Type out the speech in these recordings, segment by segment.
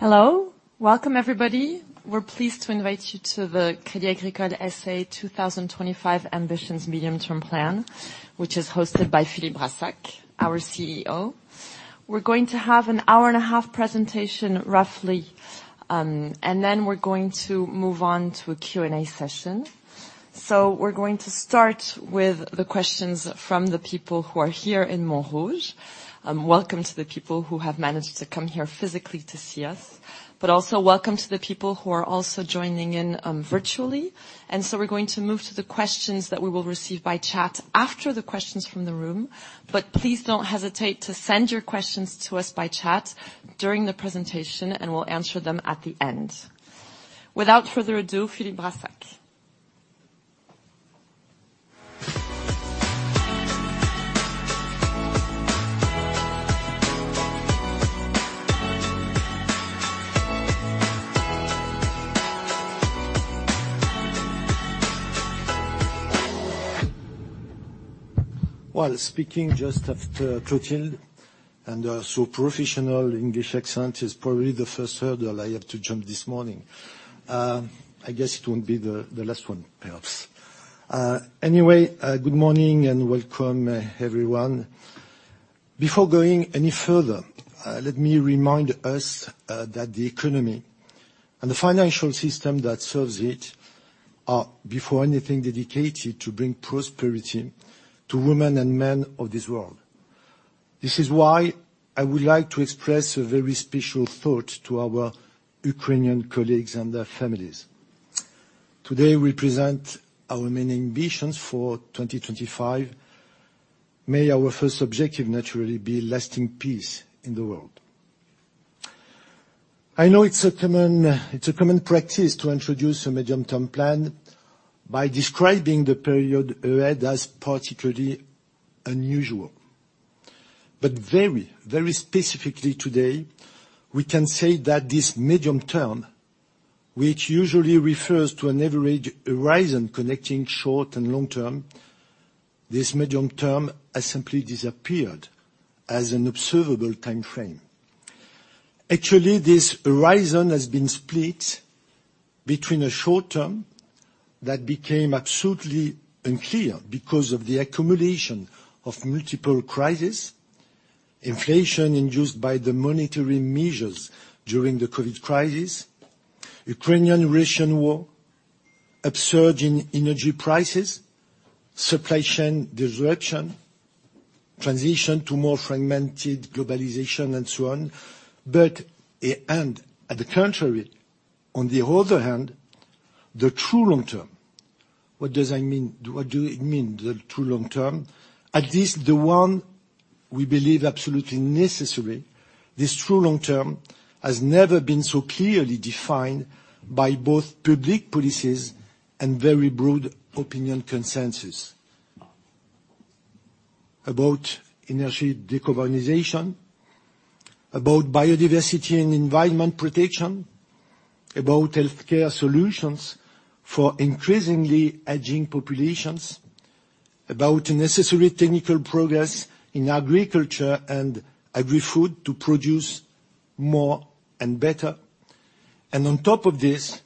Hello. Welcome, everybody. We're pleased to invite you to the Crédit Agricole S.A. 2025 ambitions medium-term plan, which is hosted by Philippe Brassac, our CEO. We're going to have an hour and a half presentation, roughly, and then we're going to move on to a Q&A session. We're going to start with the questions from the people who are here in Montrouge. Welcome to the people who have managed to come here physically to see us. Also welcome to the people who are also joining in, virtually. We're going to move to the questions that we will receive by chat after the questions from the room. Please don't hesitate to send your questions to us by chat during the presentation, and we'll answer them at the end. Without further ado, Philippe Brassac. Well, speaking just after Clotilde and her so professional English accent is probably the first hurdle I have to jump this morning. I guess it won't be the last one, perhaps. Anyway, good morning and welcome, everyone. Before going any further, let me remind us that the economy and the financial system that serves it are, before anything, dedicated to bring prosperity to women and men of this world. This is why I would like to express a very special thought to our Ukrainian colleagues and their families. Today, we present our main ambitions for 2025. May our first objective naturally be lasting peace in the world. I know it's a common practice to introduce a medium-term plan by describing the period ahead as particularly unusual. Very, very specifically today, we can say that this medium term, which usually refers to an average horizon connecting short and long term, this medium term has simply disappeared as an observable timeframe. Actually, this horizon has been split between the short term that became absolutely unclear because of the accumulation of multiple crises, inflation induced by the monetary measures during the COVID crisis, Ukrainian-Russian war, upsurge in energy prices, supply chain disruption, transition to more fragmented globalization, and so on. On the contrary, on the other hand, the true long term, what does that mean? What do we mean, the true long term? At least the one we believe absolutely necessary, this true long term has never been so clearly defined by both public policies and very broad opinion consensus. About energy decarbonization, about biodiversity and environment protection, about healthcare solutions for increasingly aging populations, about necessary technical progress in agriculture and agrifood to produce more and better. On top of this,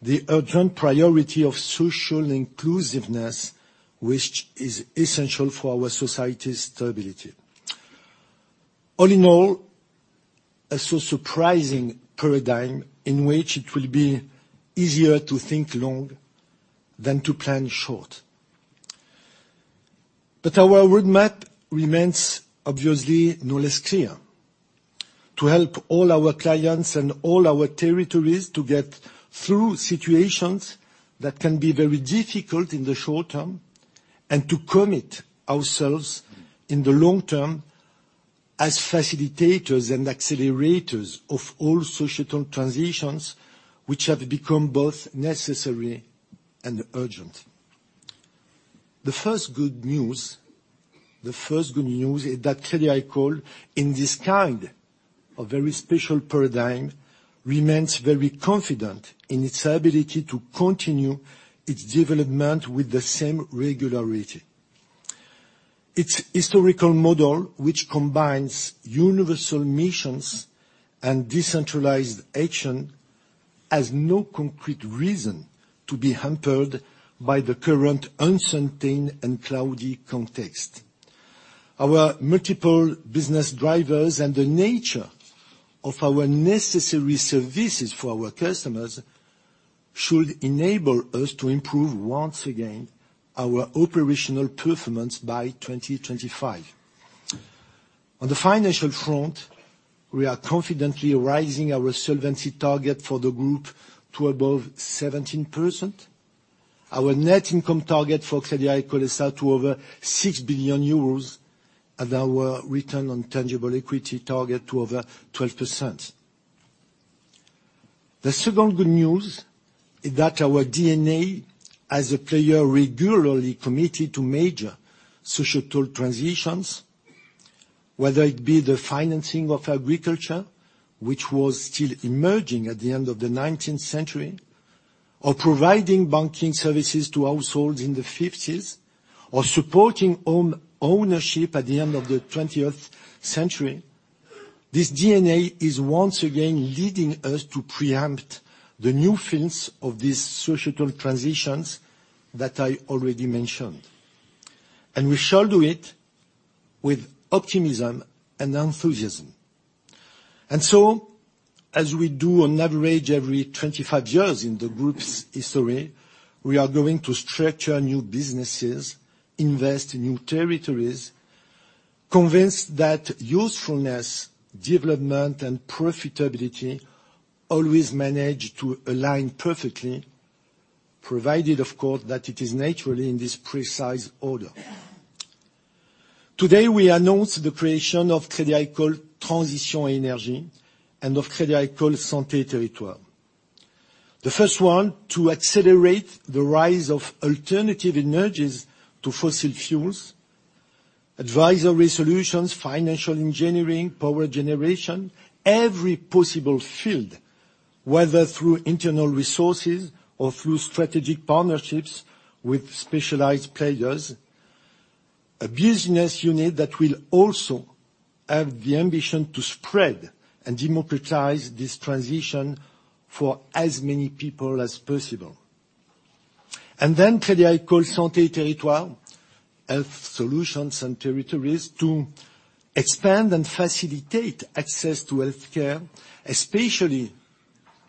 the urgent priority of social inclusiveness, which is essential for our society's stability. All in all, a so surprising paradigm in which it will be easier to think long than to plan short. Our roadmap remains, obviously, no less clear. To help all our clients and all our territories to get through situations that can be very difficult in the short term and to commit ourselves in the long term as facilitators and accelerators of all societal transitions which have become both necessary and urgent. The first good news is that Crédit Agricole, in this kind of very special paradigm, remains very confident in its ability to continue its development with the same regularity. Its historical model, which combines universal missions and decentralized action, has no concrete reason to be hampered by the current uncertain and cloudy context. Our multiple business drivers and the nature of our necessary services for our customers should enable us to improve, once again, our operational performance by 2025. On the financial front, we are confidently raising our solvency target for the group to above 17%, our net income target for Crédit Agricole S.A. to over 6 billion euros, and our return on tangible equity target to over 12%. The second good news is that our DNA as a player regularly committed to major societal transitions, whether it be the financing of agriculture, which was still emerging at the end of the nineteenth century or providing banking services to households in the fifties, or supporting home ownership at the end of the twentieth century. This DNA is once again leading us to preempt the new fields of these societal transitions that I already mentioned. We shall do it with optimism and enthusiasm. As we do on average every 25 years in the group's history, we are going to structure new businesses, invest in new territories, convinced that usefulness, development, and profitability always manage to align perfectly, provided, of course, that it is naturally in this precise order. Today, we announce the creation of Crédit Agricole Transitions & Énergies and of Crédit Agricole Santé & Territoires. The first one to accelerate the rise of alternative energies to fossil fuels, advisory solutions, financial engineering, power generation, every possible field, whether through internal resources or through strategic partnerships with specialized players. A business unit that will also have the ambition to spread and democratize this transition for as many people as possible. Crédit Agricole Santé & Territoires, health solutions and territories, to expand and facilitate access to healthcare, especially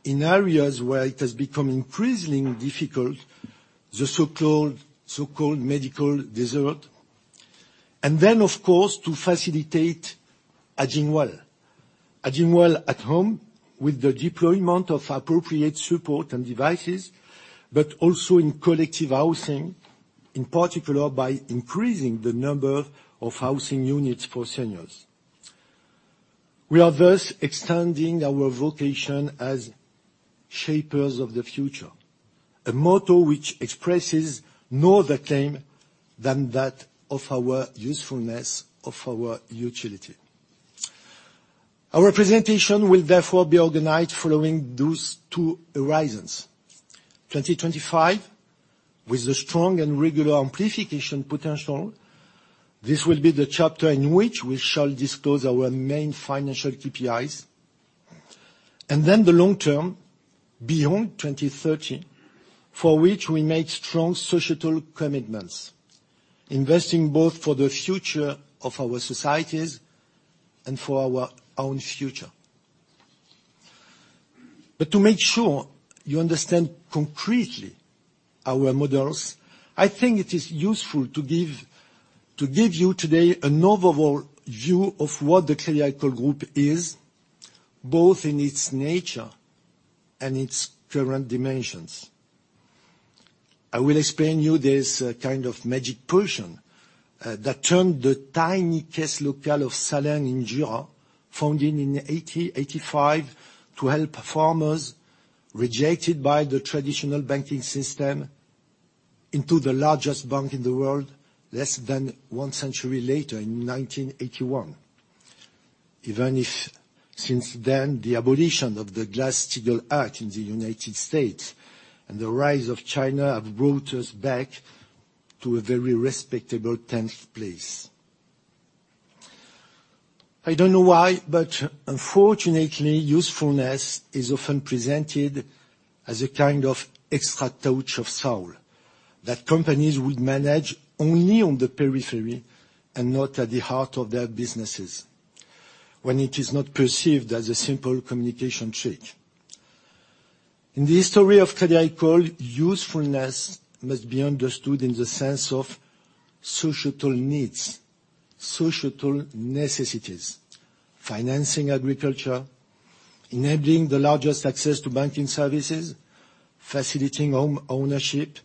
in areas where it has become increasingly difficult, the so-called medical desert. Of course, to facilitate aging well at home with the deployment of appropriate support and devices, but also in collective housing, in particular, by increasing the number of housing units for seniors. We are thus extending our vocation as shapers of the future, a motto which expresses no other claim than that of our usefulness, of our utility. Our presentation will therefore be organized following those two horizons. 2025, with a strong and regular amplification potential. This will be the chapter in which we shall disclose our main financial KPIs. The long term, beyond 2030, for which we make strong societal commitments, investing both for the future of our societies and for our own future. To make sure you understand concretely our models, I think it is useful to give you today an overall view of what the Crédit Agricole Group is, both in its nature and its current dimensions. I will explain you this, kind of magic potion, that turned the tiny Caisse Locale de Salins-les-Bains in Jura, founded in 1885 to help farmers rejected by the traditional banking system, into the largest bank in the world less than one century later in 1981. Even if since then, the abolition of the Glass-Steagall Act in the United States and the rise of China have brought us back to a very respectable tenth place. I don't know why, but unfortunately, usefulness is often presented as a kind of extra touch of soul that companies would manage only on the periphery and not at the heart of their businesses when it is not perceived as a simple communication trick. In the history of Crédit Agricole, usefulness must be understood in the sense of societal needs, societal necessities, financing agriculture, enabling the largest access to banking services, facilitating home ownership,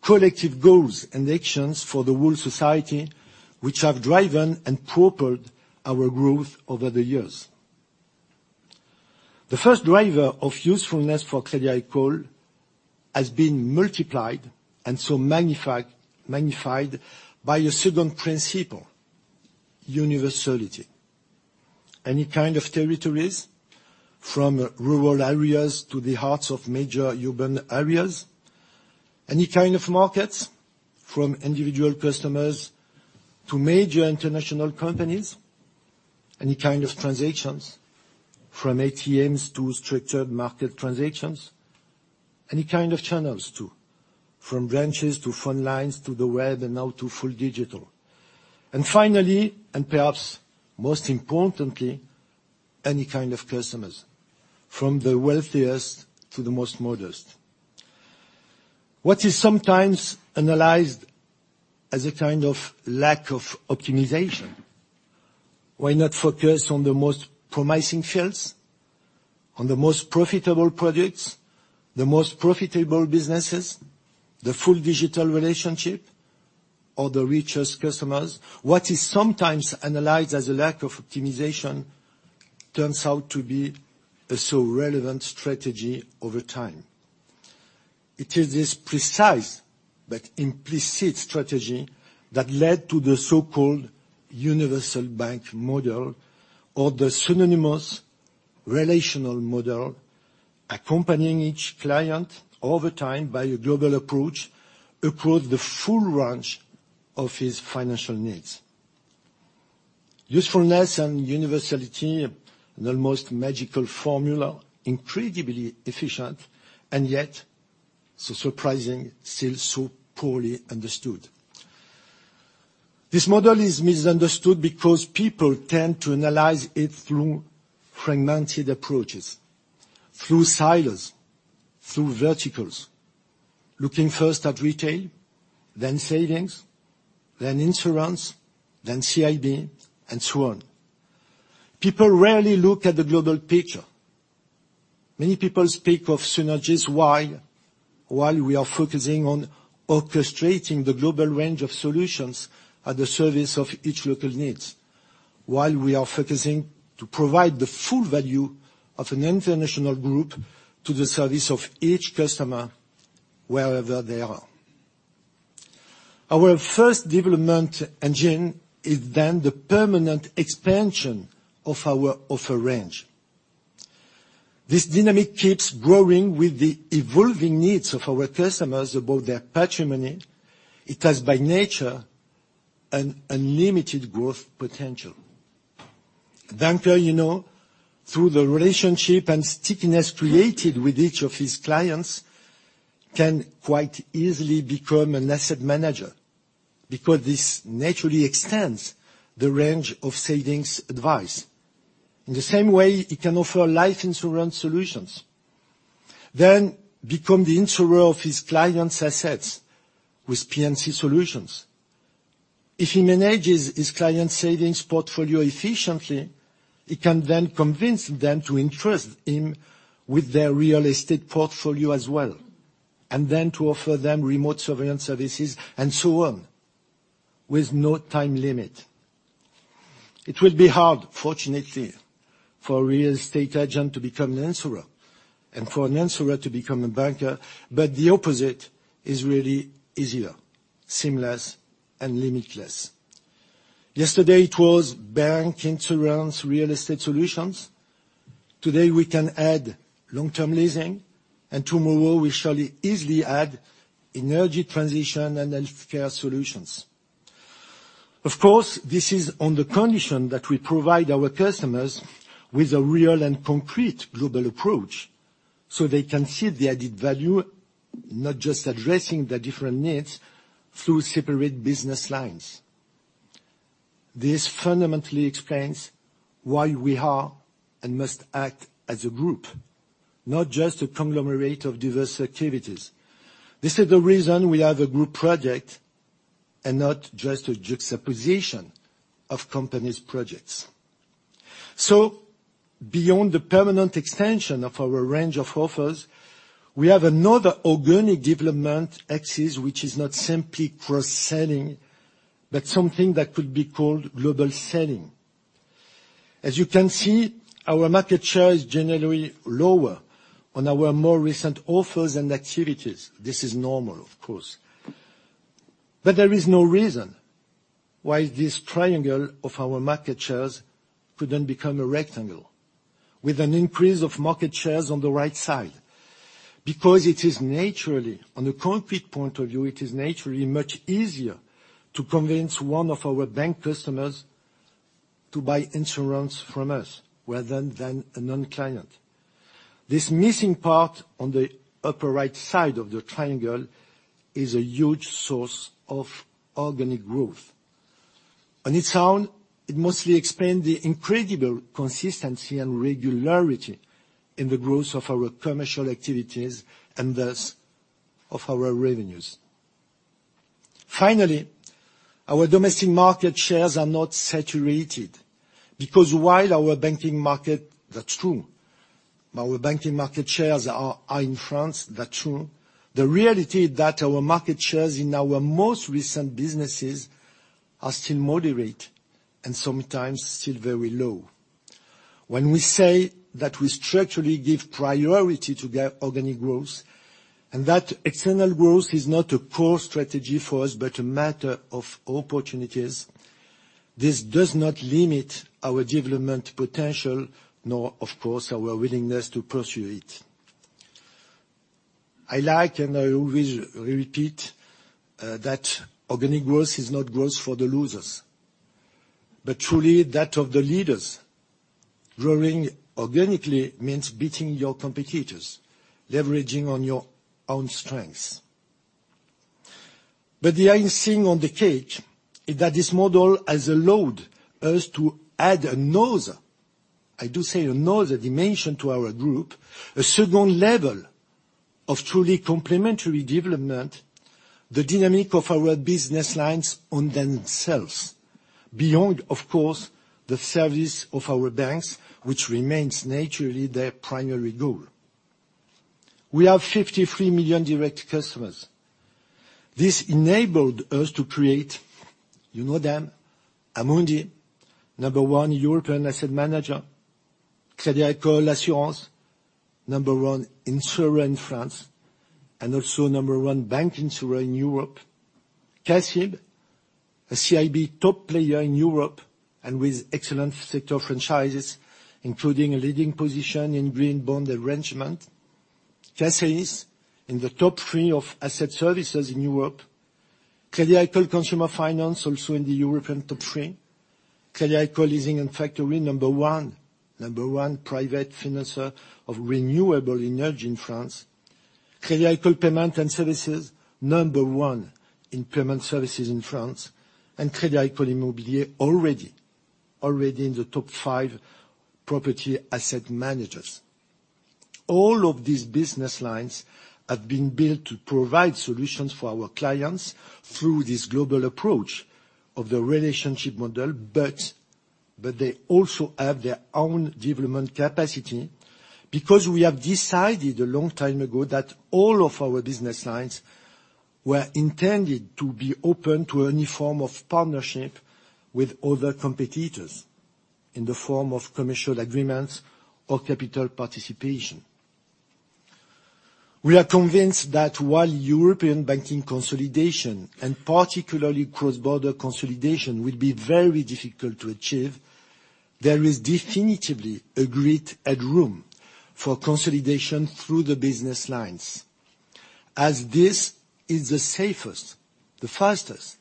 collective goals, and actions for the whole society, which have driven and propelled our growth over the years. The first driver of usefulness for Crédit Agricole has been multiplied and so magnified by a second principle, universality. Any kind of territories, from rural areas to the hearts of major urban areas. Any kind of markets, from individual customers to major international companies. Any kind of transactions, from ATMs to structured market transactions. Any kind of channels too, from branches to front lines to the web and now to full digital. Finally, and perhaps most importantly, any kind of customers, from the wealthiest to the most modest. What is sometimes analyzed as a kind of lack of optimization, why not focus on the most promising fields, on the most profitable products, the most profitable businesses, the full digital relationship or the richest customers? What is sometimes analyzed as a kind of lack of optimization turns out to be a so relevant strategy over time. It is this precise but implicit strategy that led to the so-called universal bank model. Or the synonymous relational model accompanying each client over time by a global approach across the full range of his financial needs. Usefulness and universality, an almost magical formula, incredibly efficient, and yet, so surprising, still so poorly understood. This model is misunderstood because people tend to analyze it through fragmented approaches, through silos, through verticals, looking first at retail, then savings, then insurance, then CIB, and so on. People rarely look at the global picture. Many people speak of synergies while we are focusing on orchestrating the global range of solutions at the service of each local needs, while we are focusing to provide the full value of an international group to the service of each customer wherever they are. Our first development engine is then the permanent expansion of our offer range. This dynamic keeps growing with the evolving needs of our customers about their patrimony. It has, by nature, an unlimited growth potential. Banker, you know, through the relationship and stickiness created with each of his clients, can quite easily become an asset manager because this naturally extends the range of savings advice. In the same way, he can offer life insurance solutions, then become the insurer of his clients' assets with P&C solutions. If he manages his clients' savings portfolio efficiently, he can then convince them to entrust him with their real estate portfolio as well, and then to offer them remote surveillance services, and so on, with no time limit. It will be hard, fortunately, for a real estate agent to become an insurer and for an insurer to become a banker, but the opposite is really easier, seamless, and limitless. Yesterday, it was bank, insurance, real estate solutions. Today, we can add long-term leasing, and tomorrow, we shall easily add energy transition and healthcare solutions. Of course, this is on the condition that we provide our customers with a real and concrete global approach, so they can see the added value, not just addressing the different needs through separate business lines. This fundamentally explains why we are and must act as a group, not just a conglomerate of diverse activities. This is the reason we have a group project and not just a juxtaposition of companies' projects. Beyond the permanent extension of our range of offers, we have another organic development axis, which is not simply cross-selling, but something that could be called global selling. As you can see, our market share is generally lower on our more recent offers and activities. This is normal, of course. There is no reason why this triangle of our market shares couldn't become a rectangle with an increase of market shares on the right side. Because it is naturally, on a concrete point of view, it is naturally much easier to convince one of our bank customers to buy insurance from us rather than a non-client. This missing part on the upper right side of the triangle is a huge source of organic growth. On its own, it mostly explain the incredible consistency and regularity in the growth of our commercial activities and, thus, of our revenues. Finally, our domestic market shares are not saturated because while our banking market shares are in France, that's true, the reality that our market shares in our most recent businesses are still moderate and sometimes still very low. When we say that we structurally give priority to the organic growth and that external growth is not a core strategy for us, but a matter of opportunities, this does not limit our development potential, nor, of course, our willingness to pursue it. I like and I always repeat that organic growth is not growth for the losers, but truly that of the leaders. Growing organically means beating your competitors, leveraging on your own strengths. The icing on the cake is that this model has allowed us to add another, I do say another, dimension to our group, a second level of truly complementary development, the dynamic of our business lines on themselves, beyond, of course, the service of our banks, which remains naturally their primary goal. We have 53 million direct customers. This enabled us to create, you know them, Amundi, number one European asset manager. Crédit Agricole Assurances, number one insurer in France, and also number one bank insurer in Europe. CIB, a CIB top player in Europe, and with excellent sector franchises, including a leading position in green bond arrangement. CACEIS, in the top three of asset services in Europe. Crédit Agricole Consumer Finance, also in the European top three. Crédit Agricole Leasing & Factoring, number one private financer of renewable energy in France. Crédit Agricole Payment Services, number one in payment services in France. Crédit Agricole Immobilier, already in the top five property asset managers. All of these business lines have been built to provide solutions for our clients through this global approach of the relationship model, but they also have their own development capacity because we have decided a long time ago that all of our business lines were intended to be open to any form of partnership with other competitors in the form of commercial agreements or capital participation. We are convinced that while European banking consolidation, and particularly cross-border consolidation, will be very difficult to achieve, there is definitively a great headroom for consolidation through the business lines, as this is the safest, the fastest,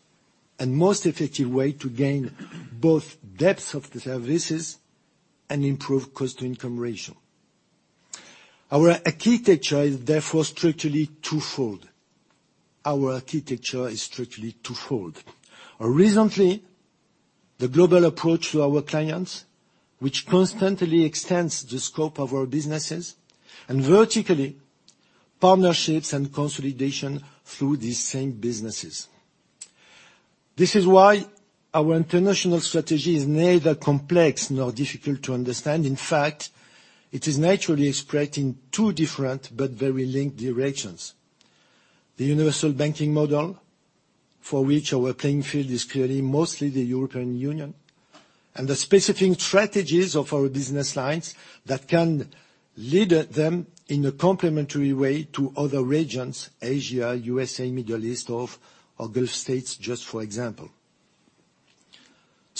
and most effective way to gain both depth of the services and improve cost-to-income ratio. Our architecture is therefore structurally twofold. Recently, the global approach to our clients, which constantly extends the scope of our businesses, and vertically, partnerships and consolidation through these same businesses. This is why our international strategy is neither complex nor difficult to understand. In fact, it is naturally expressed in two different but very linked directions. The universal banking model, for which our playing field is clearly mostly the European Union, and the specific strategies of our business lines that can lead them in a complementary way to other regions, Asia, USA, Middle East, or Gulf states, just for example.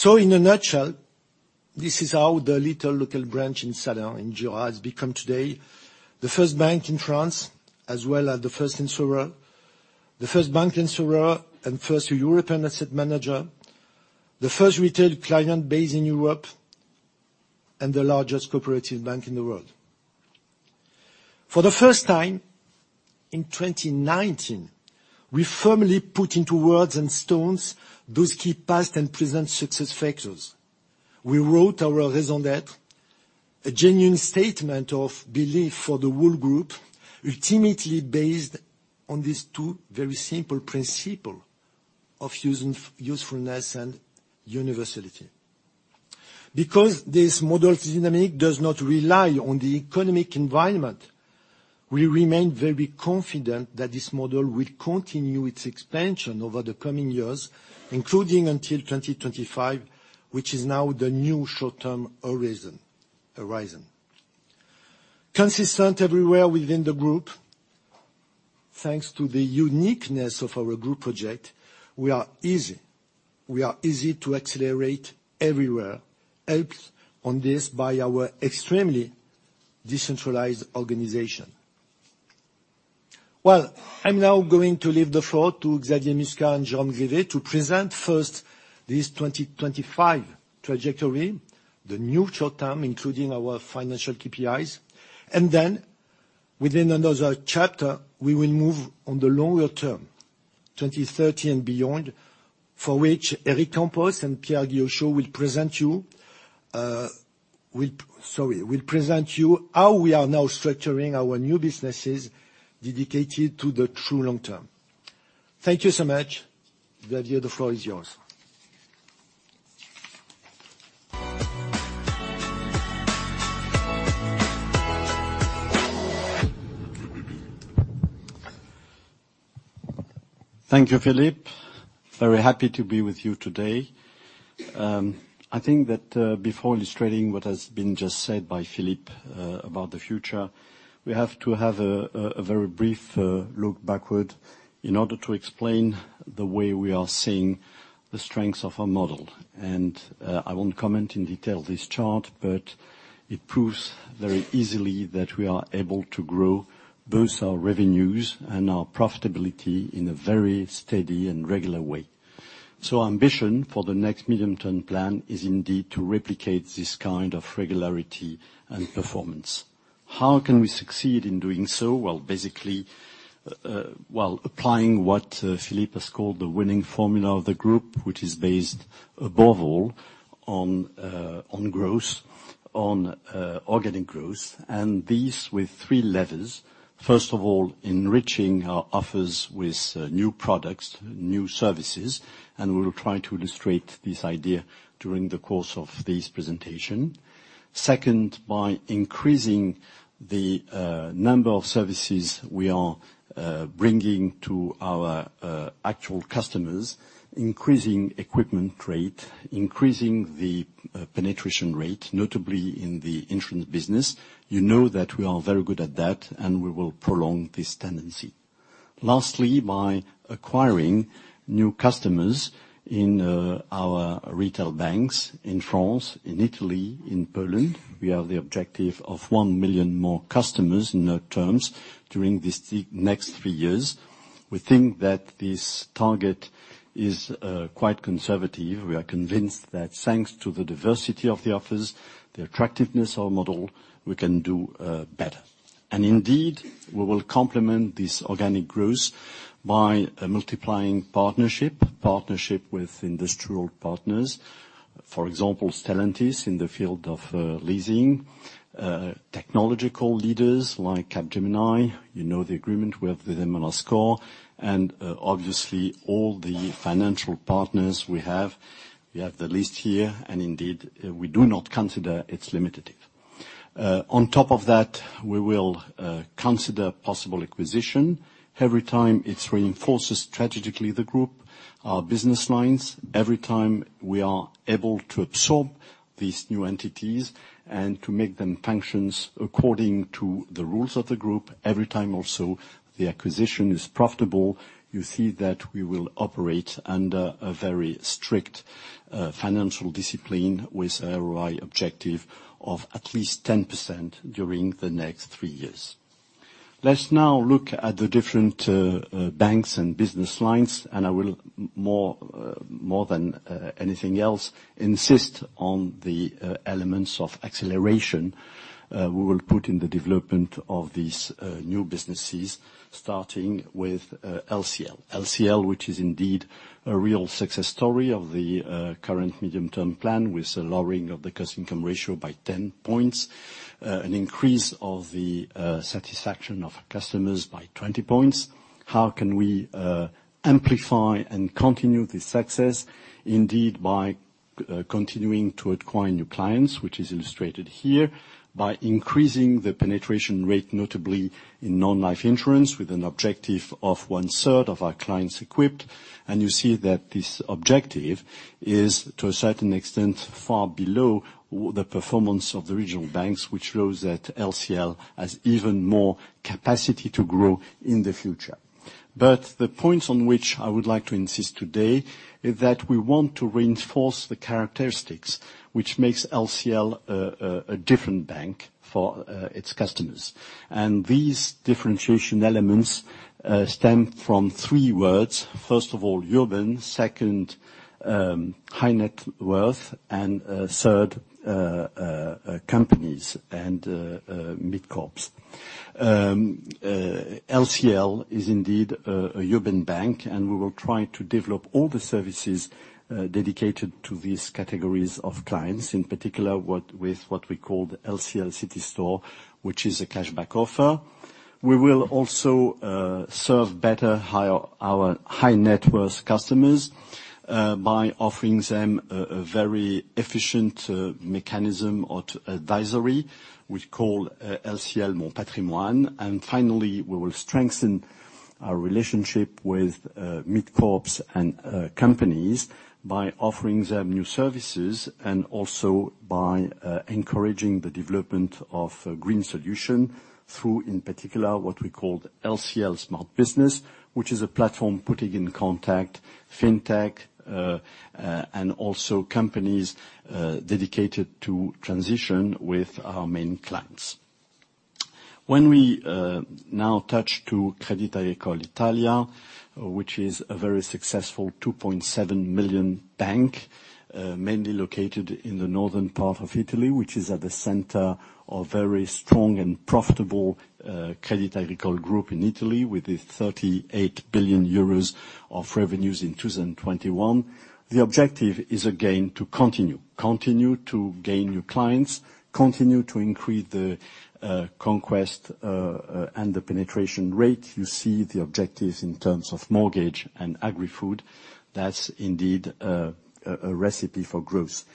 In a nutshell, this is how the little local branch in Sedan, in Girard, has become today the first bank in France, as well as the first insurer, the first bank insurer, and first European asset manager, the first retail client base in Europe, and the largest cooperative bank in the world. For the first time in 2019, we firmly put into words and stones those key past and present success factors. We wrote our raison d'être, a genuine statement of belief for the whole group, ultimately based on these two very simple principles of usefulness and universality. Because this model's dynamic does not rely on the economic environment, we remain very confident that this model will continue its expansion over the coming years, including until 2025, which is now the new short-term horizon. Consistent everywhere within the group, thanks to the uniqueness of our group project, we are easy to accelerate everywhere, helped on this by our extremely decentralized organization. Well, I'm now going to leave the floor to Xavier Musca and Jérôme Grivet to present first this 2025 trajectory, the new short-term, including our financial KPIs. Within another chapter, we will move on the longer term, 2030 and beyond, for which Éric Campos and Pierre Guillocheau will present you how we are now structuring our new businesses dedicated to the true long term. Thank you so much. Xavier Musca, the floor is yours. Thank you, Philippe. Very happy to be with you today. I think that before illustrating what has been just said by Philippe about the future, we have to have a very brief look backward in order to explain the way we are seeing the strengths of our model. I won't comment in detail this chart, but it proves very easily that we are able to grow both our revenues and our profitability in a very steady and regular way. Ambition for the next medium-term plan is indeed to replicate this kind of regularity and performance. How can we succeed in doing so? Well, basically, while applying what Philippe has called the winning formula of the group, which is based, above all, on growth, on organic growth, and these with three levers. First of all, enriching our offers with new products, new services, and we will try to illustrate this idea during the course of this presentation. Second, by increasing the number of services we are bringing to our actual customers, increasing equipment rate, increasing the penetration rate, notably in the insurance business. You know that we are very good at that, and we will prolong this tendency. Lastly, by acquiring new customers in our retail banks in France, in Italy, in Poland, we have the objective of 1 million more customers in net terms during the next three years. We think that this target is quite conservative. We are convinced that thanks to the diversity of the offers, the attractiveness of model, we can do better. Indeed, we will complement this organic growth by multiplying partnerships with industrial partners. For example, Stellantis in the field of leasing, technological leaders like Capgemini. You know the agreement we have with Worldline, and obviously all the financial partners we have. We have the list here, and indeed, we do not consider it's limitative. On top of that, we will consider possible acquisition every time it reinforces strategically the group, our business lines. Every time we are able to absorb these new entities and to make them functions according to the rules of the group. Every time also the acquisition is profitable. You see that we will operate under a very strict financial discipline with ROI objective of at least 10% during the next three years. Let's now look at the different banks and business lines, and I will more than anything else insist on the elements of acceleration we will put in the development of these new businesses, starting with LCL. LCL, which is indeed a real success story of the current medium-term plan, with a lowering of the cost/income ratio by 10 points, an increase of the satisfaction of customers by 20 points. How can we amplify and continue this success? Indeed, by continuing to acquire new clients, which is illustrated here, by increasing the penetration rate, notably in non-life insurance, with an objective of 1/3 of our clients equipped. You see that this objective is, to a certain extent, far below the performance of the regional banks, which shows that LCL has even more capacity to grow in the future. The points on which I would like to insist today is that we want to reinforce the characteristics which makes LCL a different bank for its customers. These differentiation elements stem from three words. First of all, urban, second, high net worth, and third, companies and mid-caps. LCL is indeed a urban bank, and we will try to develop all the services dedicated to these categories of clients, in particular, with what we call the LCL CityStore, which is a cashback offer. We will also serve better our high net worth customers by offering them a very efficient mechanism or advisory we call LCL Mon Patrimoine. Finally, we will strengthen our relationship with mid-caps and companies by offering them new services and also by encouraging the development of a green solution through, in particular, what we call LCL SmartBusiness, which is a platform putting in contact fintech and also companies dedicated to transition with our main clients. When we now turn to Crédit Agricole Italia, which is a very successful 2.7 million bank, mainly located in the northern part of Italy, which is at the center of very strong and profitable Crédit Agricole Group in Italy with 38 billion euros of revenues in 2021. The objective is again to continue. Continue to gain new clients, continue to increase the conquest and the penetration rate. You see the objectives in terms of mortgage and agri-food. That's indeed a recipe for growth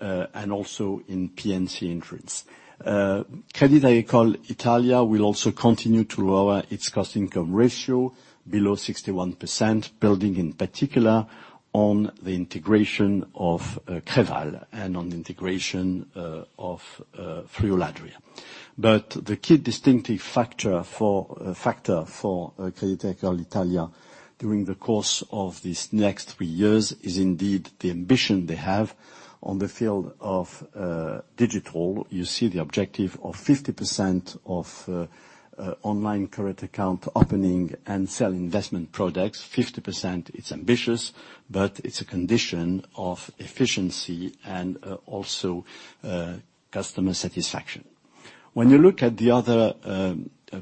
and also in P&C insurance. Crédit Agricole Italia will also continue to lower its cost/income ratio below 61%, building in particular on the integration of Creval and on integration of FriulAdria. The key distinctive factor for Crédit Agricole Italia during the course of these next three years is indeed the ambition they have on the field of digital. You see the objective of 50% of online current account opening and sell investment products. 50%, it's ambitious, but it's a condition of efficiency and also customer satisfaction. When you look at the other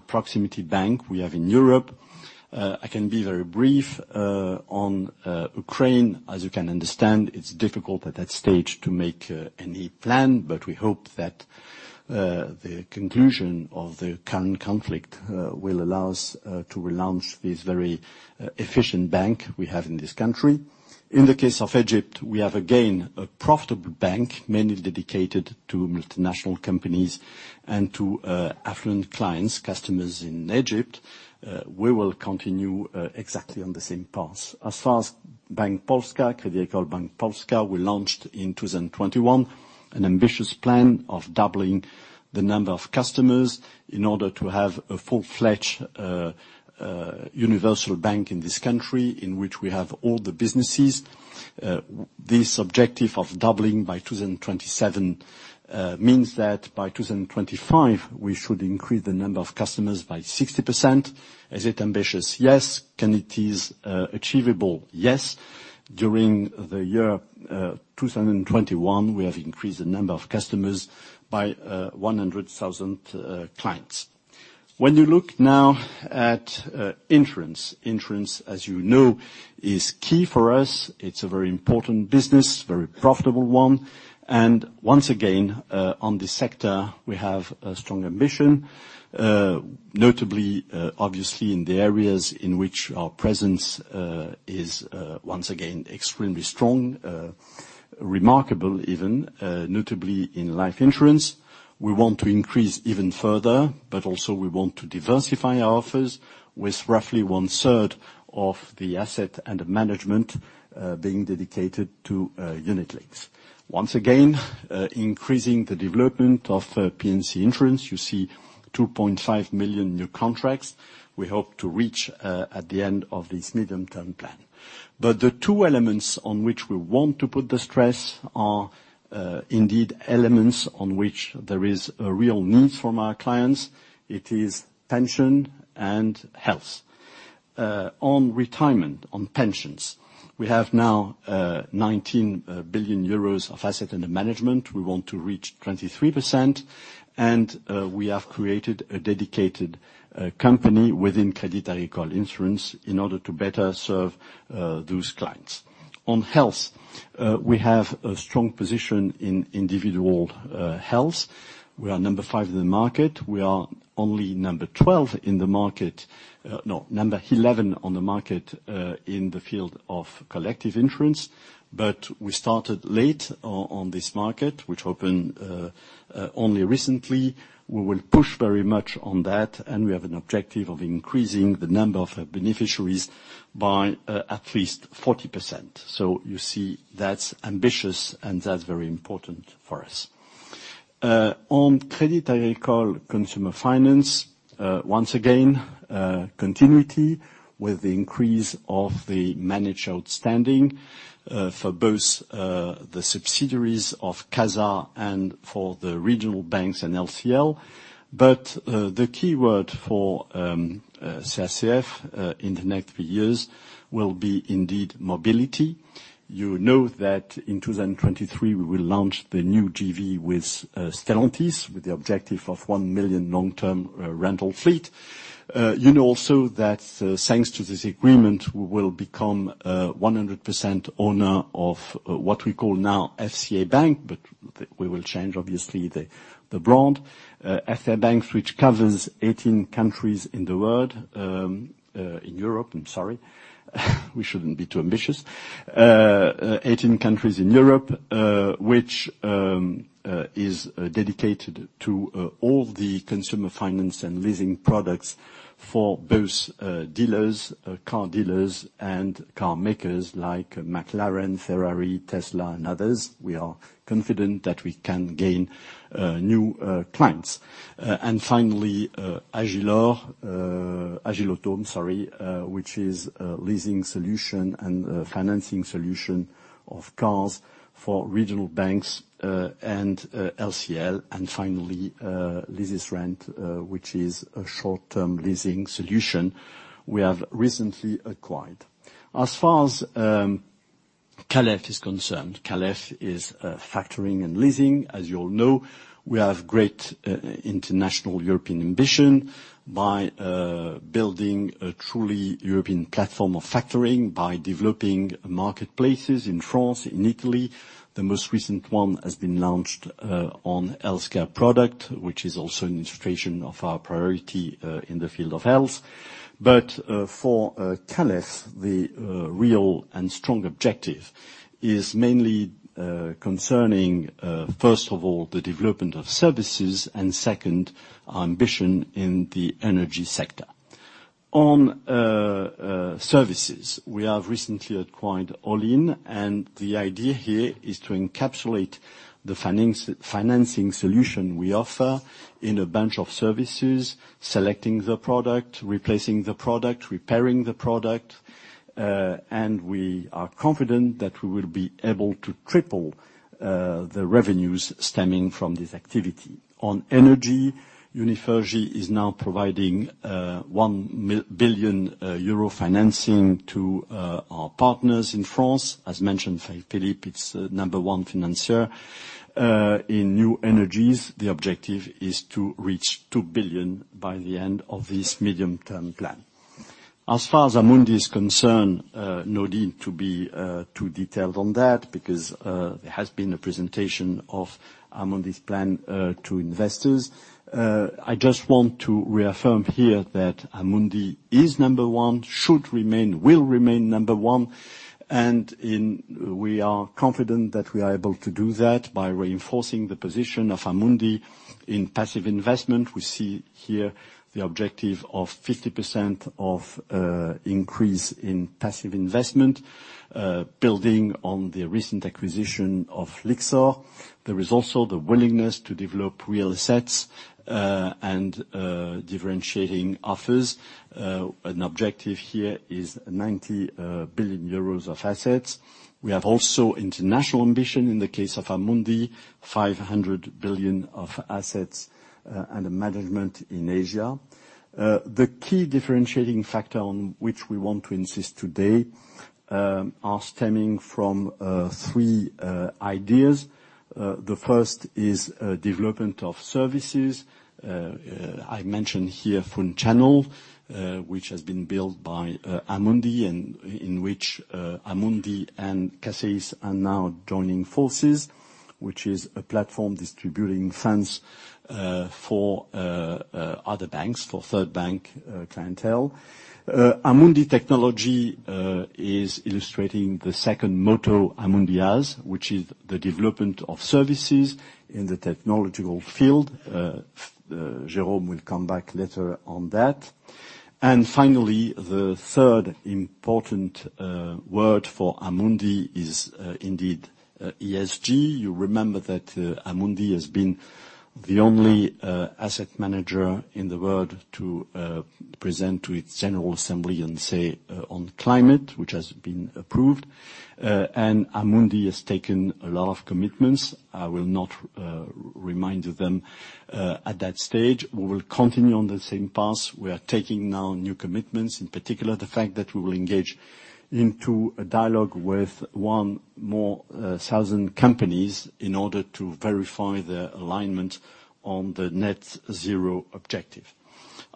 proximity bank we have in Europe, I can be very brief on Ukraine. As you can understand, it's difficult at that stage to make any plan, but we hope that the conclusion of the current conflict will allow us to relaunch this very efficient bank we have in this country. In the case of Egypt, we have, again, a profitable bank, mainly dedicated to multinational companies and to affluent clients, customers in Egypt. We will continue exactly on the same path. As far as Bank Polska, Crédit Agricole Bank Polska, we launched in 2021 an ambitious plan of doubling the number of customers in order to have a full-fledged universal bank in this country, in which we have all the businesses. This objective of doubling by 2027 means that by 2025, we should increase the number of customers by 60%. Is it ambitious? Yes. Can it be achievable? Yes. During the year 2021, we have increased the number of customers by 100,000 clients. When you look now at insurance, as you know, is key for us. It's a very important business, very profitable one. Once again, on this sector, we have a strong ambition, notably, obviously in the areas in which our presence is once again extremely strong, remarkable even, notably in life insurance. We want to increase even further, but also we want to diversify our offers with roughly one-third of the asset under management being dedicated to unit-linked. Once again, increasing the development of P&C Insurance, you see 2.5 million new contracts we hope to reach at the end of this medium-term plan. The two elements on which we want to put the stress are indeed elements on which there is a real need from our clients. It is pension and health. On retirement, on pensions, we have now 19 billion euros of assets under management. We want to reach 23 billion, and we have created a dedicated company within Crédit Agricole Assurances in order to better serve those clients. On health, we have a strong position in individual health. We are number five in the market. We are only number 12 in the market, no, number 11 on the market, in the field of collective insurance. We started late on this market, which opened only recently. We will push very much on that, and we have an objective of increasing the number of beneficiaries by at least 40%. So you see, that's ambitious, and that's very important for us. On Crédit Agricole Consumer Finance, once again, continuity with the increase of the managed outstanding for both the subsidiaries of CASA and for the regional banks and LCL. The key word for CACF in the next few years will be indeed mobility. You know that in 2023, we will launch the new JV with Stellantis, with the objective of 1 million long-term rental fleet. You know also that, thanks to this agreement, we will become 100% owner of what we call now FCA Bank, but we will change obviously the brand. FCA Bank, which covers 18 countries in the world, in Europe, I'm sorry we shouldn't be too ambitious. 18 countries in Europe, which is dedicated to all the consumer finance and leasing products for both dealers, car dealers, and car makers like McLaren, Ferrari, Tesla, and others. We are confident that we can gain new clients. Finally, Agilauto, sorry, which is leasing solution and financing solution of cars for regional banks and LCL. Finally, Leasys, which is a short-term leasing solution we have recently acquired. As far as CAL&F is concerned, CAL&F is factoring and leasing. As you all know, we have great international European ambition by building a truly European platform of factoring by developing marketplaces in France, in Italy. The most recent one has been launched on healthcare product, which is also an illustration of our priority in the field of health. For CAL&F, the real and strong objective is mainly concerning first of all, the development of services, and second, our ambition in the energy sector. On services, we have recently acquired Olinn, and the idea here is to encapsulate the financing solution we offer in a bunch of services, selecting the product, replacing the product, repairing the product. We are confident that we will be able to triple the revenues stemming from this activity. On energy, Unifergie is now providing 1 billion euro financing to our partners in France. As mentioned, Philippe Brassac, it's number one financier. In new energies, the objective is to reach 2 billion by the end of this medium-term plan. As far as Amundi is concerned, no need to be too detailed on that because there has been a presentation of Amundi's plan to investors. I just want to reaffirm here that Amundi is number one, should remain, will remain number one, and we are confident that we are able to do that by reinforcing the position of Amundi in passive investment. We see here the objective of 50% increase in passive investment, building on the recent acquisition of Lyxor. There is also the willingness to develop real assets and differentiating offers. An objective here is 90 billion euros of assets. We have also international ambition in the case of Amundi, 500 billion of assets under management in Asia. The key differentiating factor on which we want to insist today are stemming from three ideas. The first is development of services. I mentioned here Fund Channel, which has been built by Amundi, and in which Amundi and CACEIS are now joining forces, which is a platform distributing funds for other banks, for third bank clientele. Amundi Technology is illustrating the second motto Amundi has, which is the development of services in the technological field. Jérôme will come back later on that. Finally, the third important word for Amundi is indeed ESG. You remember that Amundi has been the only asset manager in the world to present to its general assembly and say on climate, which has been approved. Amundi has taken a lot of commitments. I will not remind them at that stage. We will continue on the same path. We are taking now new commitments, in particular, the fact that we will engage into a dialogue with 1,000 more companies in order to verify their alignment on the net zero objective.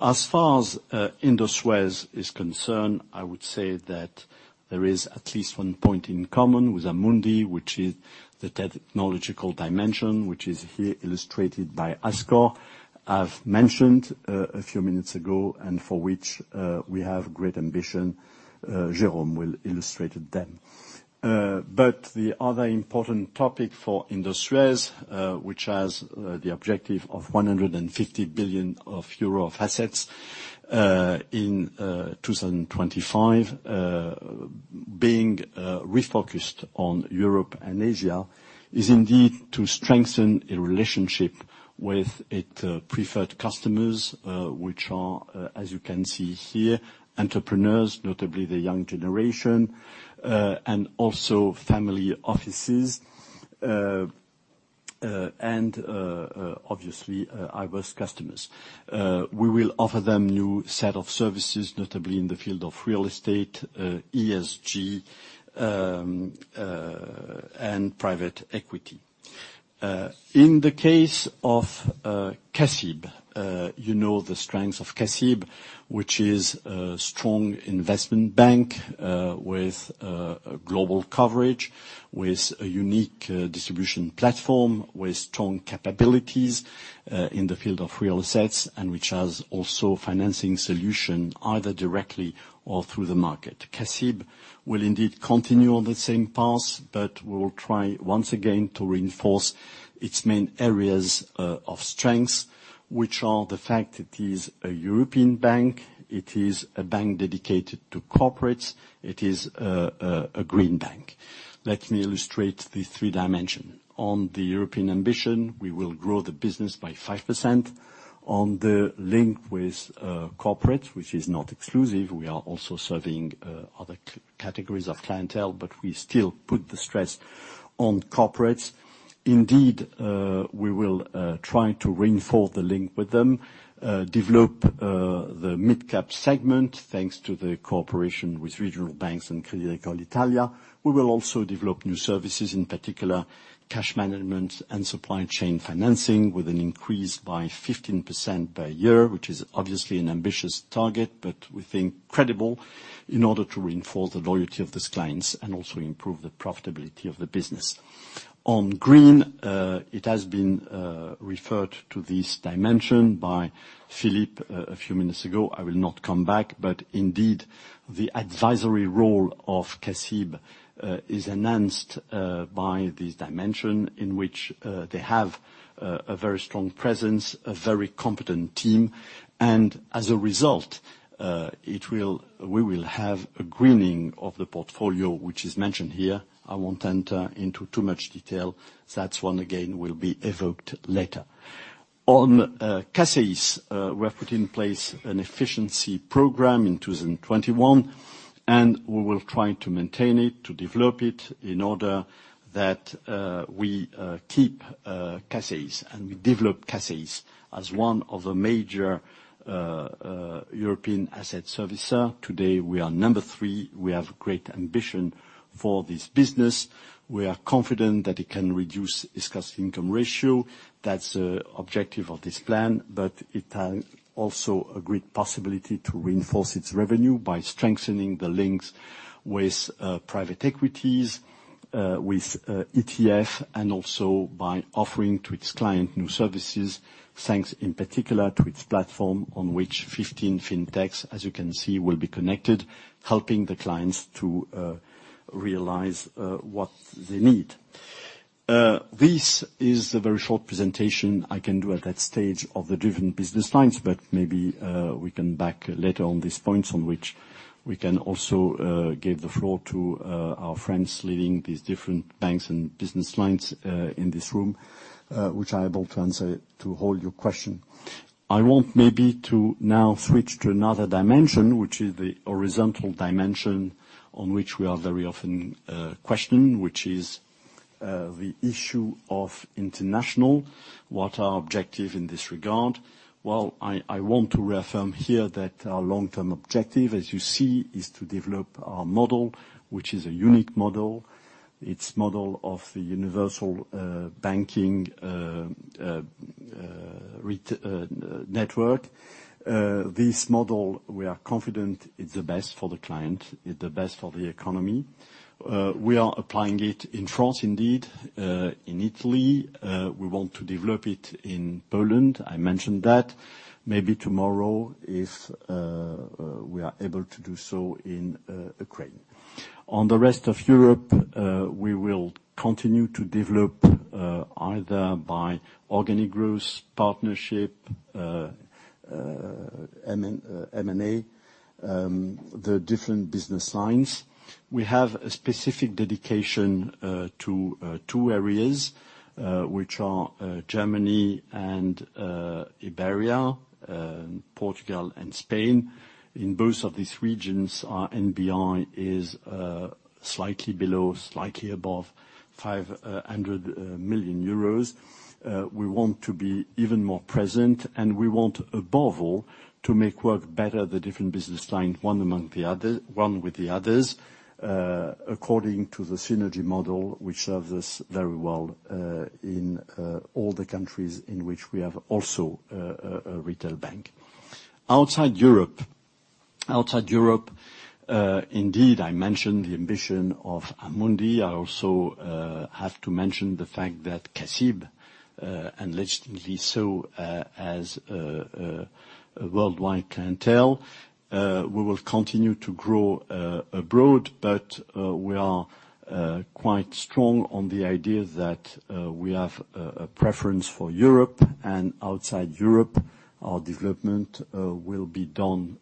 As far as Indosuez is concerned, I would say that there is at least one point in common with Amundi, which is the technological dimension, which is here illustrated by Azqore. I've mentioned a few minutes ago, and for which we have great ambition, Jérôme will illustrate them. But the other important topic for Indosuez, which has the objective of 150 billion euro of assets in 2025, being refocused on Europe and Asia, is indeed to strengthen a relationship with its preferred customers, which are, as you can see here, entrepreneurs, notably the young generation, and also family offices, and obviously diverse customers. We will offer them new set of services, notably in the field of real estate, ESG, and private equity. In the case of CACEIS, you know the strengths of CACEIS, which is a strong investment bank, with global coverage, with a unique distribution platform, with strong capabilities in the field of real assets, and which has also financing solution either directly or through the market. CACEIS will indeed continue on the same path, but will try once again to reinforce its main areas of strength, which are the fact it is a European bank, it is a bank dedicated to corporates, it is a green bank. Let me illustrate the three dimension. On the European ambition, we will grow the business by 5%. On the link with corporates, which is not exclusive, we are also serving other categories of clientele, but we still put the stress on corporates. Indeed, we will try to reinforce the link with them, develop the midcap segment, thanks to the cooperation with regional banks and Crédit Agricole Italia. We will also develop new services, in particular, cash management and supply chain financing with an increase by 15% per year, which is obviously an ambitious target, but we think credible in order to reinforce the loyalty of these clients and also improve the profitability of the business. On green, it has been referred to this dimension by Philippe, a few minutes ago. I will not come back, but indeed, the advisory role of CACEIS is enhanced by this dimension in which they have a very strong presence, a very competent team. As a result, we will have a greening of the portfolio, which is mentioned here. I won't enter into too much detail. That one again will be evoked later. On CACEIS, we have put in place an efficiency program in 2021, and we will try to maintain it, to develop it in order that we keep CACEIS and we develop CACEIS as one of the major European asset servicer. Today, we are number three. We have great ambition for this business. We are confident that it can reduce its cost-income ratio. That's the objective of this plan, but it has also a great possibility to reinforce its revenue by strengthening the links with private equities, with ETF, and also by offering to its clients new services, thanks in particular to its platform on which 15 fintechs, as you can see, will be connected. Helping the clients to realize what they need. This is a very short presentation I can do at that stage of the different business lines, but maybe we can come back later on these points on which we can also give the floor to our friends leading these different banks and business lines in this room, which are able to answer all your questions. I want maybe to now switch to another dimension, which is the horizontal dimension on which we are very often questioned, which is the issue of international. What our objective in this regard. Well, I want to reaffirm here that our long-term objective, as you see, is to develop our model, which is a unique model. It's model of the universal banking network. This model we are confident is the best for the client, is the best for the economy. We are applying it in France indeed in Italy. We want to develop it in Poland, I mentioned that. Maybe tomorrow if we are able to do so in Ukraine. On the rest of Europe, we will continue to develop either by organic growth, partnership, M&A, the different business lines. We have a specific dedication to two areas, which are Germany and Iberia, Portugal and Spain. In both of these regions our NBI is slightly below, slightly above 500 million euros. We want to be even more present, and we want, above all, to make work better the different business line one with the others according to the synergy model which serves us very well in all the countries in which we have also a retail bank. Outside Europe, indeed, I mentioned the ambition of Amundi. I also have to mention the fact that CACIB, and legitimately so, as a worldwide clientele, we will continue to grow abroad, but we are quite strong on the idea that we have a preference for Europe and outside Europe. Our development will be done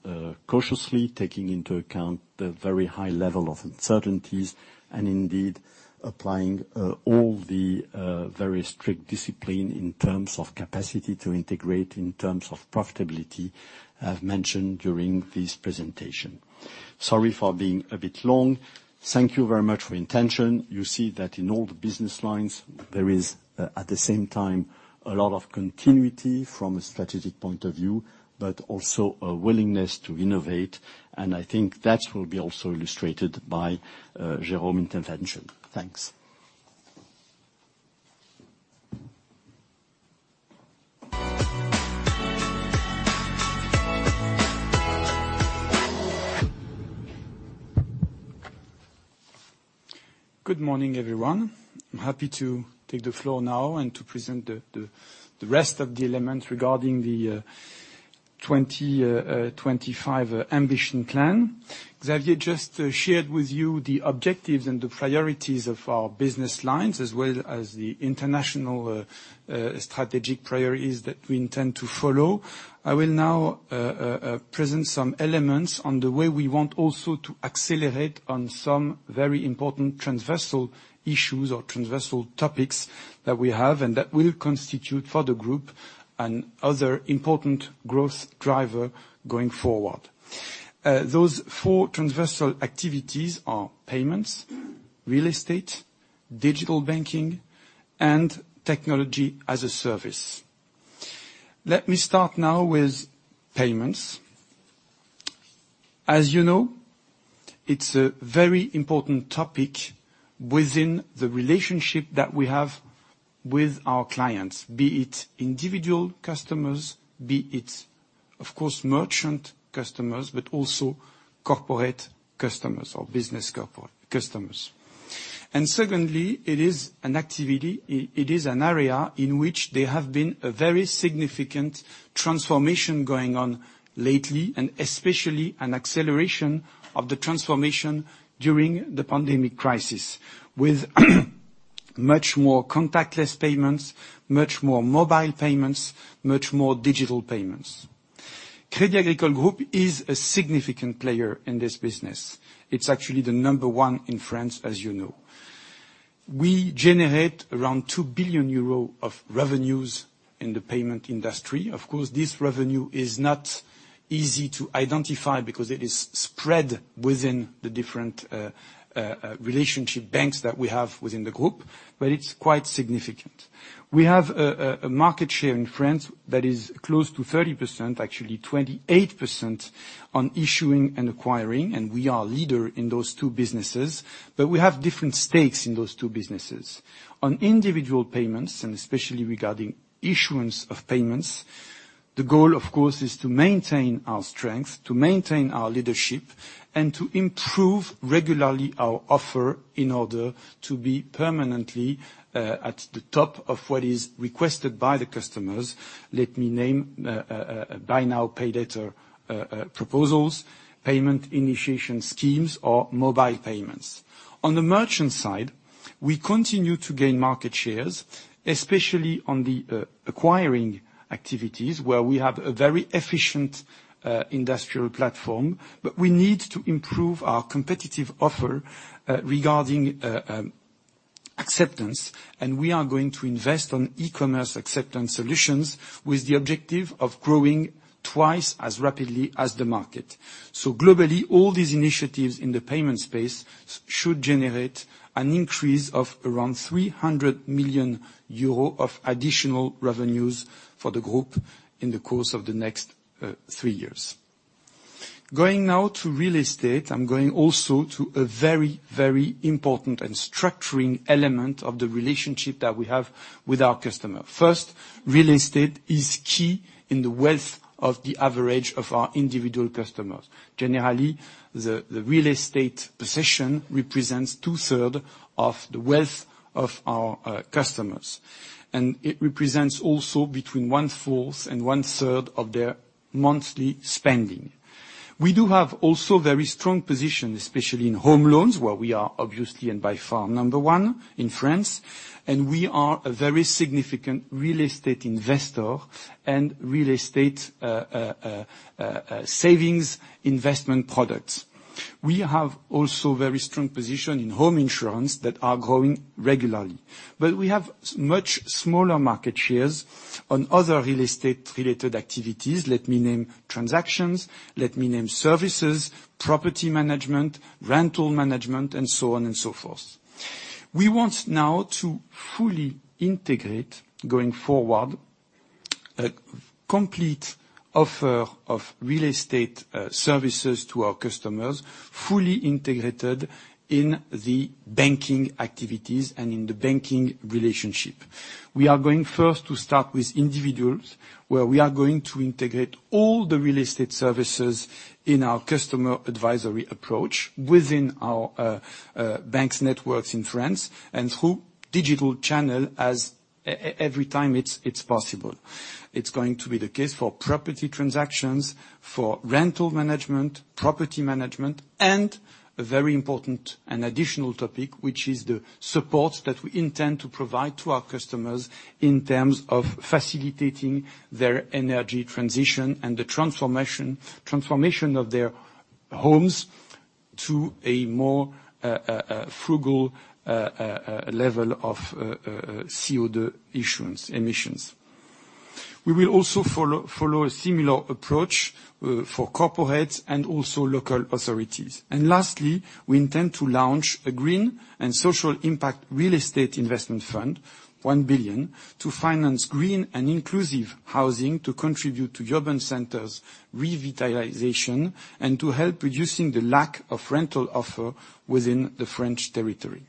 cautiously, taking into account the very high level of uncertainties and indeed applying all the very strict discipline in terms of capacity to integrate, in terms of profitability I have mentioned during this presentation. Sorry for being a bit long. Thank you very much for attention. You see that in all the business lines there is, at the same time, a lot of continuity from a strategic point of view, but also a willingness to innovate, and I think that will be also illustrated by Jérôme intervention. Thanks. Good morning, everyone. I'm happy to take the floor now and to present the rest of the elements regarding the 25 ambition plan. Xavier just shared with you the objectives and the priorities of our business lines, as well as the international strategic priorities that we intend to follow. I will now present some elements on the way we want also to accelerate on some very important transversal issues or transversal topics that we have and that will constitute for the group another important growth driver going forward. Those four transversal activities are payments, real estate, digital banking, and technology as a service. Let me start now with payments. As you know, it's a very important topic within the relationship that we have with our clients, be it individual customers, be it, of course, merchant customers, but also corporate customers or business customers. Secondly, it is an activity, it is an area in which there have been a very significant transformation going on lately, and especially an acceleration of the transformation during the pandemic crisis with much more contactless payments, much more mobile payments, much more digital payments. Crédit Agricole Group is a significant player in this business. It's actually the number one in France, as you know. We generate around 2 billion euro of revenues in the payment industry. Of course, this revenue is not easy to identify because it is spread within the different relationship banks that we have within the group, but it's quite significant. We have a market share in France that is close to 30%, actually 28% on issuing and acquiring, and we are leader in those two businesses, but we have different stakes in those two businesses. On individual payments, and especially regarding issuance of payments. The goal, of course, is to maintain our strength, to maintain our leadership, and to improve regularly our offer in order to be permanently at the top of what is requested by the customers. Let me name buy now, pay later proposals, payment initiation schemes or mobile payments. On the merchant side, we continue to gain market shares, especially on the acquiring activities where we have a very efficient industrial platform, but we need to improve our competitive offer regarding acceptance and we are going to invest on e-commerce acceptance solutions with the objective of growing twice as rapidly as the market. Globally, all these initiatives in the payment space should generate an increase of around 300 million euros of additional revenues for the group in the course of the next 3 years. Going now to real estate, I'm going also to a very, very important and structuring element of the relationship that we have with our customer. First, real estate is key in the wealth of the average of our individual customers. Generally, the real estate possession represents two-thirds of the wealth of our customers, and it represents also between one-fourth and one-third of their monthly spending. We do have also very strong position, especially in home loans, where we are obviously and by far number one in France, and we are a very significant real estate investor and real estate savings investment products. We have also very strong position in home insurance that are growing regularly. We have so much smaller market shares on other real estate-related activities. Let me name transactions, let me name services, property management, rental management, and so on and so forth. We want now to fully integrate, going forward, a complete offer of real estate services to our customers, fully integrated in the banking activities and in the banking relationship. We are going first to start with individuals, where we are going to integrate all the real estate services in our customer advisory approach within our bank's networks in France and through digital channel as every time it's possible. It's going to be the case for property transactions, for rental management, property management, and a very important and additional topic, which is the support that we intend to provide to our customers in terms of facilitating their energy transition and the transformation of their homes to a more frugal level of CO2 emissions. We will also follow a similar approach for corporates and also local authorities. Lastly, we intend to launch a green and social impact real estate investment fund, 1 billion, to finance green and inclusive housing to contribute to urban centers revitalization and to help reducing the lack of rental offer within the French territory.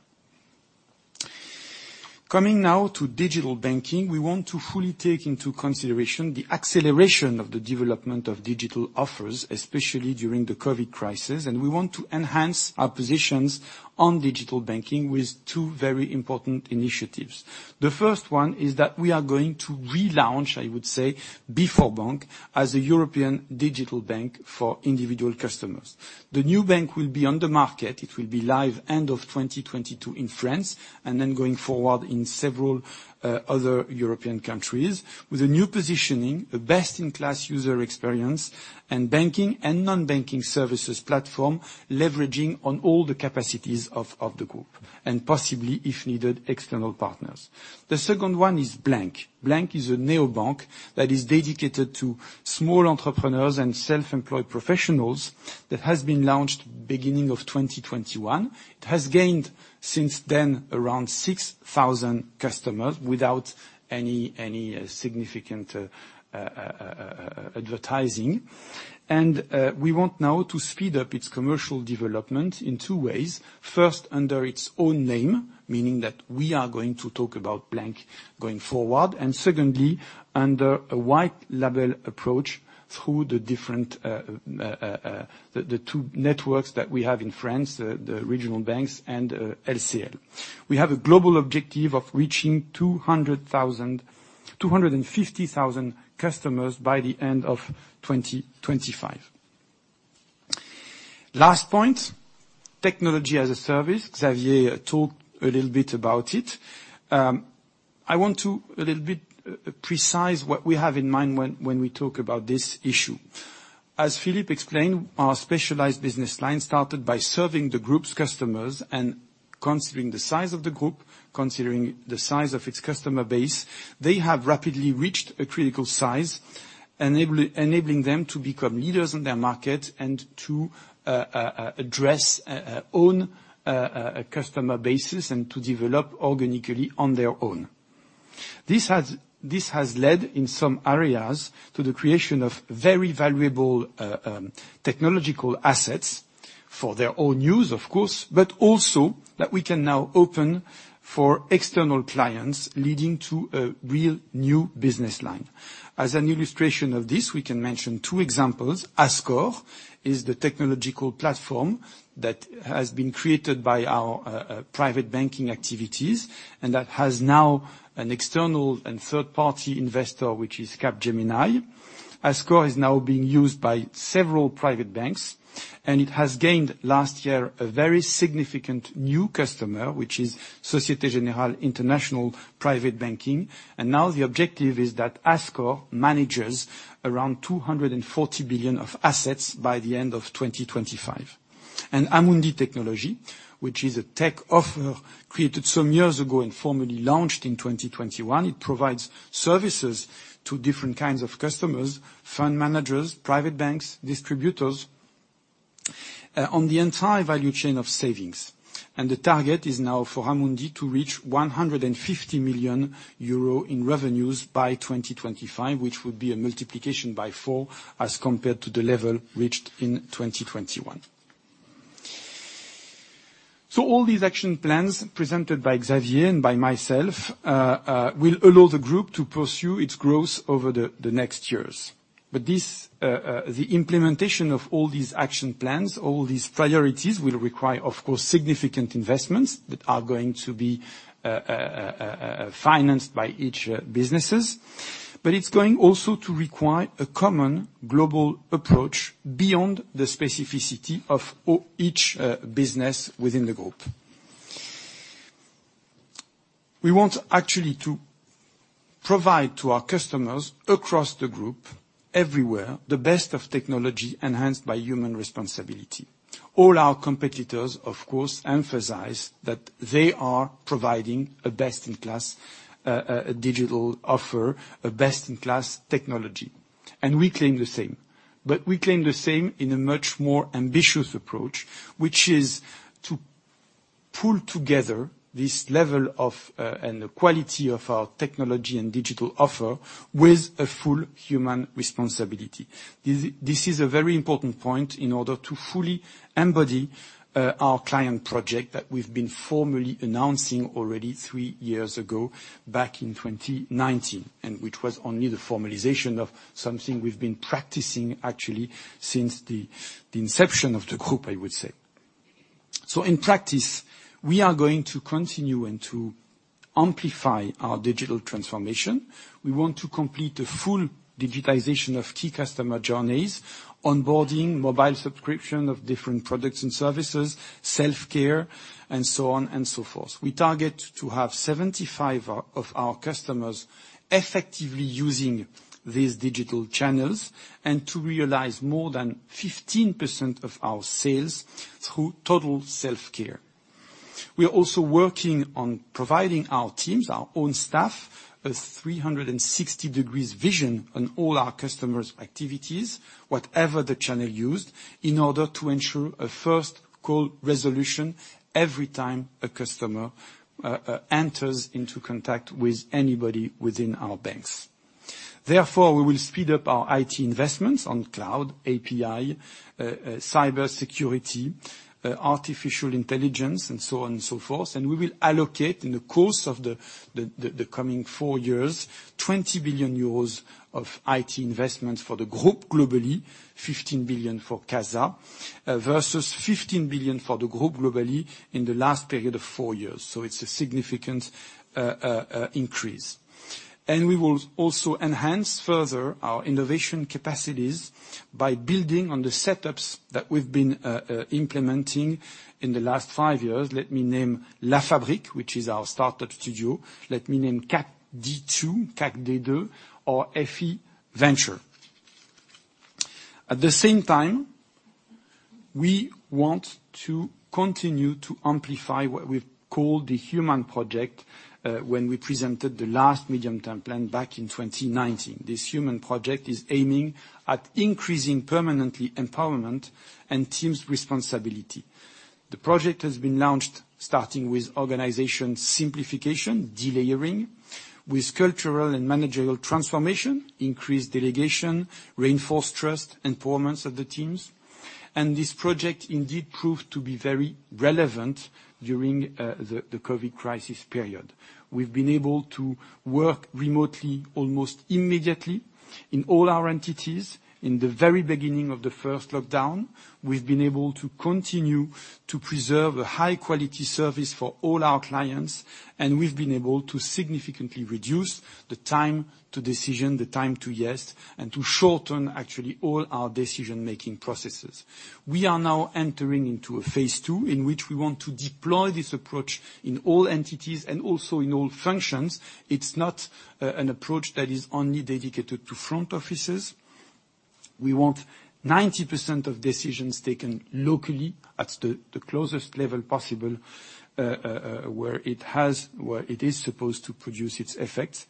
Coming now to digital banking, we want to fully take into consideration the acceleration of the development of digital offers, especially during the COVID crisis, and we want to enhance our positions on digital banking with two very important initiatives. The first one is that we are going to relaunch, I would say, BforBank as a European digital bank for individual customers. The new bank will be on the market. It will be live end of 2022 in France, and then going forward in several other European countries, with a new positioning, a best-in-class user experience and banking and non-banking services platform, leveraging on all the capacities of the group, and possibly, if needed, external partners. The second one is Blank. Blank is a neobank that is dedicated to small entrepreneurs and self-employed professionals that has been launched beginning of 2021. It has gained since then around 6,000 customers without any significant advertising. We want now to speed up its commercial development in two ways. First, under its own name, meaning that we are going to talk about Blank going forward, and secondly, under a white label approach through the two networks that we have in France, the regional banks and LCL. We have a global objective of reaching 200,000-250,000 customers by the end of 2025. Last point, technology as a service. Xavier talked a little bit about it. I want to a little bit precise what we have in mind when we talk about this issue. As Philippe explained, our specialized business line started by serving the group's customers and considering the size of the group, considering the size of its customer base, they have rapidly reached a critical size enabling them to become leaders in their market and to address own customer bases and to develop organically on their own. This has led in some areas to the creation of very valuable technological assets for their own use, of course, but also that we can now open for external clients, leading to a real new business line. As an illustration of this, we can mention two examples. Azqore is the technological platform that has been created by our private banking activities, and that has now an external and third-party investor, which is Capgemini. Azqore is now being used by several private banks, and it has gained last year a very significant new customer, which is Société Générale Private Banking. Now the objective is that Azqore manages around 240 billion of assets by the end of 2025. Amundi Technology, which is a tech offer created some years ago and formally launched in 2021, it provides services to different kinds of customers, fund managers, private banks, distributors, on the entire value chain of savings. The target is now for Amundi to reach 150 million euro in revenues by 2025, which would be a multiplication by four as compared to the level reached in 2021. All these action plans presented by Xavier and by myself will allow the group to pursue its growth over the next years. This, the implementation of all these action plans, all these priorities will require, of course, significant investments that are going to be financed by each businesses. It's going also to require a common global approach beyond the specificity of each business within the group. We want actually to provide to our customers across the group, everywhere, the best of technology enhanced by human responsibility. All our competitors, of course, emphasize that they are providing a best-in-class digital offer, a best-in-class technology, and we claim the same. We claim the same in a much more ambitious approach, which is to pull together this level of and the quality of our technology and digital offer with a full human responsibility. This is a very important point in order to fully embody our client project that we've been formally announcing already 3 years ago, back in 2019, and which was only the formalization of something we've been practicing actually since the inception of the group, I would say. In practice, we are going to continue and to amplify our digital transformation. We want to complete a full digitization of key customer journeys, onboarding, mobile subscription of different products and services, self-care, and so on and so forth. We target to have 75 of our customers effectively using these digital channels and to realize more than 15% of our sales through total self-care. We are also working on providing our teams, our own staff, a 360-degree vision on all our customers' activities, whatever the channel used, in order to ensure a first-call resolution every time a customer enters into contact with anybody within our banks. Therefore, we will speed up our IT investments on cloud, API, cybersecurity, artificial intelligence, and so on and so forth. We will allocate, in the course of the coming four years, 20 billion euros of IT investments for the group globally, 15 billion for CACEIS versus 15 billion for the group globally in the last period of four years. It's a significant increase. We will also enhance further our innovation capacities by building on the setups that we've been implementing in the last five years. Let me name La Fabrique, which is our startup studio. Let me name CACD2 or FI Venture. At the same time, we want to continue to amplify what we've called the Human Project when we presented the last medium-term plan back in 2019. This Human Project is aiming at increasing permanently empowerment and teams' responsibility. The project has been launched starting with organization simplification, delayering, with cultural and managerial transformation, increased delegation, reinforced trust, empowerment of the teams. This project indeed proved to be very relevant during the COVID crisis period. We've been able to work remotely almost immediately in all our entities in the very beginning of the first lockdown. We've been able to continue to preserve a high-quality service for all our clients, and we've been able to significantly reduce the time to decision, the time to yes, and to shorten actually all our decision-making processes. We are now entering into a phase two in which we want to deploy this approach in all entities and also in all functions. It's not an approach that is only dedicated to front offices. We want 90% of decisions taken locally at the closest level possible, where it is supposed to produce its effects.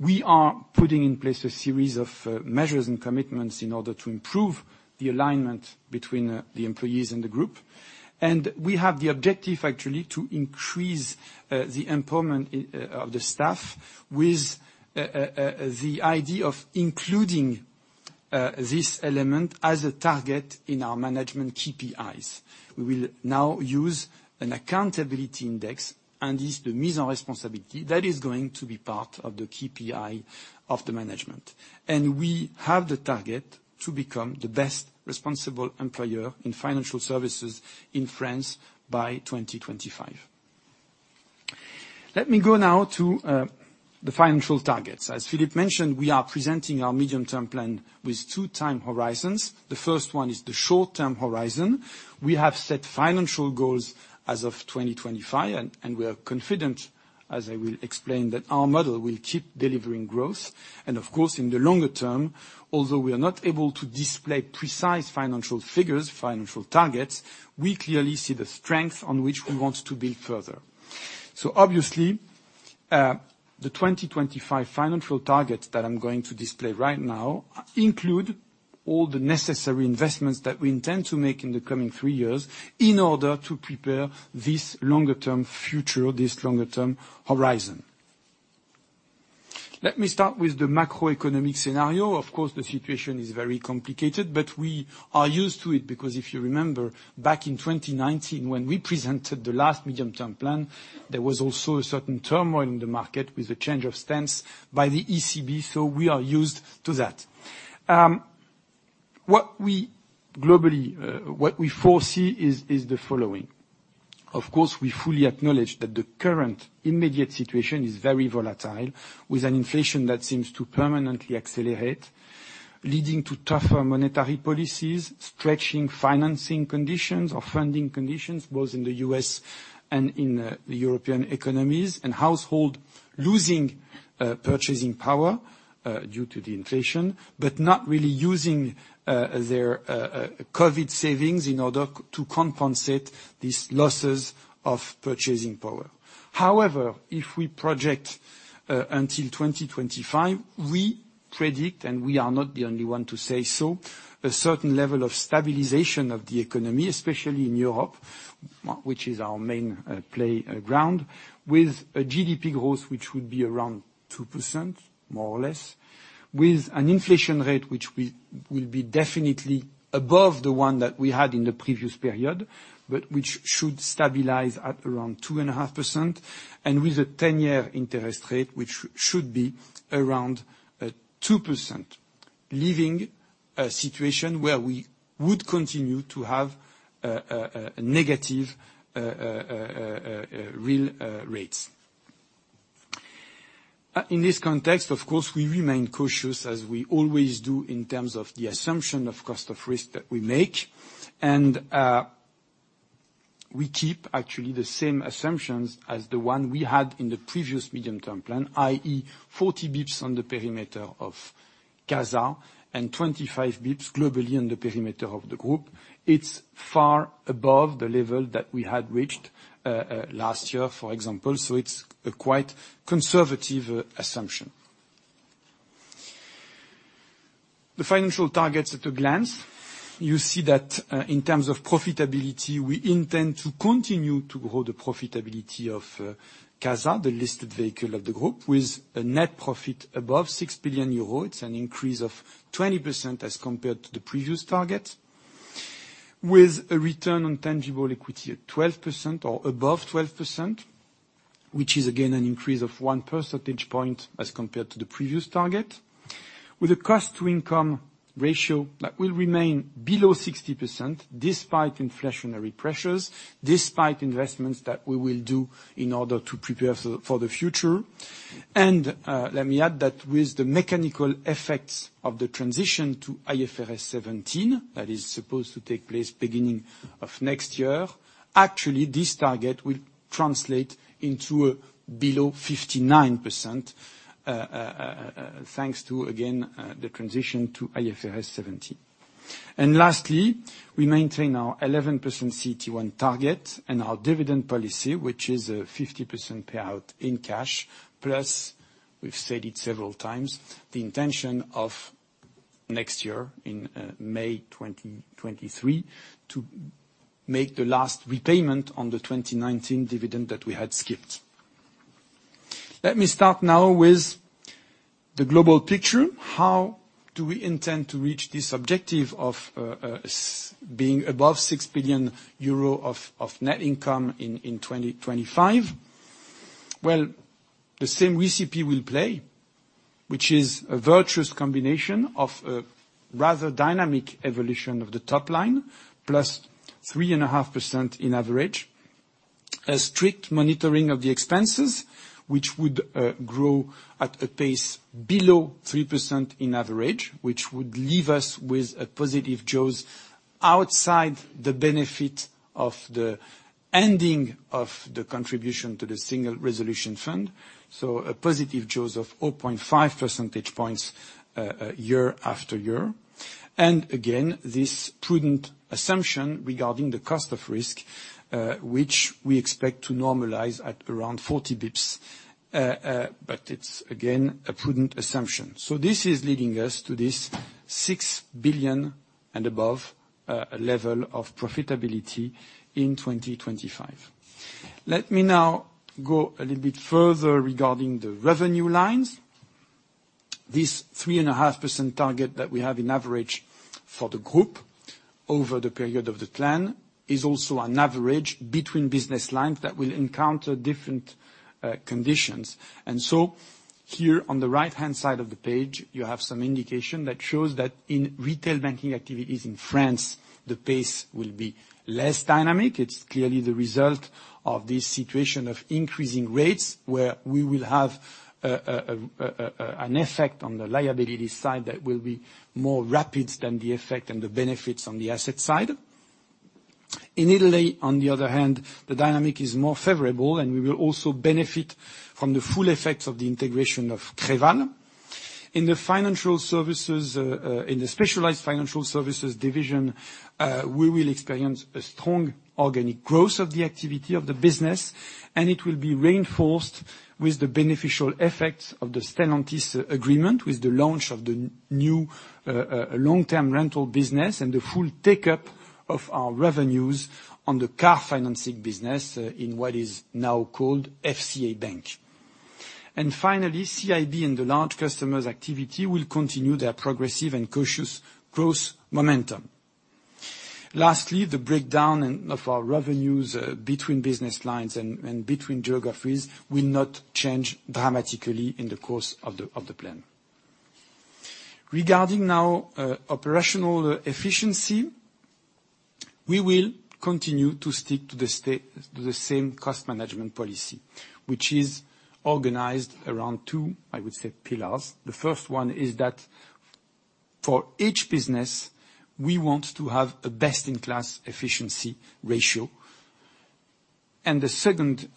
We are putting in place a series of measures and commitments in order to improve the alignment between the employees and the group. We have the objective actually to increase the employment of the staff with the idea of including this element as a target in our management KPIs. We will now use an accountability index, and it's the mise en responsabilité that is going to be part of the KPI of the management. We have the target to become the best responsible employer in financial services in France by 2025. Let me go now to the financial targets. As Philippe mentioned, we are presenting our medium-term plan with two time horizons. The first one is the short-term horizon. We have set financial goals as of 2025, and we are confident, as I will explain, that our model will keep delivering growth. Of course in the longer term, although we are not able to display precise financial figures, financial targets, we clearly see the strength on which we want to build further. The 2025 financial targets that I'm going to display right now include all the necessary investments that we intend to make in the coming three years in order to prepare this longer-term future, this longer-term horizon. Let me start with the macroeconomic scenario. Of course, the situation is very complicated, but we are used to it because if you remember back in 2019 when we presented the last medium-term plan, there was also a certain turmoil in the market with the change of stance by the ECB, so we are used to that. What we globally foresee is the following. Of course, we fully acknowledge that the current immediate situation is very volatile, with an inflation that seems to permanently accelerate, leading to tougher monetary policies, stretching financing conditions or funding conditions, both in the U.S. and in the European economies, and households losing purchasing power due to the inflation, but not really using their COVID savings in order to compensate these losses of purchasing power. However, if we project until 2025, we predict, and we are not the only one to say so, a certain level of stabilization of the economy, especially in Europe, which is our main playground, with a GDP growth which would be around 2% more or less, with an inflation rate which will be definitely above the one that we had in the previous period, but which should stabilize at around 2.5%, and with a ten-year interest rate, which should be around 2%, leaving a situation where we would continue to have a negative real rates. In this context, of course, we remain cautious as we always do in terms of the assumption of cost of risk that we make. We keep actually the same assumptions as the one we had in the previous medium-term plan, i.e. 40 basis points on the perimeter of CASA and 25 basis points globally on the perimeter of the group. It's far above the level that we had reached, last year, for example, so it's a quite conservative assumption. The financial targets at a glance. You see that, in terms of profitability, we intend to continue to grow the profitability of, CASA, the listed vehicle of the group, with a net profit above 6 billion euro. It's an increase of 20% as compared to the previous target, with a return on tangible equity at 12% or above 12%, which is again an increase of 1 percentage point as compared to the previous target. With a cost/income ratio that will remain below 60% despite inflationary pressures, despite investments that we will do in order to prepare for the future. Let me add that with the mechanical effects of the transition to IFRS 17, that is supposed to take place beginning of next year, actually this target will translate into below 59%, thanks to again the transition to IFRS 17. Lastly, we maintain our 11% CET1 target and our dividend policy, which is a 50% payout in cash plus, we've said it several times, the intention of next year in May 2023 to make the last repayment on the 2019 dividend that we had skipped. Let me start now with the global picture. How do we intend to reach this objective of being above 6 billion euro of net income in 2025? Well, the same recipe will play, which is a virtuous combination of a rather dynamic evolution of the top line plus 3.5% in average. A strict monitoring of the expenses, which would grow at a pace below 3% in average, which would leave us with a positive jaws outside the benefit of the ending of the contribution to the Single Resolution Fund. A positive jaws of 0.5 percentage points year after year. This prudent assumption regarding the cost of risk, which we expect to normalize at around 40 basis points. But it's, again, a prudent assumption. This is leading us to this 6 billion and above level of profitability in 2025. Let me now go a little bit further regarding the revenue lines. This 3.5% target that we have on average for the group over the period of the plan is also on average between business lines that will encounter different conditions. Here on the right-hand side of the page, you have some indication that shows that in retail banking activities in France, the pace will be less dynamic. It's clearly the result of the situation of increasing rates, where we will have an effect on the liability side that will be more rapid than the effect and the benefits on the asset side. In Italy, on the other hand, the dynamic is more favorable, and we will also benefit from the full effects of the integration of Creval. In the financial services, in the specialized financial services division, we will experience a strong organic growth of the activity of the business, and it will be reinforced with the beneficial effects of the Stellantis agreement with the launch of the new long-term rental business, and the full take-up of our revenues on the car financing business in what is now called FCA Bank. Finally, CIB and the large customers activity will continue their progressive and cautious growth momentum. Lastly, the breakdown of our revenues between business lines and between geographies will not change dramatically in the course of the plan. Regarding now operational efficiency, we will continue to stick to the same cost management policy, which is organized around two, I would say, pillars. The first one is that for each business, we want to have a best-in-class efficiency ratio. The second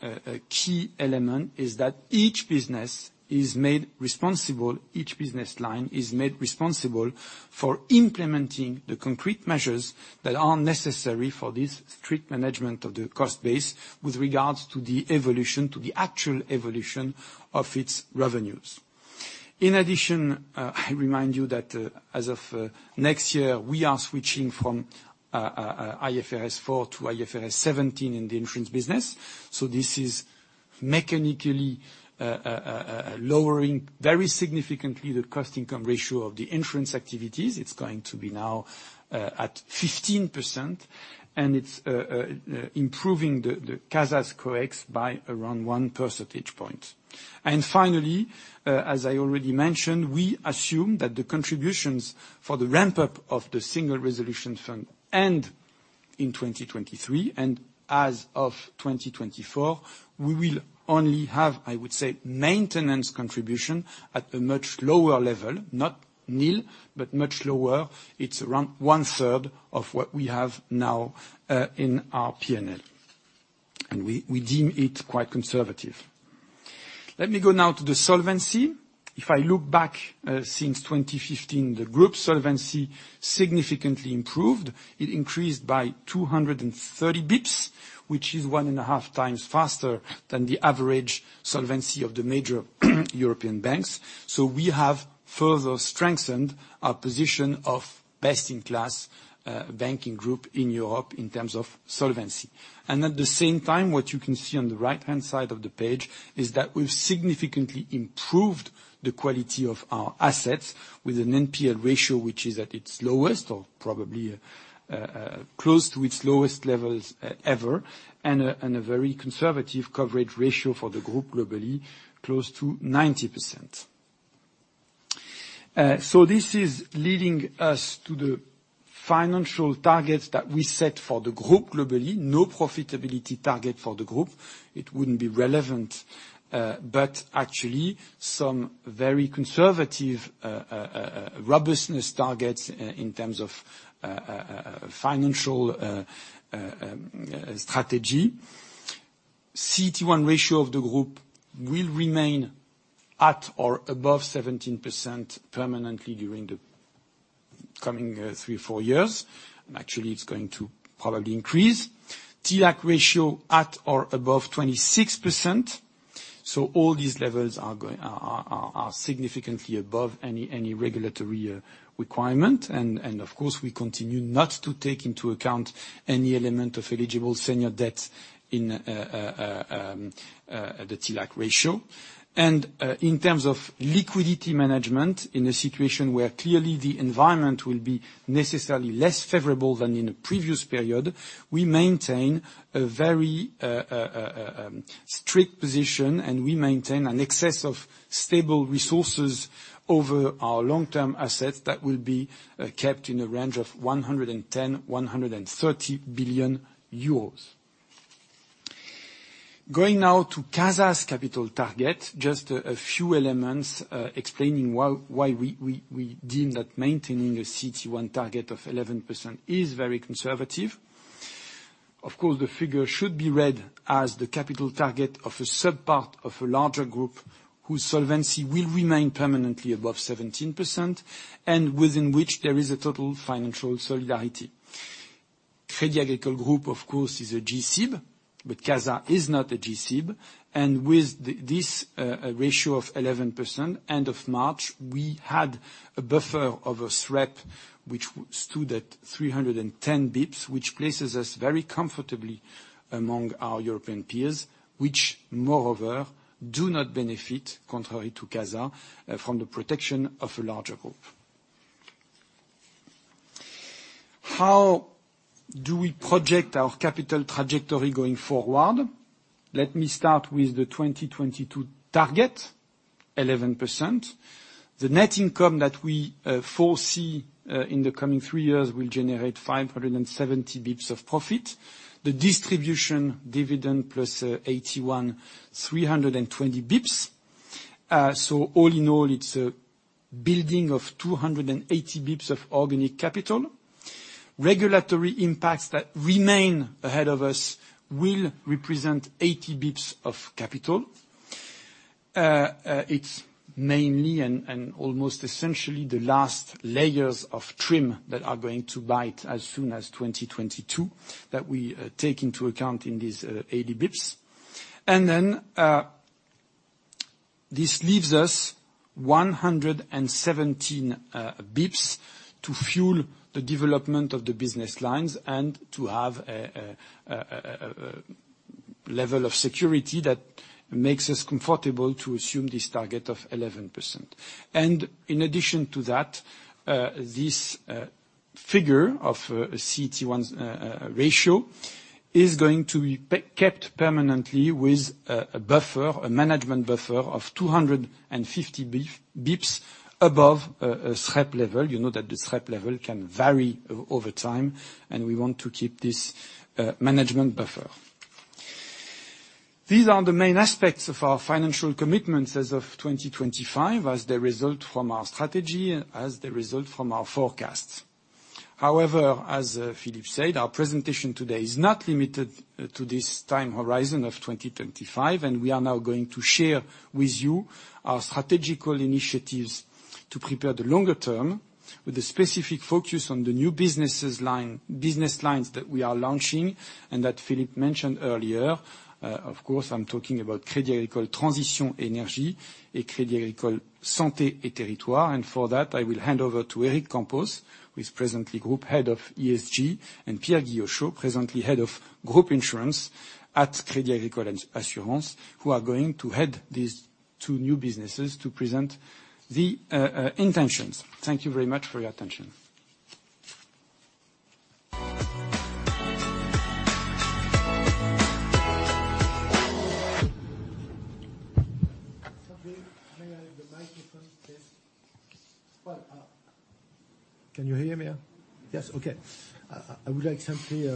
key element is that each business is made responsible, each business line is made responsible for implementing the concrete measures that are necessary for this strict management of the cost base with regards to the evolution, to the actual evolution of its revenues. In addition, I remind you that as of next year, we are switching from IFRS 4 to IFRS 17 in the insurance business. This is mechanically lowering very significantly the cost/income ratio of the insurance activities. It's going to be now at 15%, and it's improving the CASA's cost/income by around one percentage point. Finally, as I already mentioned, we assume that the contributions for the ramp-up of the Single Resolution Fund end in 2023, and as of 2024, we will only have, I would say, maintenance contribution at a much lower level, not nil, but much lower. It's around one-third of what we have now in our P&L, and we deem it quite conservative. Let me go now to the solvency. If I look back since 2015, the group solvency significantly improved. It increased by 230 basis points, which is one and a half times faster than the average solvency of the major European banks. We have further strengthened our position of best-in-class banking group in Europe in terms of solvency. At the same time, what you can see on the right-hand side of the page is that we've significantly improved the quality of our assets with an NPA ratio, which is at its lowest or probably close to its lowest levels ever, and a very conservative coverage ratio for the group globally, close to 90%. This is leading us to the financial targets that we set for the group globally. No profitability target for the group. It wouldn't be relevant, but actually some very conservative robustness targets in terms of financial strategy. CET1 ratio of the group will remain at or above 17% permanently during the coming three or four years. Actually, it's going to probably increase. TLAC ratio at or above 26%. All these levels are significantly above any regulatory requirement. Of course, we continue not to take into account any element of eligible senior debt in the TLAC ratio. In terms of liquidity management, in a situation where clearly the environment will be necessarily less favorable than in the previous period, we maintain a very strict position, and we maintain an excess of stable resources over our long-term assets that will be kept in a range of 110 billion-130 billion euros. Going now to CASA's capital target, just a few elements explaining why we deem that maintaining a CET1 target of 11% is very conservative. Of course, the figure should be read as the capital target of a sub-part of a larger group whose solvency will remain permanently above 17% and within which there is a total financial solidarity. Crédit Agricole Group, of course, is a G-SIB, but CASA is not a G-SIB. With this ratio of 11%, end of March, we had a buffer of a SREP, which stood at 310 basis points, which places us very comfortably among our European peers, which moreover, do not benefit, contrary to CASA, from the protection of a larger group. How do we project our capital trajectory going forward? Let me start with the 2022 target, 11%. The net income that we foresee in the coming three years will generate 570 basis points of profit. The distribution dividend plus 81, 320 basis points. All in all, it's a building of 280 basis points of organic capital. Regulatory impacts that remain ahead of us will represent 80 basis points of capital. It's mainly and almost essentially the last layers of TRIM that are going to bite as soon as 2022 that we take into account in this 80 basis points. This leaves us 117 basis points to fuel the development of the business lines and to have a level of security that makes us comfortable to assume this target of 11%. In addition to that, this figure of CET1's ratio is going to be kept permanently with a buffer, a management buffer of 250 basis points above a SREP level. You know that the SREP level can vary over time, and we want to keep this management buffer. These are the main aspects of our financial commitments as of 2025 as they result from our strategy, as they result from our forecasts. However, as Philippe said, our presentation today is not limited to this time horizon of 2025, and we are now going to share with you our strategic initiatives to prepare the longer term with a specific focus on the new business lines that we are launching and that Philippe mentioned earlier. Of course, I'm talking about Crédit Agricole Transitions & Énergies and Crédit Agricole Santé & Territoires. For that, I will hand over to Éric Campos, who is presently Group Head of ESG, and Pierre Guillocheau, presently Head of Group Insurance at Crédit Agricole Assurances, who are going to head these two new businesses to present the intentions. Thank you very much for your attention. Simply, may I have the microphone, please? Well, can you hear me? Yes. Okay. I would like simply,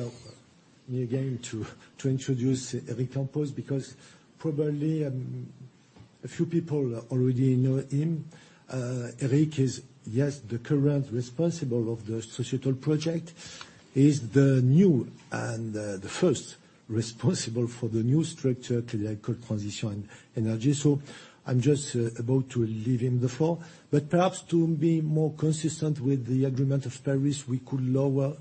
me again to introduce Éric Campos, because probably, a few people already know him. Éric is, yes, the current responsible of the societal project. He's the new and, the first responsible for the new structure, Crédit Agricole Transitions & Énergies. I'm just about to leave him the floor. Perhaps to be more consistent with the Paris Agreement, we could lower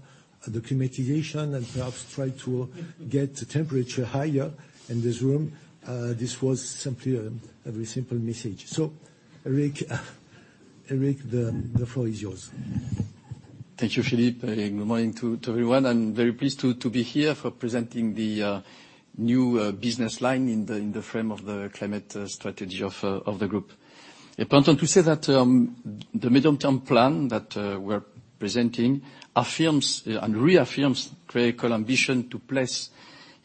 the climatization and perhaps try to get the temperature higher in this room. This was simply a very simple message. Éric, the floor is yours. Thank you, Philippe. Good morning to everyone. I'm very pleased to be here for presenting the new business line in the frame of the climate strategy of the group. Important to say that the medium-term plan that we're presenting affirms and reaffirms critical ambition to place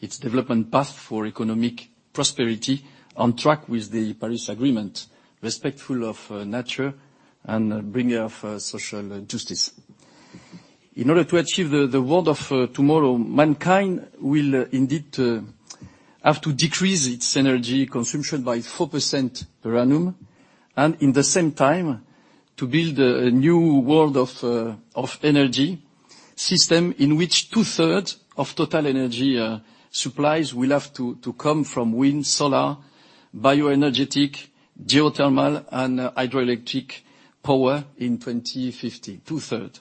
its development path for economic prosperity on track with the Paris Agreement, respectful of nature and bringing of social justice. In order to achieve the world of tomorrow, mankind will indeed have to decrease its energy consumption by 4% per annum, and in the same time to build a new world of energy system in which two-thirds of total energy supplies will have to come from wind, solar, bioenergetic, geothermal, and hydroelectric power in 2050. Two-thirds.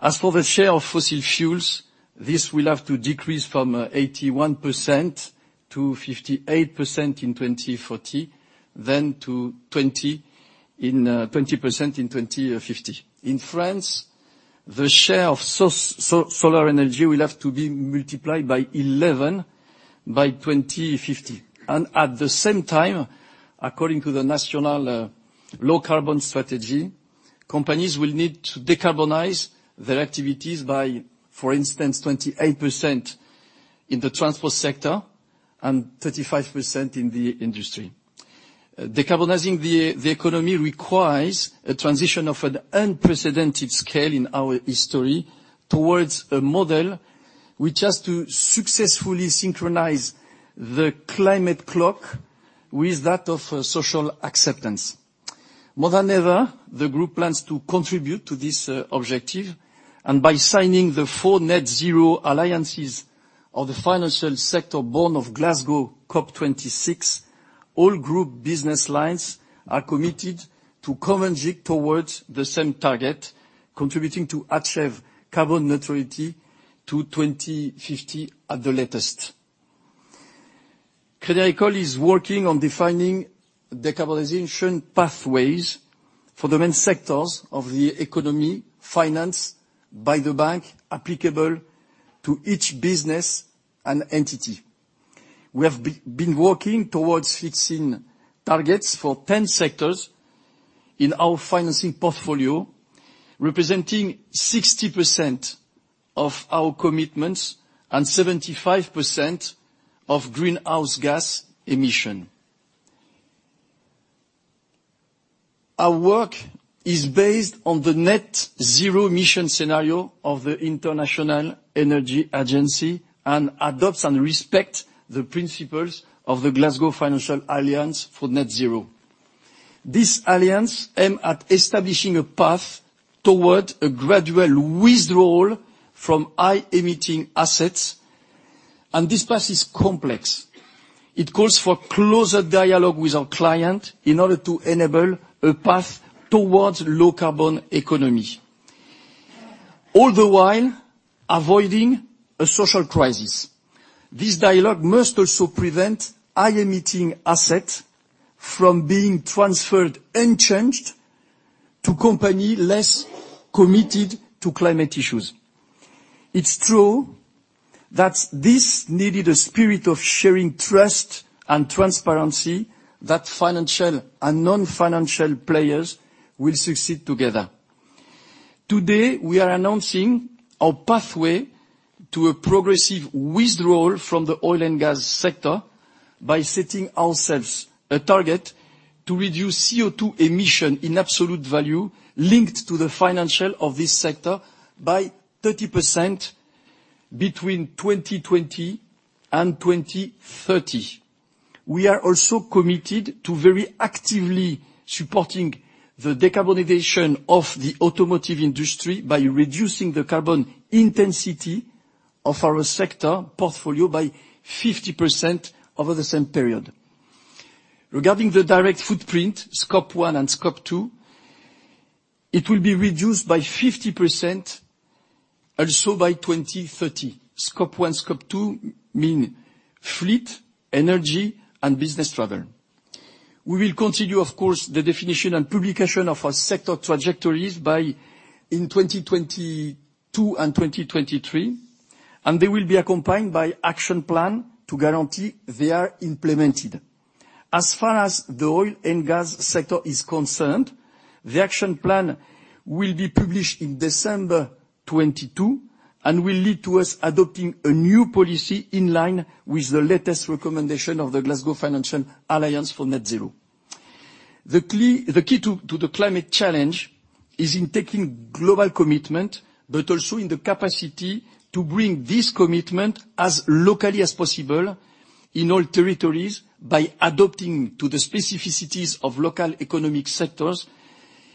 As for the share of fossil fuels, this will have to decrease from 81%-58% in 2040, then to 20% in 2050. In France, the share of solar energy will have to be multiplied by 11 by 2050. At the same time, according to the national low-carbon strategy, companies will need to decarbonize their activities by, for instance, 28% in the transport sector and 35% in the industry. Decarbonizing the economy requires a transition of an unprecedented scale in our history towards a model which has to successfully synchronize the climate clock with that of social acceptance. More than ever, the group plans to contribute to this objective, and by signing the four net zero alliances of the financial sector born of Glasgow COP26. All group business lines are committed to converging towards the same target, contributing to achieve carbon neutrality by 2050 at the latest. Crédit Agricole is working on defining decarbonization pathways for the main sectors of the economy, financed by the bank, applicable to each business and entity. We have been working towards fixing targets for 10 sectors in our financing portfolio, representing 60% of our commitments and 75% of greenhouse gas emission. Our work is based on the net zero-emission scenario of the International Energy Agency and adopts and respects the principles of the Glasgow Financial Alliance for Net Zero. This alliance aim at establishing a path toward a gradual withdrawal from high-emitting assets, and this path is complex. It calls for closer dialogue with our clients in order to enable a path towards low-carbon economy, all the while avoiding a social crisis. This dialogue must also prevent high-emitting assets from being transferred unchanged to companies less committed to climate issues. It's true that this needed a spirit of sharing trust and transparency that financial and non-financial players will succeed together. Today, we are announcing our pathway to a progressive withdrawal from the oil and gas sector by setting ourselves a target to reduce CO2 emissions in absolute value linked to the financing of this sector by 30% between 2020 and 2030. We are also committed to very actively supporting the decarbonization of the automotive industry by reducing the carbon intensity of our sector portfolio by 50% over the same period. Regarding the direct footprint, Scope 1 and Scope 2, it will be reduced by 50% also by 2030. Scope 1, Scope 2 mean fleet, energy, and business travel. We will continue, of course, the definition and publication of our sector trajectories by in 2022 and 2023, and they will be accompanied by action plan to guarantee they are implemented. As far as the oil and gas sector is concerned, the action plan will be published in December 2022 and will lead to us adopting a new policy in line with the latest recommendation of the Glasgow Financial Alliance for Net Zero. The key to the climate challenge is in taking global commitment, but also in the capacity to bring this commitment as locally as possible in all territories by adapting to the specificities of local economic sectors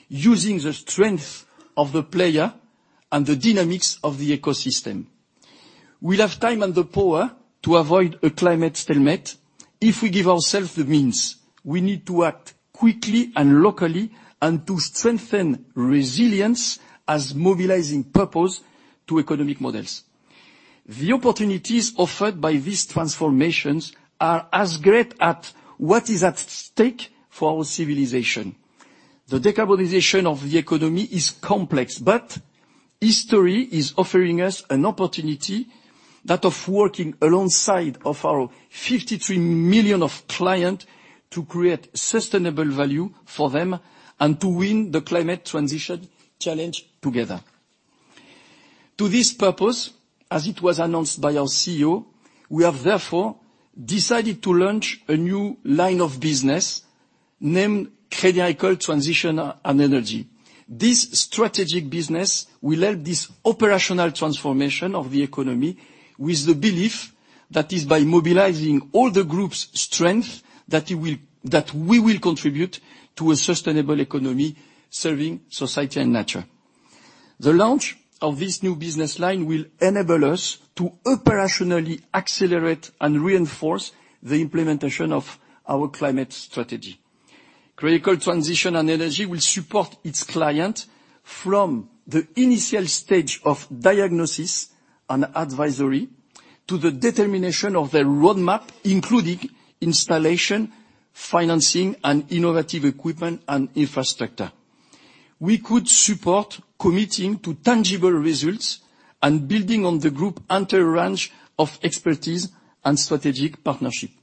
using the strength of the player and the dynamics of the ecosystem. We'll have time and the power to avoid a climate stalemate if we give ourselves the means. We need to act quickly and locally and to strengthen resilience as mobilizing purpose to economic models. The opportunities offered by these transformations are as great as what is at stake for our civilization. The decarbonization of the economy is complex, but history is offering us an opportunity, that of working alongside of our 53 million clients to create sustainable value for them and to win the climate transition challenge together. To this purpose, as it was announced by our CEO, we have therefore decided to launch a new line of business named Crédit Agricole Transitions & Énergies. This strategic business will help the operational transformation of the economy with the belief that it is by mobilizing all the group's strength that it will, that we will contribute to a sustainable economy serving society and nature. The launch of this new business line will enable us to operationally accelerate and reinforce the implementation of our climate strategy. Crédit Agricole Transitions & Énergies will support its clients from the initial stage of diagnosis and advisory to the determination of their roadmap, including installation, financing, and innovative equipment and infrastructure. We can support committing to tangible results and building on the group's entire range of expertise and strategic partnerships.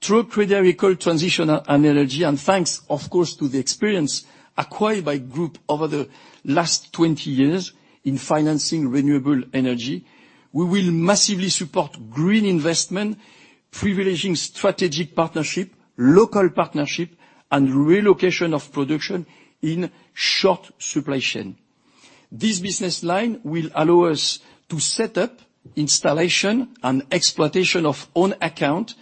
Through Crédit Agricole Transitions & Énergies, and thanks of course to the experience acquired by group over the last 20 years in financing renewable energy, we will massively support green investment, privileging strategic partnership, local partnership, and relocation of production in short supply chain. This business line will allow us to set up installation and exploitation of own account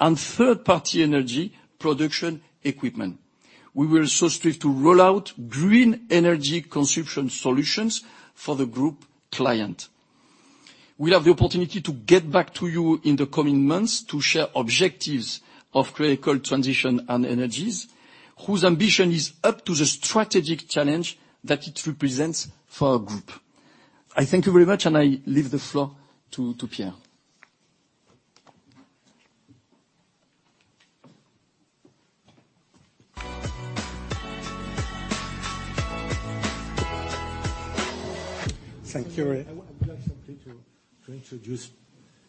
and third-party energy production equipment. We will also strive to roll out green energy consumption solutions for the group client. We'll have the opportunity to get back to you in the coming months to share objectives of Crédit Agricole Transitions & Énergies, whose ambition is up to the strategic challenge that it represents for our group. I thank you very much, and I leave the floor to Pierre. Thank you, Éric. I would like something to introduce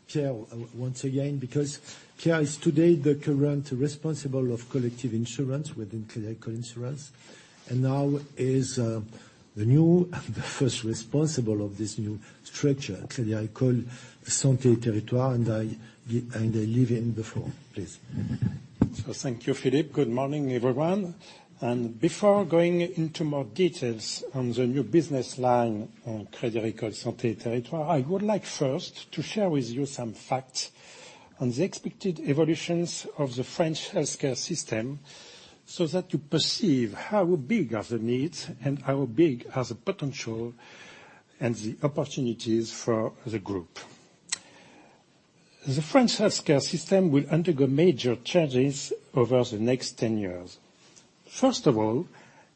Pierre once again, because Pierre is today the current responsible of collective insurance within Crédit Agricole Assurances, and now is the new first responsible of this new structure, Crédit Agricole Santé & Territoires, and I leave him the floor. Please. Thank you, Philippe. Good morning, everyone. Before going into more details on the new business line, on Crédit Agricole Santé & Territoires, I would like first to share with you some facts on the expected evolutions of the French healthcare system so that you perceive how big are the needs and how big are the potential and the opportunities for the group. The French healthcare system will undergo major changes over the next 10 years. First of all,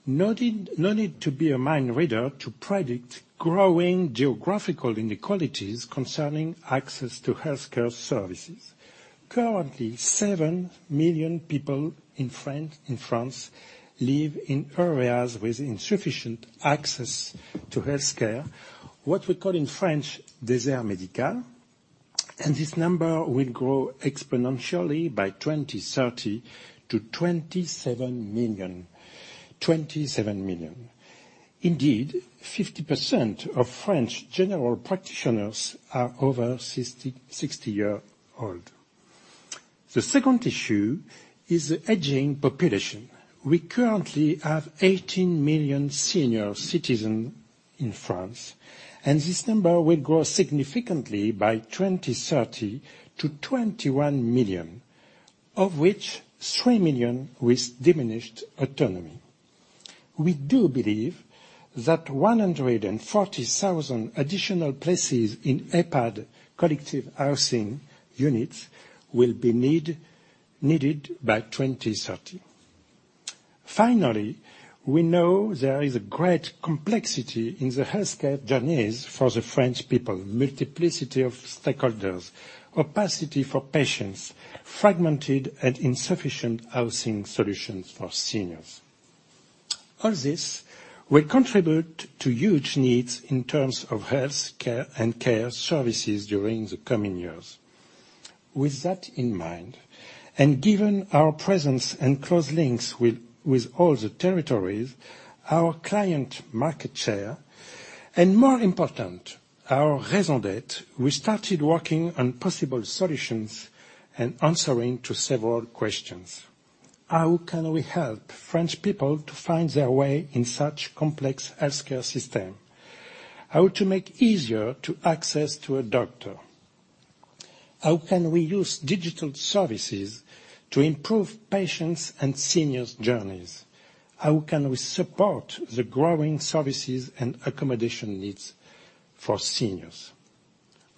no need to be a mind reader to predict growing geographical inequalities concerning access to healthcare services. Currently, 7 million people in France live in areas with insufficient access to healthcare, what we call in French, désert médical. This number will grow exponentially by 2030 to 27 million. 27 million. Indeed, 50% of French general practitioners are over 60-year-old. The second issue is the aging population. We currently have 18 million senior citizen in France, and this number will grow significantly by 2030 to 21 million, of which 3 million with diminished autonomy. We do believe that 140,000 additional places in EHPAD collective housing units will be needed by 2030. Finally, we know there is a great complexity in the healthcare journeys for the French people, multiplicity of stakeholders, opacity for patients, fragmented and insufficient housing solutions for seniors. All this will contribute to huge needs in terms of healthcare and care services during the coming years. With that in mind, and given our presence and close links with all the territories, our client market share, and more important, our raison d'être, we started working on possible solutions and answering to several questions. How can we help French people to find their way in such complex healthcare system? How to make easier to access to a doctor? How can we use digital services to improve patients' and seniors' journeys? How can we support the growing services and accommodation needs for seniors?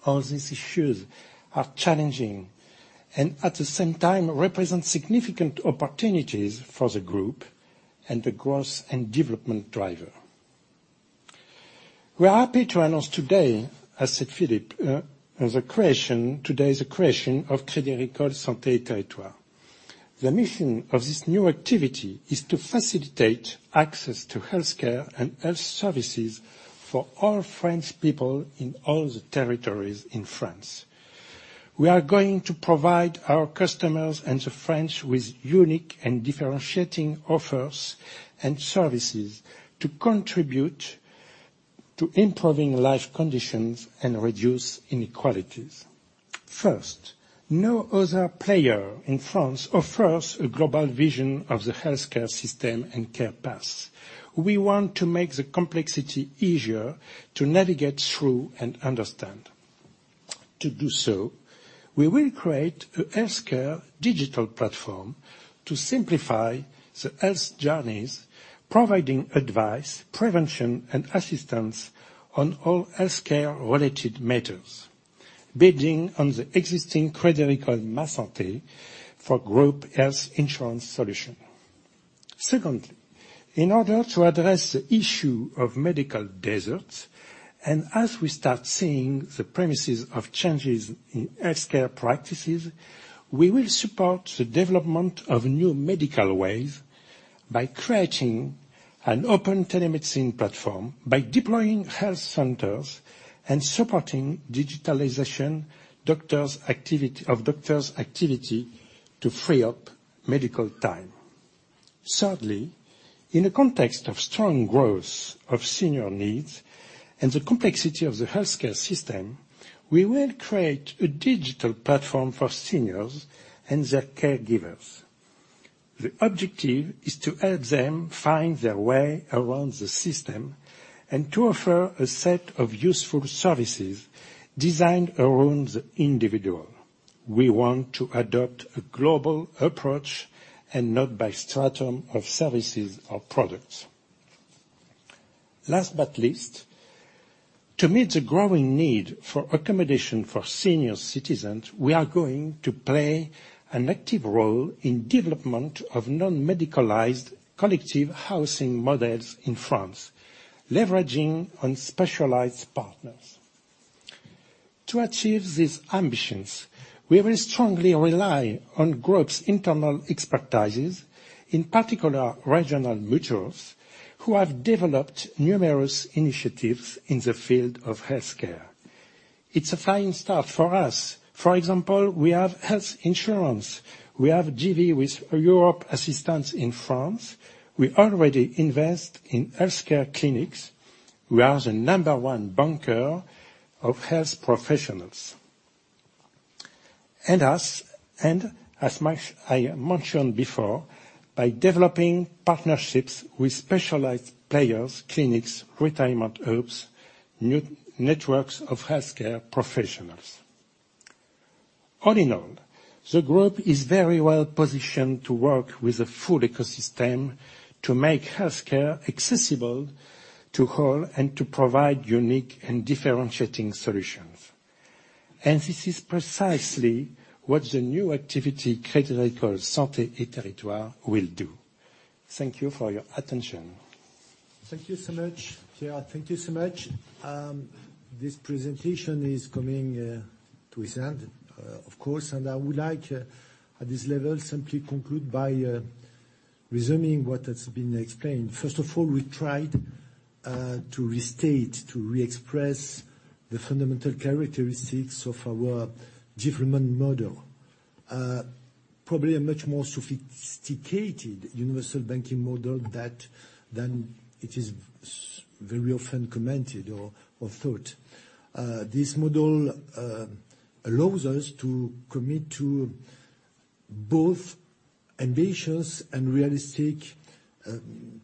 All these issues are challenging, and at the same time represent significant opportunities for the group and the growth and development driver. We are happy to announce today, as said Philippe, the creation today of Crédit Agricole Santé & Territoires. The mission of this new activity is to facilitate access to healthcare and health services for all French people in all the territories in France. We are going to provide our customers and the French with unique and differentiating offers and services to contribute to improving life conditions and reduce inequalities. First, no other player in France offers a global vision of the healthcare system and care path. We want to make the complexity easier to navigate through and understand. To do so, we will create a healthcare digital platform to simplify the health journeys, providing advice, prevention, and assistance on all healthcare-related matters, building on the existing Crédit Agricole Ma Santé for group health insurance solution. Secondly, in order to address the issue of medical deserts, and as we start seeing the premises of changes in healthcare practices, we will support the development of new medical ways by creating an open telemedicine platform, by deploying health centers and supporting digitalization of doctors' activity to free up medical time. Thirdly, in the context of strong growth of senior needs and the complexity of the healthcare system, we will create a digital platform for seniors and their caregivers. The objective is to help them find their way around the system and to offer a set of useful services designed around the individual. We want to adopt a global approach and not by stratum of services or products. Last but not least, to meet the growing need for accommodation for senior citizens, we are going to play an active role in development of non-medicalized collective housing models in France, leveraging on specialized partners. To achieve these ambitions, we will strongly rely on group's internal expertises, in particular, regional mutuals, who have developed numerous initiatives in the field of healthcare. It's a fine start for us. For example, we have health insurance. We have a JV with Europ Assistance in France. We already invest in healthcare clinics. We are the number one banker of health professionals. I mentioned before, by developing partnerships with specialized players, clinics, retirement homes, networks of healthcare professionals. All in all, the group is very well-positioned to work with a full ecosystem to make healthcare accessible to all and to provide unique and differentiating solutions. This is precisely what the new activity Crédit Agricole Santé & Territoires will do. Thank you for your attention. Thank you so much, Pierre. Thank you so much. This presentation is coming to its end, of course. I would like at this level simply conclude by resuming what has been explained. First of all, we tried to restate, to re-express the fundamental characteristics of our development model. Probably a much more sophisticated universal banking model than it is very often commented or thought. This model allows us to commit to both ambitious and realistic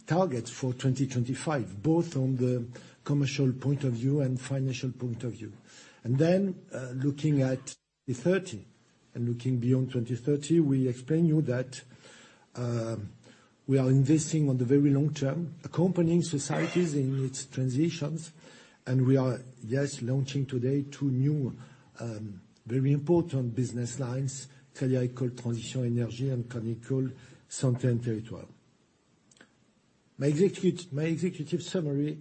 targets for 2025, both on the commercial point of view and financial point of view. Looking at the 30, and looking beyond 2030, we explain to you that we are investing in the very long term, accompanying society in its transitions, and we are launching today two new very important business lines, Crédit Agricole Transitions & Énergies and Crédit Agricole Santé & Territoires. My executive summary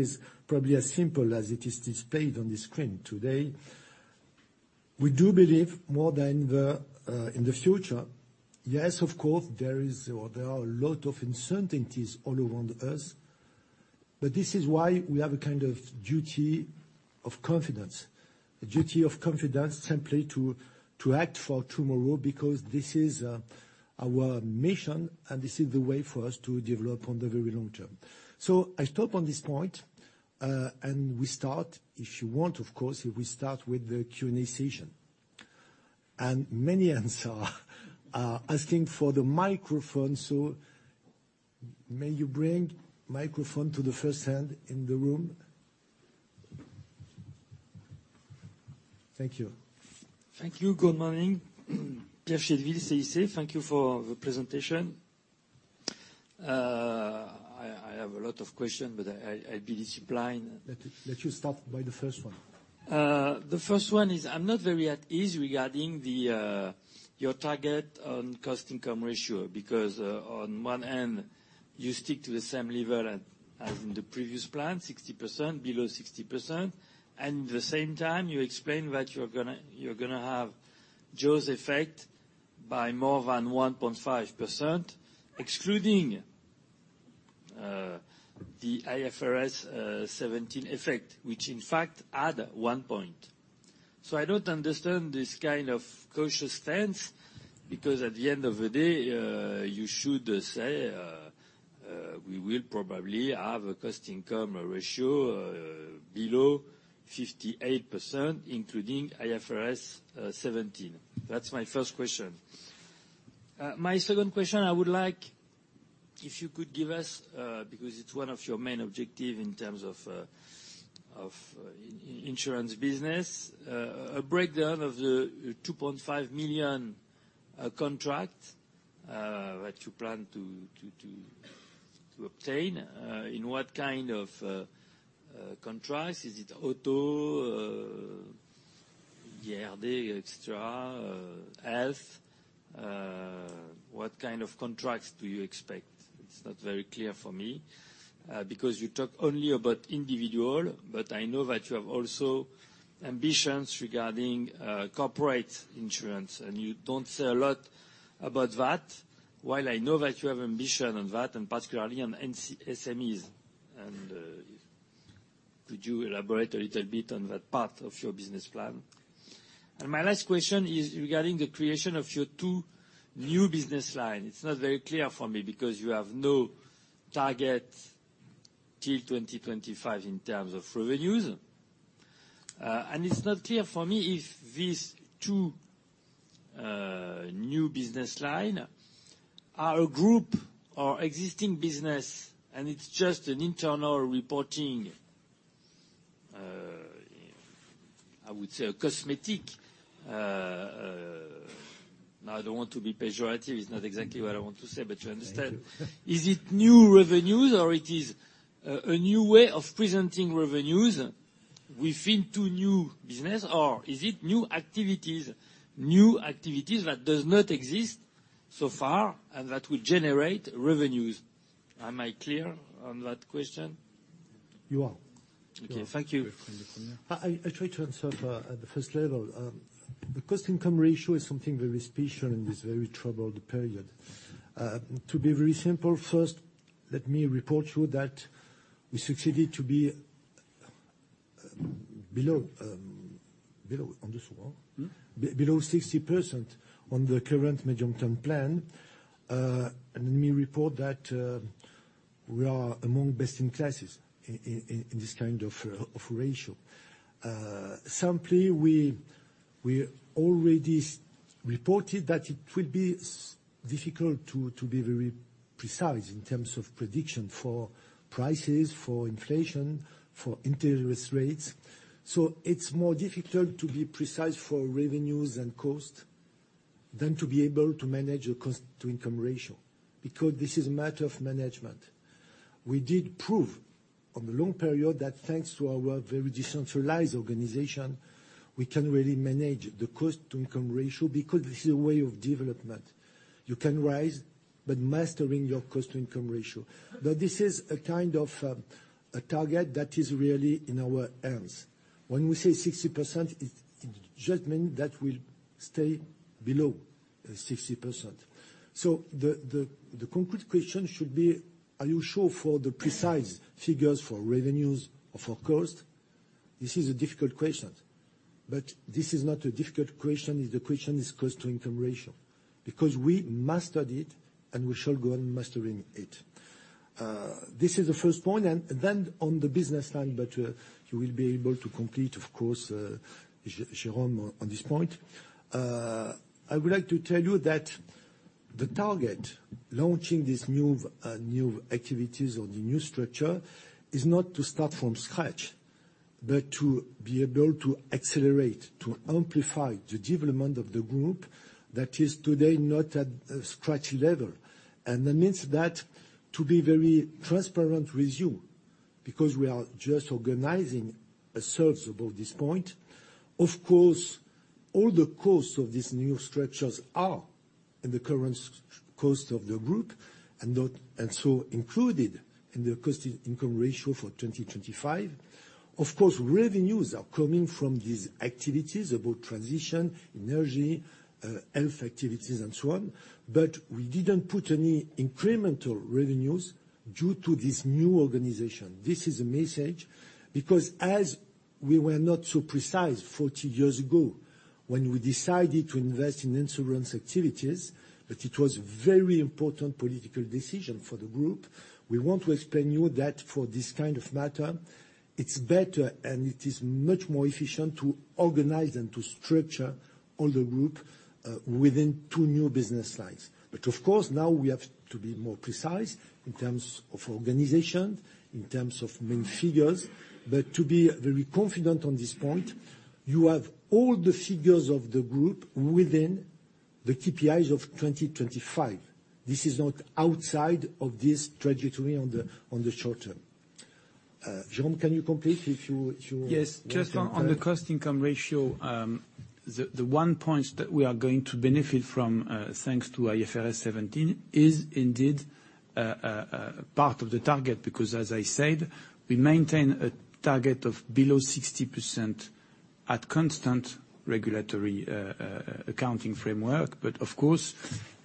is probably as simple as it is displayed on the screen today. We do believe more than ever in the future. Yes, of course, there is, or there are a lot of uncertainties all around us, but this is why we have a kind of duty of confidence. A duty of confidence simply to act for tomorrow because this is our mission and this is the way for us to develop on the very long term. I stop on this point, and we start, if you want, of course, we start with the Q&A session. Many hands are asking for the microphone, so may you bring microphone to the first hand in the room. Thank you. Thank you. Good morning. Pierre Chedeville, CIC. Thank you for the presentation. I have a lot of questions, but I'll be disciplined. Let me let you start by the first one. The first one is, I'm not very at ease regarding the, your target on cost/income ratio, because, on one end you stick to the same level as in the previous plan, 60%, below 60%, and at the same time you explain that you're gonna have jaws effect by more than 1.5% excluding the IFRS 17 effect, which in fact add one point. I don't understand this kind of cautious stance because at the end of the day, you should say, "We will probably have a cost/income ratio below 58%, including IFRS 17." That's my first question. My second question, I would like if you could give us, because it's one of your main objective in terms of insurance business, a breakdown of the 2.5 million contract that you plan to obtain, in what kind of contracts. Is it auto, RD, et cetera, health? What kind of contracts do you expect? It's not very clear for me, because you talk only about individual, but I know that you have also ambitions regarding corporate insurance, and you don't say a lot about that, while I know that you have ambition on that, and particularly on P&C SMEs. Could you elaborate a little bit on that part of your business plan? My last question is regarding the creation of your two new business line. It's not very clear for me because you have no target till 2025 in terms of revenues. It's not clear for me if these two new business line are a group or existing business and it's just an internal reporting. I would say a cosmetic. I don't want to be pejorative, it's not exactly what I want to say, but you understand. Thank you. Is it new revenues or it is a new way of presenting revenues within the new business? Or is it new activities that does not exist so far and that will generate revenues? Am I clear on that question? You are. Okay. Thank you. You want to take it from here? I try to answer at the first level. The cost/income ratio is something very special in this very troubled period. To be very simple, first, let me report to you that we succeeded to be below on this one- Mm-hmm Below 60% on the current medium-term plan. Let me report that we are among the best in class in this kind of ratio. Simply, we already reported that it would be difficult to be very precise in terms of prediction for prices, for inflation, for interest rates. It's more difficult to be precise for revenues and cost than to be able to manage a cost-to-income ratio, because this is a matter of management. We did prove over the long period that thanks to our very decentralized organization, we can really manage the cost-to-income ratio because this is a way of development. You can rise, but mastering your cost-to-income ratio. Now this is a kind of a target that is really in our hands. When we say 60%, it just mean that we stay below 60%. The concrete question should be, are you sure for the precise figures for revenues or for cost? This is a difficult question, but this is not a difficult question if the question is cost/income ratio. Because we mastered it and we shall go on mastering it. This is the first point, and then on the business line, but you will be able to complete, of course, Jérôme on this point. I would like to tell you that the target launching this new activities or the new structure is not to start from scratch, but to be able to accelerate, to amplify the development of the group that is today not at a scratch level. That means that to be very transparent with you, because we are just organizing ourselves about this point, of course, all the costs of these new structures are in the current cost of the group, and so included in the cost-to-income ratio for 2025. Of course, revenues are coming from these activities about transition, energy, health activities, and so on. But we didn't put any incremental revenues due to this new organization. This is a message, because as we were not so precise 40 years ago when we decided to invest in insurance activities, but it was very important political decision for the group. We want to explain you that for this kind of matter, it's better and it is much more efficient to organize and to structure all the group within two new business lines. Of course, now we have to be more precise in terms of organization, in terms of main figures. To be very confident on this point, you have all the figures of the group within the KPIs of 2025. This is not outside of this trajectory on the short term. Jérôme, can you complete if you want and can. Yes. Just on the cost-income ratio, the one point that we are going to benefit from thanks to IFRS 17 is indeed part of the target, because as I said, we maintain a target of below 60% at constant regulatory accounting framework. Of course,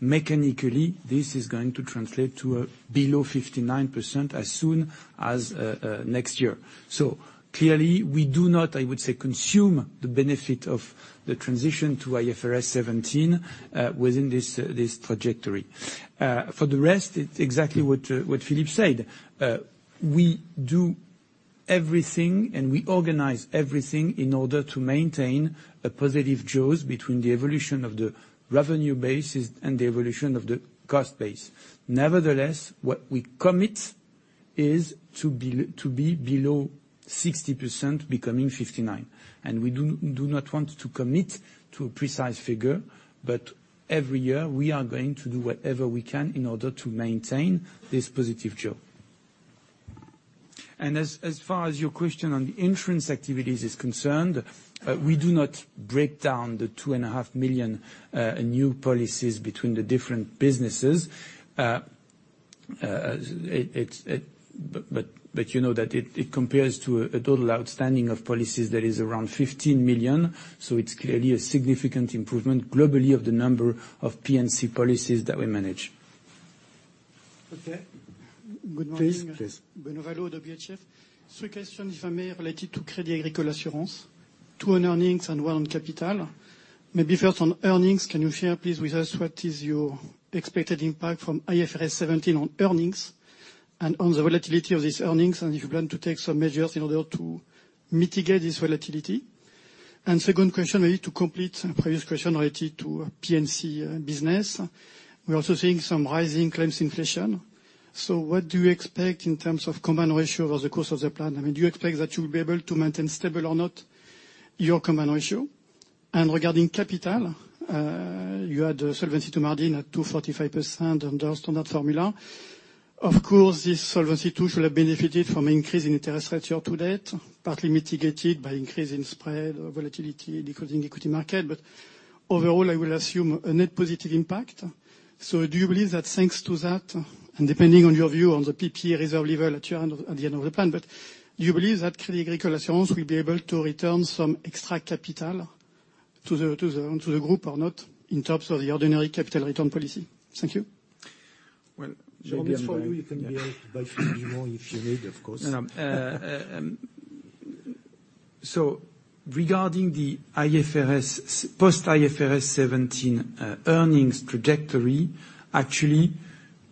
mechanically, this is going to translate to a below 59% as soon as next year. Clearly, we do not, I would say, consume the benefit of the transition to IFRS 17 within this trajectory. For the rest, it's exactly what Philippe said. We do everything and we organize everything in order to maintain a positive jaws between the evolution of the revenue bases and the evolution of the cost base. Nevertheless, what we commit is to be below 60% becoming 59. We do not want to commit to a precise figure, but every year we are going to do whatever we can in order to maintain this positive jaw. As far as your question on the insurance activities is concerned, we do not break down the 2.5 million new policies between the different businesses. It's it. you know that it compares to a total outstanding of policies that is around 15 million. It's clearly a significant improvement globally of the number of P&C policies that we manage. Okay. Good morning. Please. Benoist Halot, HSBC. Three questions, if I may, related to Crédit Agricole Assurances, two on earnings and one on capital. Maybe first on earnings, can you share, please, with us what is your expected impact from IFRS 17 on earnings and on the volatility of these earnings, and if you plan to take some measures in order to mitigate this volatility? Second question, maybe to complete a previous question related to P&C business. We're also seeing some rising claims inflation. What do you expect in terms of combined ratio over the course of the plan? I mean, do you expect that you'll be able to maintain stable or not your combined ratio? Regarding capital, you had a Solvency II margin at 245% under our standard formula. Of course, this Solvency II should have benefited from an increase in interest rates year-to-date, partly mitigated by increase in spread volatility decreasing equity market. Overall, I will assume a net positive impact. Do you believe that thanks to that, and depending on your view on the PPE reserve level at your end, at the end of the plan, but do you believe that Crédit Agricole Assurances will be able to return some extra capital to the group or not in terms of the ordinary capital return policy? Thank you. Well, Jérôme, it's for you. You can be able to buy more if you need, of course. No, no. Regarding the IFRS, post-IFRS 17, earnings trajectory, actually,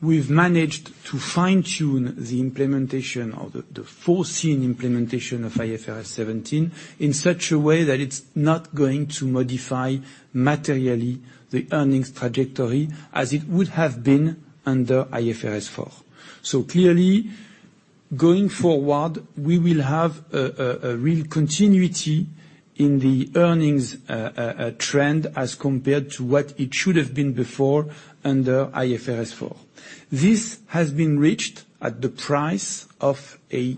we've managed to fine-tune the implementation of the foreseen implementation of IFRS 17 in such a way that it's not going to modify materially the earnings trajectory as it would have been under IFRS 4. Clearly, going forward, we will have a real continuity in the earnings trend as compared to what it should have been before under IFRS 4. This has been reached at the price of a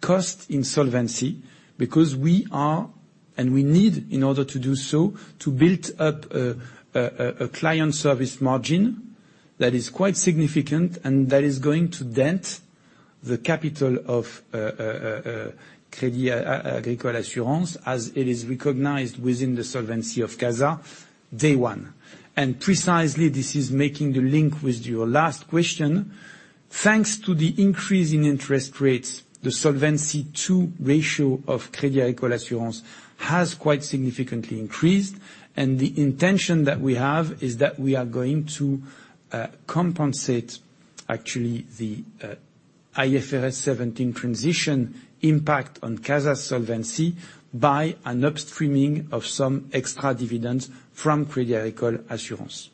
cost in solvency because we are, and we need in order to do so, to build up a client service margin that is quite significant and that is going to dent the capital of Crédit Agricole Assurances as it is recognized within the solvency of CASA day one. Precisely, this is making the link with your last question. Thanks to the increase in interest rates, the Solvency II ratio of Crédit Agricole Assurances has quite significantly increased, and the intention that we have is that we are going to compensate actually the IFRS 17 transition impact on CASA's solvency by an upstreaming of some extra dividends from Crédit Agricole Assurances.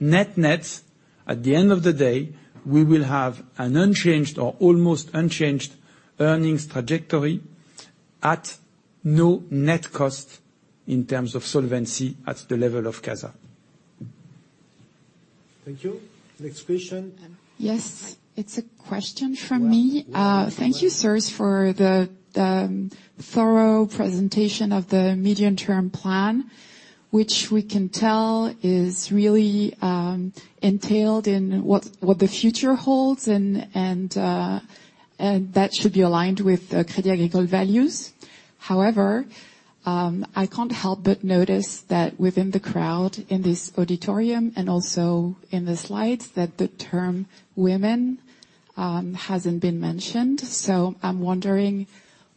Net-net, at the end of the day, we will have an unchanged or almost unchanged earnings trajectory at no net cost in terms of solvency at the level of CASA. Thank you. Next question. Yes. It's a question from me. [inaudible] Thank you, sirs, for the thorough presentation of the medium-term plan, which we can tell is really entailed in what the future holds and that should be aligned with Crédit Agricole values. However, I can't help but notice that within the crowd in this auditorium and also in the slides, that the term women hasn't been mentioned. I'm wondering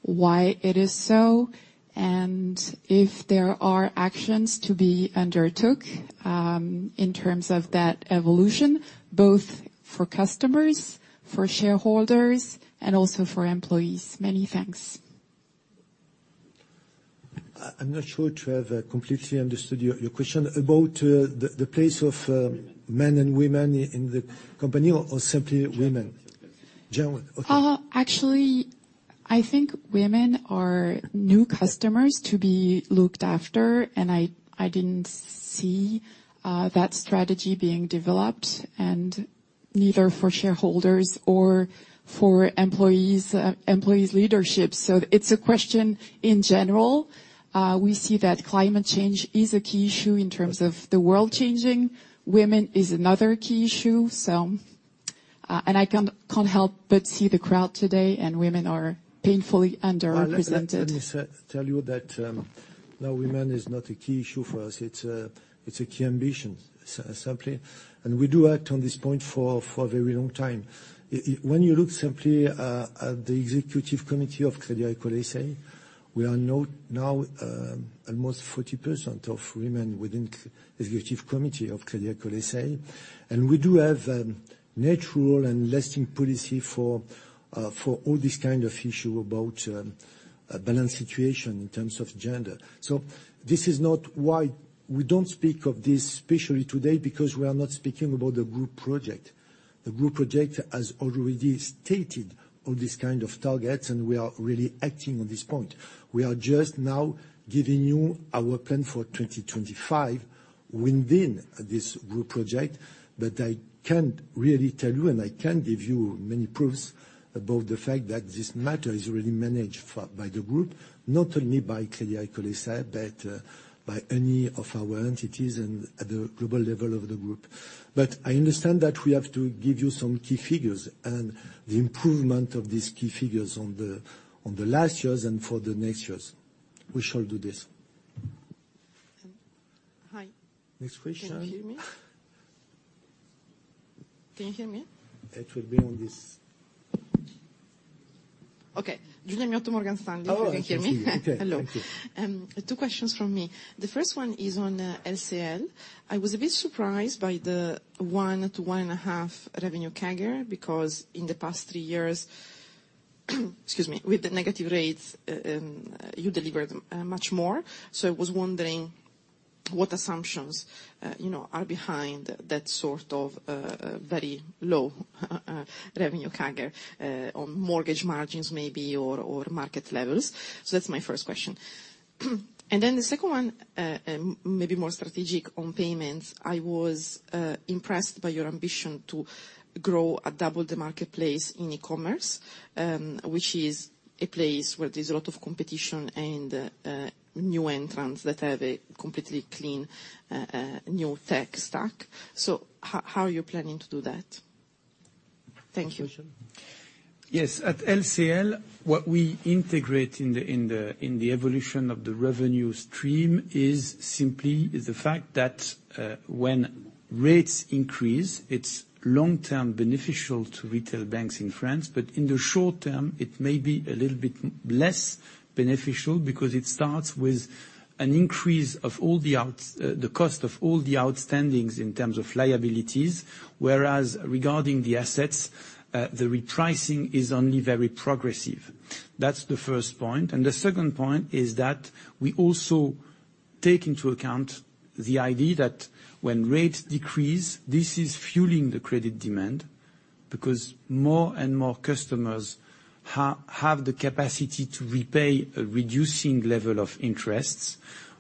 why it is so, and if there are actions to be undertook in terms of that evolution, both for customers, for shareholders, and also for employees. Many thanks. I'm not sure to have completely understood your question. About the place of men and women in the company or simply women? Actually, I think women are new customers to be looked after, and I didn't see that strategy being developed and neither for shareholders or for employees' leadership. It's a question in general. We see that climate change is a key issue in terms of the world changing. Women is another key issue, and I can't help but see the crowd today, and women are painfully underrepresented. Well, let me tell you that, no, women is not a key issue for us. It's a key ambition simply, and we do act on this point for a very long time. When you look simply at the executive committee of Crédit Agricole S.A., we are now almost 40% of women within the executive committee of Crédit Agricole S.A. We do have a natural and lasting policy for all this kind of issue about a balanced situation in terms of gender. This is not why we don't speak of this, especially today, because we are not speaking about the group project. The group project has already stated all these kind of targets, and we are really acting on this point. We are just now giving you our plan for 2025 within this group project. I can really tell you, and I can give you many proofs about the fact that this matter is really managed by the group, not only by Crédit Agricole S.A., but by any of our entities and at the global level of the group. I understand that we have to give you some key figures and the improvement of these key figures on the last years and for the next years. We shall do this. Hi. Next question. Can you hear me? Can you hear me? It will be on this. Okay. Giulia Aurora Miotto, Morgan Stanley. Oh, excuse me. You can hear me? Okay. Thank you. Hello. Two questions from me. The first one is on LCL. I was a bit surprised by the 1%-1.5% revenue CAGR, because in the past three years, excuse me, with the negative rates, you delivered much more. I was wondering- What assumptions, you know, are behind that sort of, very low revenue CAGR, on mortgage margins maybe, or market levels? That's my first question. The second one, maybe more strategic on payments, I was, impressed by your ambition to grow at double the marketplace in e-commerce, which is a place where there's a lot of competition and, new entrants that have a completely clean, new tech stack. How are you planning to do that? Thank you. Yes. At LCL, what we integrate in the evolution of the revenue stream is simply the fact that when rates increase, it's long-term beneficial to retail banks in France. In the short term, it may be a little bit less beneficial because it starts with an increase of all the cost of all the outstandings in terms of liabilities, whereas regarding the assets, the repricing is only very progressive. That's the first point. The second point is that we also take into account the idea that when rates decrease, this is fueling the credit demand because more and more customers have the capacity to repay a reducing level of interests.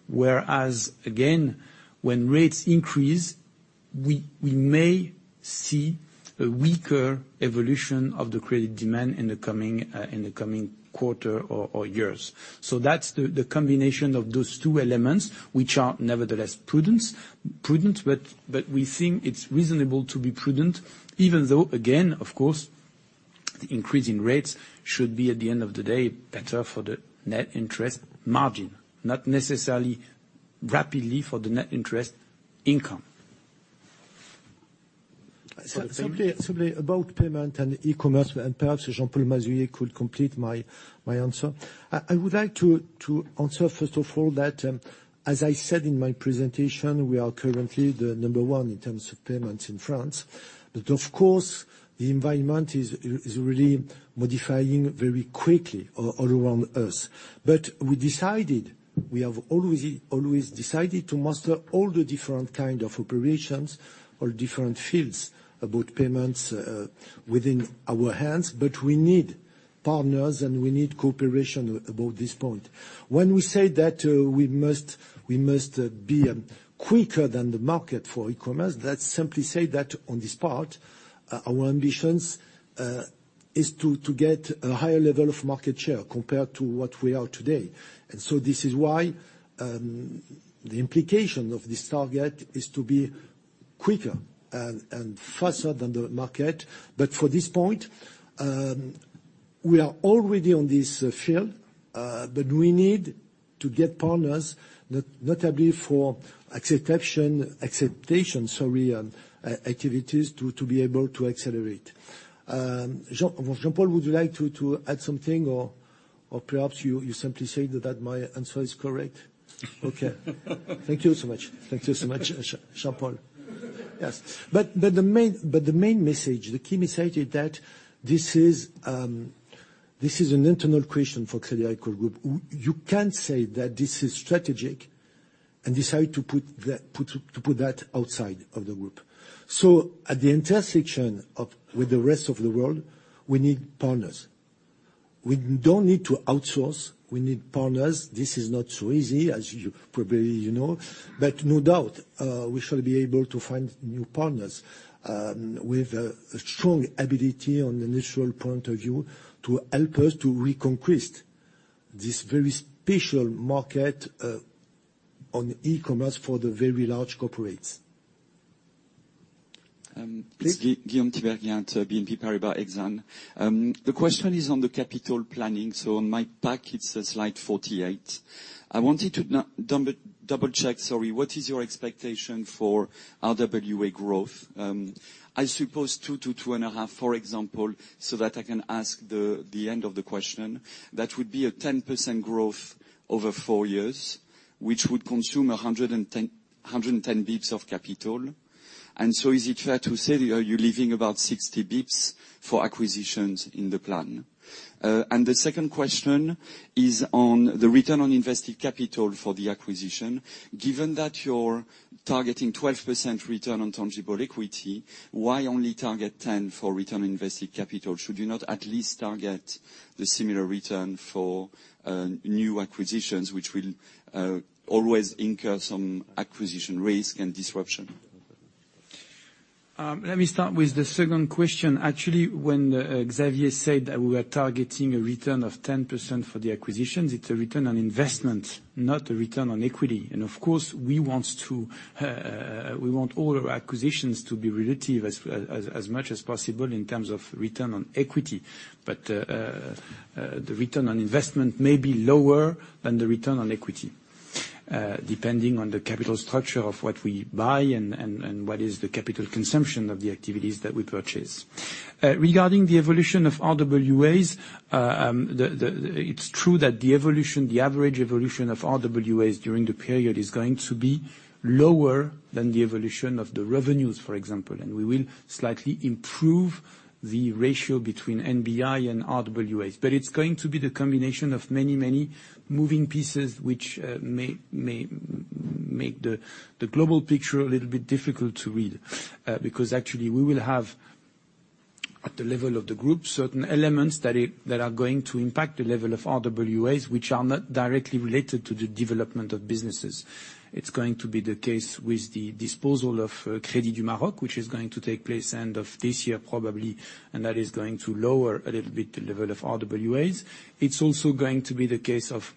Whereas, again, when rates increase, we may see a weaker evolution of the credit demand in the coming quarter or years. That's the combination of those two elements, which are nevertheless prudent. We think it's reasonable to be prudent, even though, again, of course, the increasing rates should be, at the end of the day, better for the net interest margin, not necessarily rapidly for the net interest income. Simply about payment and e-commerce, and perhaps Jean-Paul Mazoyer could complete my answer. I would like to answer, first of all, that, as I said in my presentation, we are currently the number one in terms of payments in France. Of course, the environment is really modifying very quickly all around us. We decided, we have always decided to master all the different kind of operations or different fields about payments within our hands, but we need partners, and we need cooperation about this point. When we say that, we must be quicker than the market for e-commerce, that simply say that on this part, our ambitions is to get a higher level of market share compared to what we are today. This is why the implication of this target is to be quicker and faster than the market. For this point, we are already on this field, but we need to get partners, notably for acceptance activities to be able to accelerate. Jean-Paul, would you like to add something or perhaps you simply say that my answer is correct? Okay. Thank you so much. Thank you so much, Jean-Paul. Yes. The main message, the key message is that this is an internal question for Crédit Agricole Group. You can't say that this is strategic and decide to put that outside of the group. At the intersection with the rest of the world, we need partners. We don't need to outsource. We need partners. This is not so easy, as you probably know. No doubt, we shall be able to find new partners with a strong ability on the financial point of view to help us to reconquest this very special market on e-commerce for the very large corporates. Um. Please. Guillaume Tiberghien at BNP Paribas Exane. The question is on the capital planning, so on my pack, it's Slide 48. I wanted to now double-check, sorry, what is your expectation for RWA growth? I suppose 2%-2.5%, for example, so that I can ask the end of the question. That would be a 10% growth over four years, which would consume 110 basis points of capital. Is it fair to say that you're leaving about 60 basis points for acquisitions in the plan? The second question is on the return on invested capital for the acquisition. Given that you're targeting 12% return on tangible equity, why only target 10% for return on invested capital? Should you not at least target the similar return for new acquisitions, which will always incur some acquisition risk and disruption? Let me start with the second question. Actually, when Xavier said that we were targeting a return of 10% for the acquisitions, it's a return on investment, not a return on equity. Of course, we want all our acquisitions to be relative as much as possible in terms of return on equity. The return on investment may be lower than the return on equity, depending on the capital structure of what we buy and what is the capital consumption of the activities that we purchase. Regarding the evolution of RWAs, it's true that the average evolution of RWAs during the period is going to be lower than the evolution of the revenues, for example. We will slightly improve the ratio between NBI and RWAs. It's going to be the combination of many, many moving pieces which may make the global picture a little bit difficult to read, because actually we will have. At the level of the group, certain elements that are going to impact the level of RWAs which are not directly related to the development of businesses. It's going to be the case with the disposal of Crédit du Maroc, which is going to take place end of this year, probably, and that is going to lower a little bit the level of RWAs. It's also going to be the case of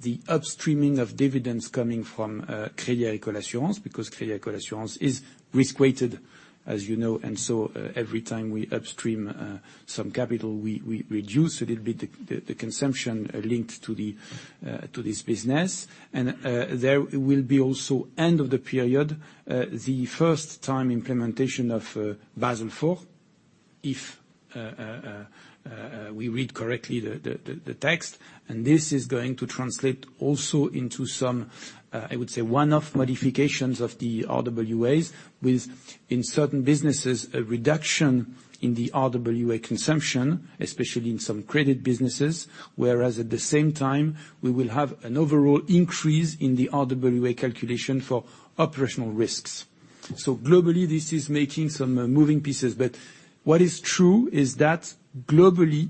the upstreaming of dividends coming from Crédit Agricole Assurances, because Crédit Agricole Assurances is risk-weighted, as you know, and so every time we upstream some capital, we reduce a little bit the consumption linked to this business. There will be also end of the period the first-time implementation of Basel IV, if we read correctly the text, and this is going to translate also into some, I would say, one-off modifications of the RWAs with in certain businesses a reduction in the RWA consumption, especially in some credit businesses, whereas at the same time, we will have an overall increase in the RWA calculation for operational risks. Globally, this is making some moving parts. What is true is that globally,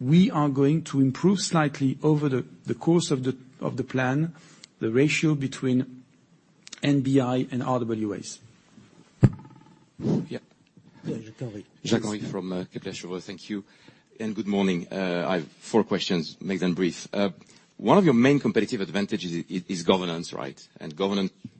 we are going to improve slightly over the course of the plan, the ratio between NBI and RWAs. Yeah. Yeah, Jacques-Henri. Jacques-Henri from Kepler Cheuvreux. Thank you and good morning. I have four questions. Make them brief. One of your main competitive advantages is governance, right? Governance, there's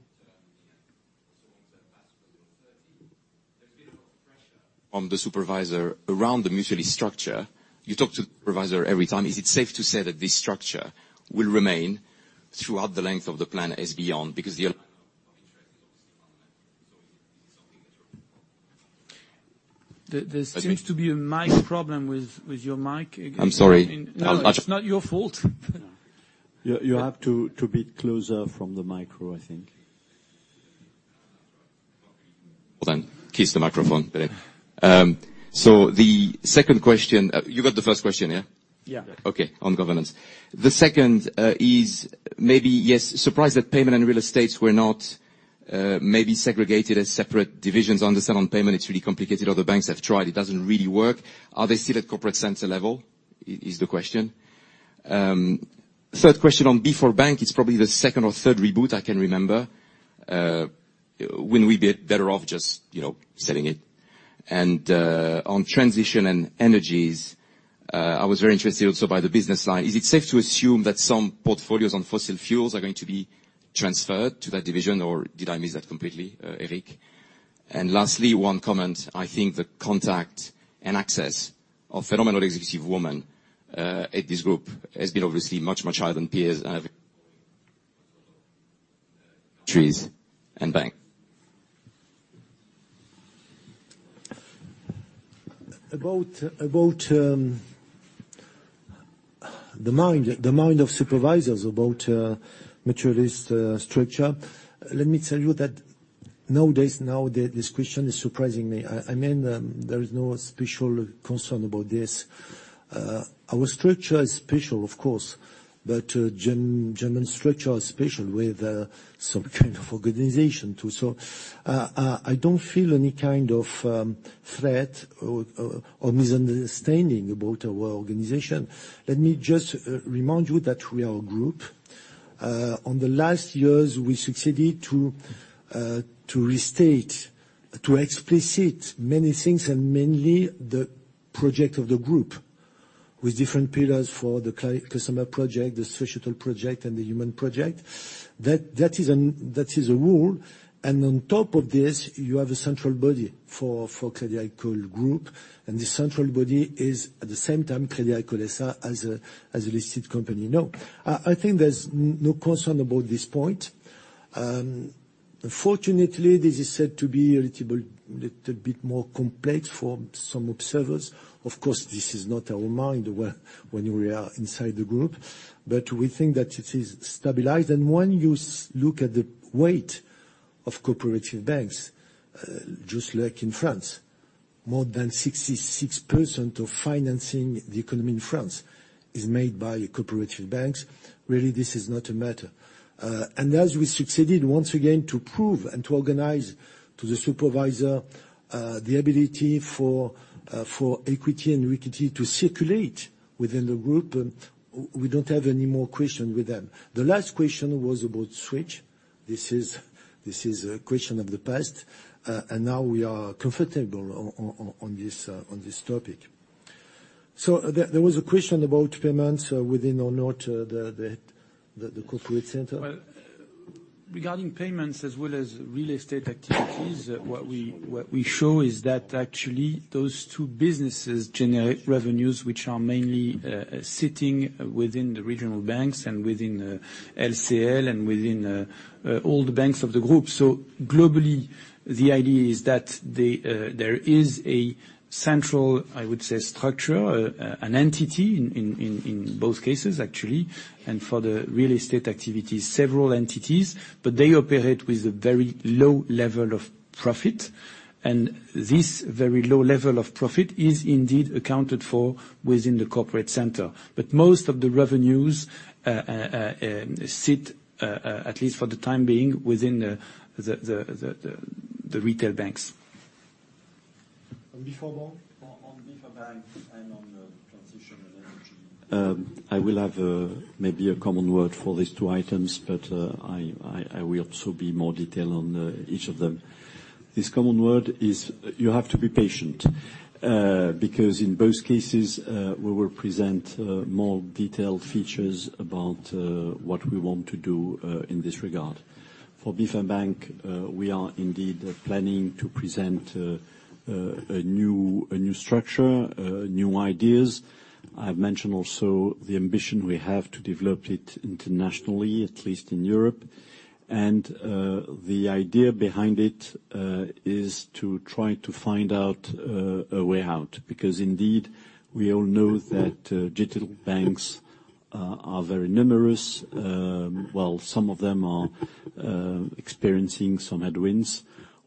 been a lot of pressure on the supervisor around the mutual structure. You talk to the supervisor every time. Is it safe to say that this structure will remain throughout the length of the plan and beyond? Because the There seems to be a mic problem with your mic again. I'm sorry. No, it's not your fault. You have to be closer to the mic, I think. Well then, kiss the microphone. The second question. You got the first question, yeah? Yeah. Okay, on governance. The second is maybe yes surprised that payments and real estate were not maybe segregated as separate divisions. Understand on payments, it's really complicated. Other banks have tried, it doesn't really work. Are they still at corporate center level? Is the question. Third question on BforBank, it's probably the second or third reboot I can remember. When we'd be better off just, you know, selling it. On Crédit Agricole Transitions & Énergies, I was very interested also by the business line. Is it safe to assume that some portfolios on fossil fuels are going to be transferred to that division, or did I miss that completely, Éric? Lastly, one comment, I think the contact and access to phenomenal executive women at this group has been obviously much, much higher than peers I have covered at banks. About the mindset of supervisors about mutualist structure, let me tell you that nowadays this question is surprising me. I mean, there is no special concern about this. Our structure is special, of course, but German structure is special with some kind of organization too. I don't feel any kind of threat or misunderstanding about our organization. Let me just remind you that we are a group. In the last years, we succeeded to restate, to explicate many things, and mainly the project of the group with different pillars for the client project, the societal project, and the human project. That is a rule, and on top of this, you have a central body for Crédit Agricole Group, and the central body is at the same time, Crédit Agricole S.A. as a listed company. No, I think there's no concern about this point. Unfortunately, this is said to be a little bit more complex for some observers. Of course, this is not our mind when we are inside the group, but we think that it is stabilized. When you look at the weight of cooperative banks, just like in France, more than 66% of financing the economy in France is made by cooperative banks. Really, this is not a matter. As we succeeded once again to prove and to organize to the supervisor the ability for equity and liquidity to circulate within the group, we don't have any more question with them. The last question was about SWIFT. This is a question of the past, and now we are comfortable on this topic. There was a question about payments within or not the corporate center. Well, regarding payments as well as real estate activities, what we show is that actually those two businesses generate revenues which are mainly sitting within the regional banks and within LCL and within all the banks of the group. Globally, the idea is that there is a central, I would say, structure, an entity in both cases, actually, and for the real estate activities, several entities, but they operate with a very low level of profit, and this very low level of profit is indeed accounted for within the corporate center. Most of the revenues sit, at least for the time being, within the retail banks. On BforBank? On BforBank and on the Transitions & Énergies. I will have maybe a common word for these two items, but I will also be more detailed on each of them. This common word is you have to be patient. Because in both cases, we will present more detailed features about what we want to do in this regard. For BforBank, we are indeed planning to present a new structure, new ideas. I've mentioned also the ambition we have to develop it internationally, at least in Europe. The idea behind it is to try to find out a way out, because indeed we all know that digital banks are very numerous. While some of them are experiencing some headwinds,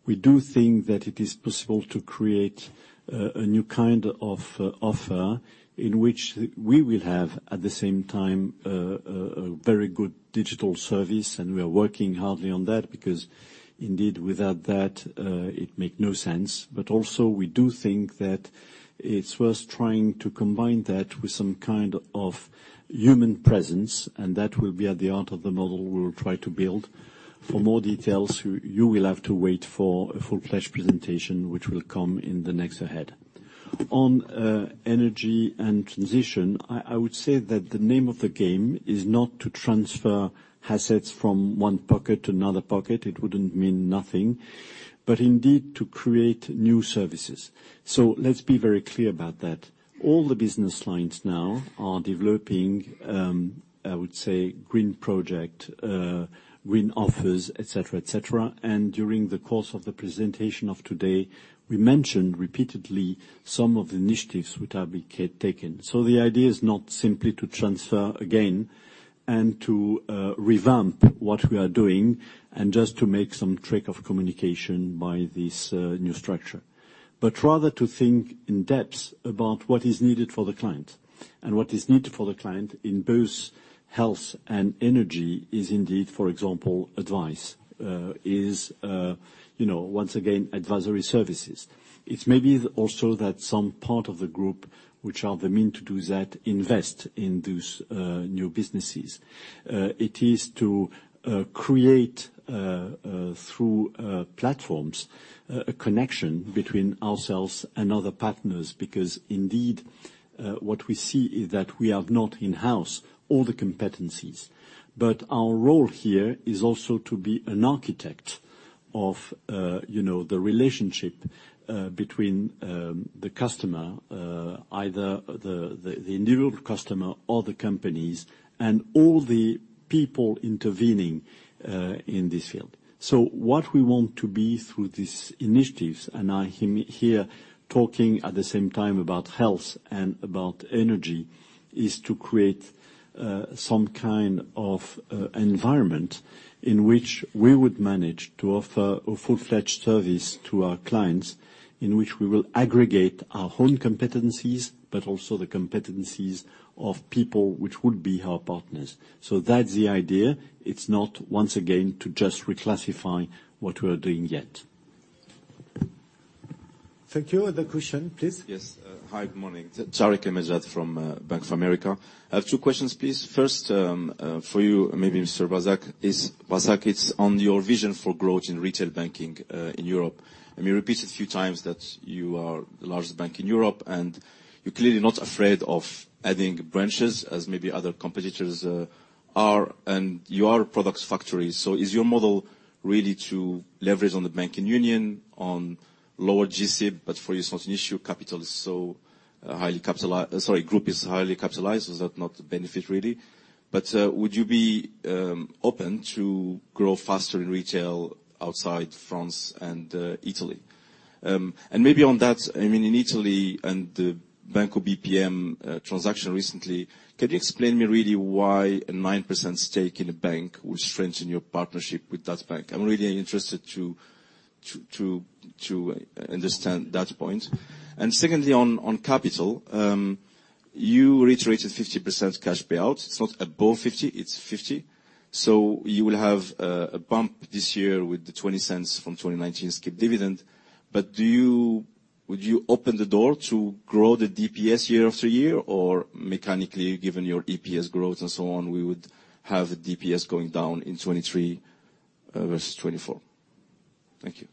we do think that it is possible to create a new kind of offer in which we will have, at the same time, a very good digital service, and we are working hardly on that, because indeed, without that, it make no sense. We do think that it's worth trying to combine that with some kind of human presence, and that will be at the heart of the model we will try to build. For more details, you will have to wait for a full-fledged presentation, which will come in the next ahead. On energy and transition, I would say that the name of the game is not to transfer assets from one pocket to another pocket, it wouldn't mean nothing, but indeed, to create new services. Let's be very clear about that. All the business lines now are developing, I would say, green project, green offers, et cetera, et cetera. During the course of the presentation of today, we mentioned repeatedly some of the initiatives which are being taken. The idea is not simply to transfer again and to revamp what we are doing and just to make some trick of communication by this new structure. Rather to think in depth about what is needed for the client. What is needed for the client in both health and energy is indeed, for example, advice. Is, you know, once again, advisory services. It's maybe also that some part of the group, which are the mean to do that, invest in those new businesses. It is to create through platforms a connection between ourselves and other partners, because indeed, what we see is that we have not in-house all the competencies. Our role here is also to be an architect of, you know, the relationship between the customer, either the individual customer or the companies, and all the people intervening in this field. What we want to be through these initiatives, and I am here talking at the same time about health and about energy, is to create some kind of environment in which we would manage to offer a full-fledged service to our clients, in which we will aggregate our own competencies, but also the competencies of people which would be our partners. That's the idea. It's not, once again, to just reclassify what we are doing yet. Thank you. Other question, please. Yes. Hi, good morning. Tarik El Mejjad from Bank of America. I have two questions, please. First, for you, maybe Mr. Brassac, it's on your vision for growth in retail banking in Europe. I mean, you repeated a few times that you are the largest bank in Europe, and you're clearly not afraid of adding branches as maybe other competitors are, and you are products factory. Is your model really to leverage on the banking union on lower GC, but for you, it's not an issue, group is highly capitalized, is that not a benefit, really? Would you be open to grow faster in retail outside France and Italy? Maybe on that, I mean, in Italy and the Banco BPM transaction recently, can you explain me really why a 9% stake in a bank will strengthen your partnership with that bank? I'm really interested to understand that point. Secondly, on capital, you reiterated 50% cash payout. It's not above 50, it's 50. So you will have a bump this year with the 0.20 from 2019 skipped dividend, but would you open the door to grow the DPS year after year or mechanically, given your EPS growth and so on, we would have a DPS going down in 2023 versus 2024? Thank you.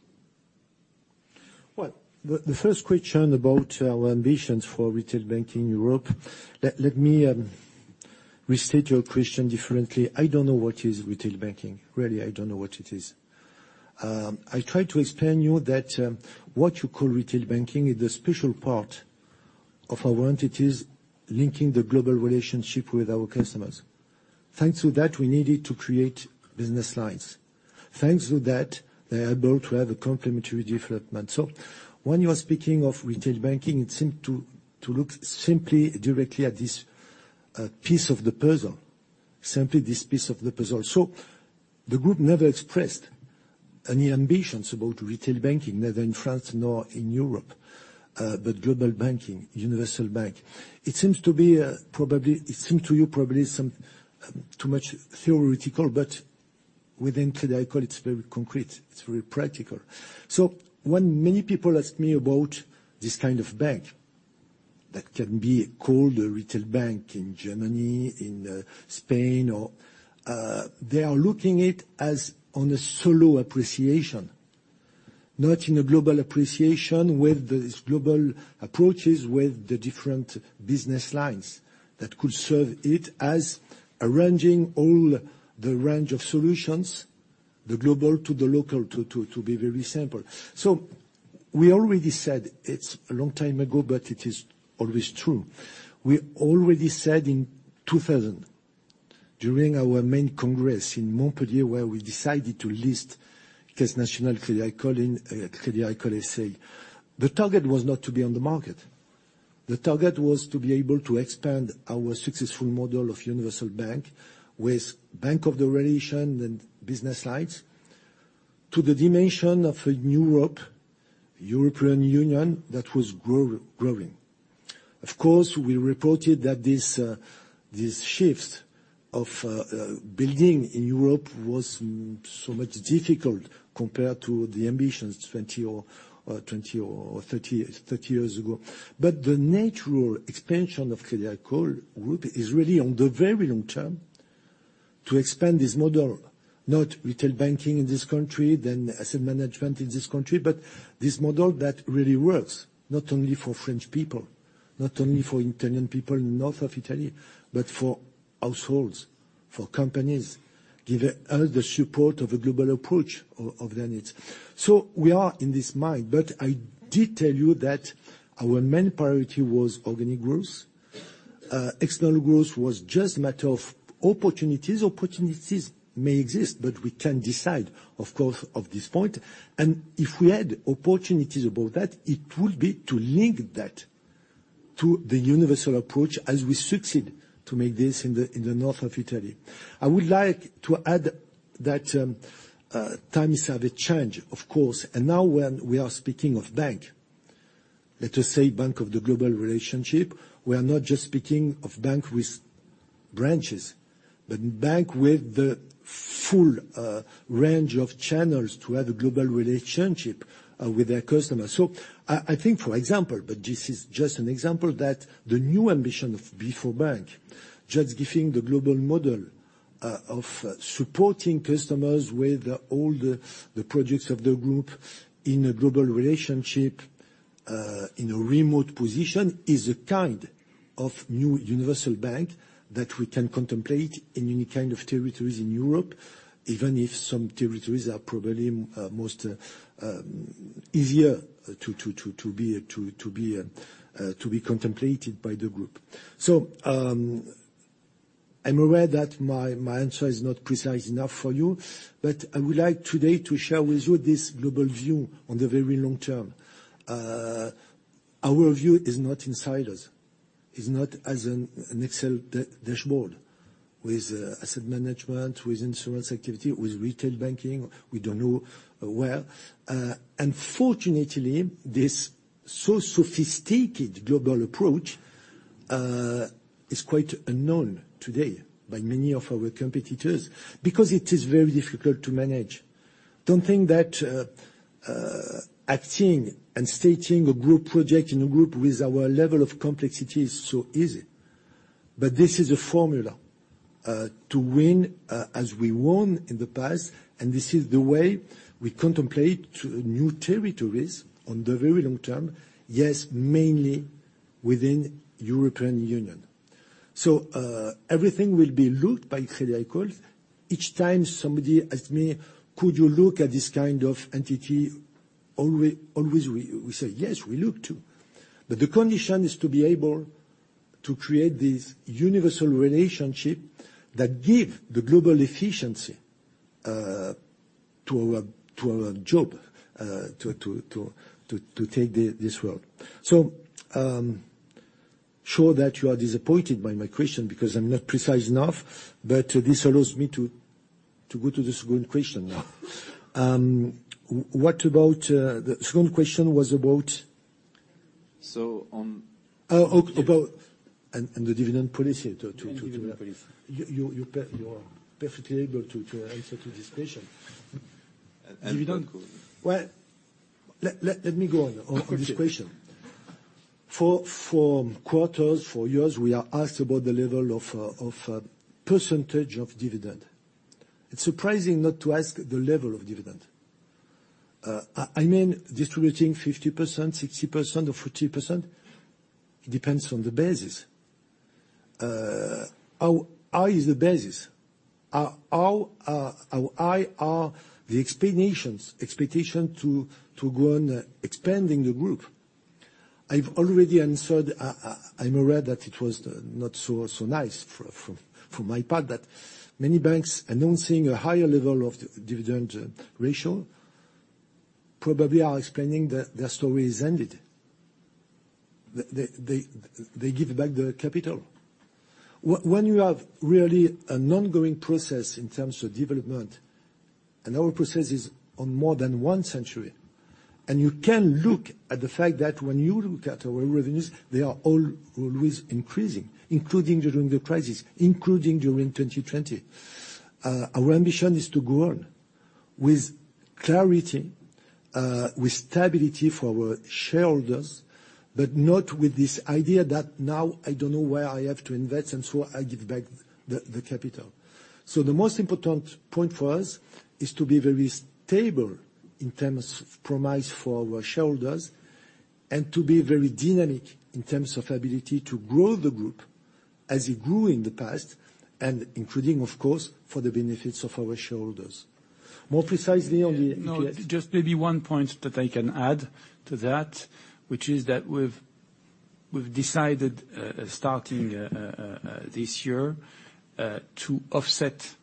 Well, the first question about our ambitions for retail banking in Europe, let me restate your question differently. I don't know what is retail banking. Really, I don't know what it is. I try to explain you that what you call retail banking is a special part of our entities linking the global relationship with our customers. Thanks to that, we needed to create business lines. Thanks to that, they are able to have a complementary development. When you are speaking of retail banking, it seem to look simply directly at this piece of the puzzle, simply this piece of the puzzle. The group never expressed any ambitions about retail banking, neither in France nor in Europe, but global banking, universal bank. It seems to be probably, it seems to you probably some too much theoretical, but Within Crédit Agricole, it's very concrete, it's very practical. When many people ask me about this kind of bank, that can be called a retail bank in Germany, in Spain, or, they are looking it as on a solo appreciation, not in a global appreciation with these global approaches, with the different business lines that could serve it as arranging all the range of solutions, the global to the local, to be very simple. We already said it's a long time ago, but it is always true. We already said in 2000, during our main congress in Montpellier, where we decided to list Caisse Nationale de Crédit Agricole, Crédit Agricole S.A. The target was not to be on the market. The target was to be able to expand our successful model of universal bank with relationship and business lines to the dimension of a new Europe, European Union that was growing. Of course, we reported that this shift of building in Europe was so much difficult compared to the ambitions 20 or 30 years ago. The natural expansion of Crédit Agricole Group is really on the very long term to expand this model, not retail banking in this country, then asset management in this country, but this model that really works not only for French people, not only for Italian people north of Italy, but for households, for companies, give the support of a global approach of their needs. We are of this mind, but I did tell you that our main priority was organic growth. External growth was just a matter of opportunities. Opportunities may exist, but we can't decide, of course, at this point. If we had opportunities above that, it would be to link that to the universal approach as we succeeded to make this in the north of Italy. I would like to add that, times have changed, of course. Now when we are speaking of bank, let us say bank of the global relationship, we are not just speaking of bank with branches, but bank with the full range of channels to have a global relationship with their customers. I think, for example, but this is just an example, that the new ambition of BforBank, just giving the global model, of supporting customers with all the projects of the group in a global relationship, in a remote position, is a kind of new universal bank that we can contemplate in any kind of territories in Europe, even if some territories are probably most easier to be contemplated by the group. I'm aware that my answer is not precise enough for you, but I would like today to share with you this global view on the very long term. Our view is not inside us. It's not as an Excel dashboard with asset management, with insurance activity, with retail banking. We don't know where. Unfortunately, this so sophisticated global approach is quite unknown today by many of our competitors because it is very difficult to manage. Don't think that acting and stating a group project in a group with our level of complexity is so easy. This is a formula to win as we won in the past, and this is the way we contemplate to new territories on the very long term. Yes, mainly within European Union. Everything will be looked by Crédit Agricole. Each time somebody asks me, "Could you look at this kind of entity?" Always, we say, "Yes, we look to." The condition is to be able to create this universal relationship that give the global efficiency to our job to take this road. I'm sure that you are disappointed by my question because I'm not precise enough, but this allows me to go to the second question now. The second question was about- So on- the dividend policy. Dividend policy. You are perfectly able to answer to this question. And, and- Dividend. Well, let me go on this question. For quarters, for years, we are asked about the level of percentage of dividend. It's surprising not to ask the level of dividend. I mean, distributing 50%, 60%, or 40%, it depends on the basis. How is the basis? How high are the expectations to go on expanding the group? I've already answered. I'm aware that it was not so nice for my part, but many banks announcing a higher level of dividend ratio probably are explaining their story is ended. They give back their capital. When you have really an ongoing process in terms of development, and our process is on more than one century. You can look at the fact that when you look at our revenues, they are all always increasing, including during the crisis, including during 2020. Our ambition is to grow with clarity, with stability for our shareholders, but not with this idea that now I don't know where I have to invest, and so I give back the capital. The most important point for us is to be very stable in terms of promise for our shareholders and to be very dynamic in terms of ability to grow the group as it grew in the past and including, of course, for the benefits of our shareholders. More precisely on the No, just maybe one point that I can add to that, which is that we've decided starting this year to offset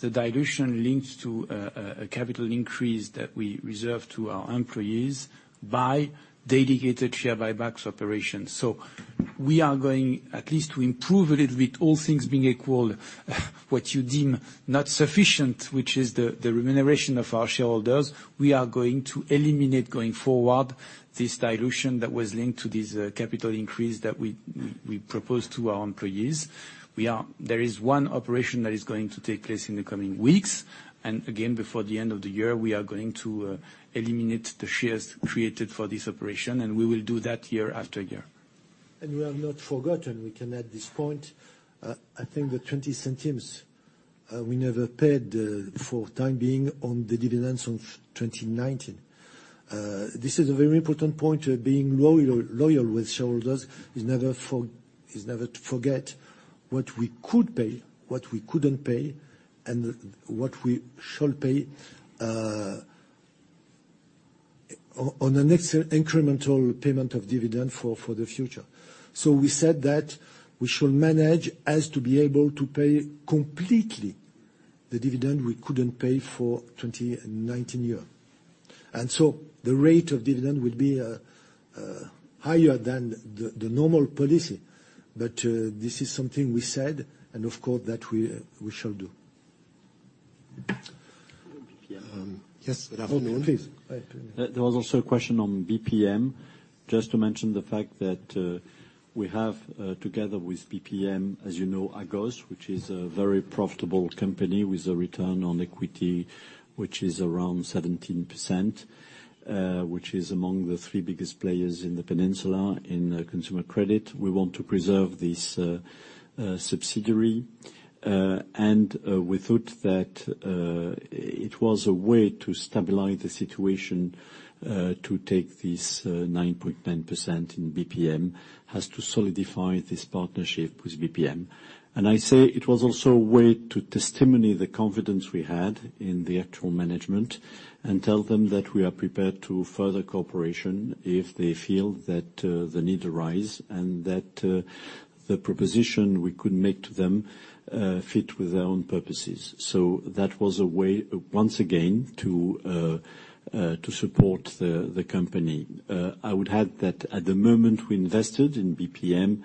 the dilution linked to a capital increase that we reserve to our employees by dedicated share buybacks operations. We are going at least to improve a little bit, all things being equal, what you deem not sufficient, which is the remuneration of our shareholders. We are going to eliminate going forward this dilution that was linked to this capital increase that we propose to our employees. There is one operation that is going to take place in the coming weeks, and again, before the end of the year, we are going to eliminate the shares created for this operation, and we will do that year after year. We have not forgotten, we can add this point. I think the 0.20 we never paid for the time being on the dividends of 2019. This is a very important point of being loyal with shareholders is never to forget what we could pay, what we couldn't pay, and what we shall pay on the next incremental payment of dividend for the future. We said that we should manage as to be able to pay completely the dividend we couldn't pay for 2019 year. The rate of dividend will be higher than the normal policy. This is something we said, and of course, that we shall do. Yes. Please. There was also a question on BPM. Just to mention the fact that we have together with BPM, as you know, Agos, which is a very profitable company with a return on equity, which is around 17%, which is among the three biggest players in the peninsula in consumer credit. We want to preserve this subsidiary, and we thought that it was a way to stabilize the situation, to take this 9.9% in BPM as to solidify this partnership with BPM. I say it was also a way to testify to the confidence we had in the actual management and tell them that we are prepared to further cooperation if they feel that the need arise and that the proposition we could make to them fit with their own purposes. That was a way, once again, to support the company. I would add that at the moment we invested in BPM,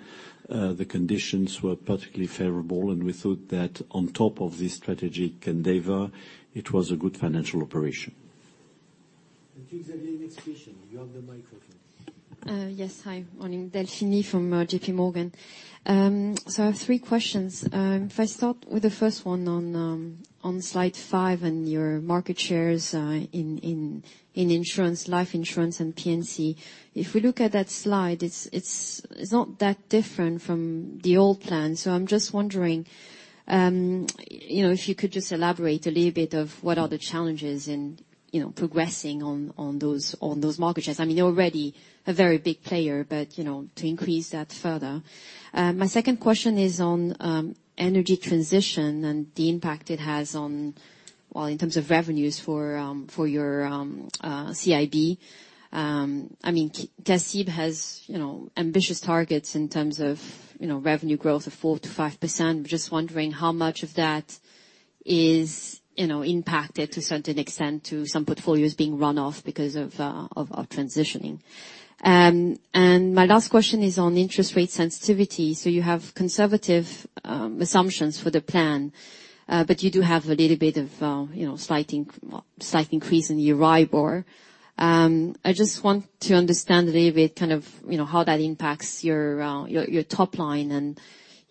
the conditions were particularly favorable, and we thought that on top of this strategic endeavor, it was a good financial operation. To Xavier's next question. You have the microphone. Yes. Hi. Morning. Delphine from JP Morgan. I have three questions. If I start with the first one on slide five and your market shares in insurance, life insurance and P&C. If we look at that slide, it's not that different from the old plan. I'm just wondering, you know, if you could just elaborate a little bit of what are the challenges in, you know, progressing on those market shares. I mean, you're already a very big player, but, you know, to increase that further. My second question is on energy transition and the impact it has on, well, in terms of revenues for your CIB. I mean, CACIB has ambitious targets in terms of revenue growth of 4%-5%. Just wondering how much of that is impacted to certain extent to some portfolios being run off because of transitioning. My last question is on interest rate sensitivity. You have conservative assumptions for the plan. But you do have a little bit of slight increase in the RIB or. I just want to understand a little bit kind of how that impacts your top line.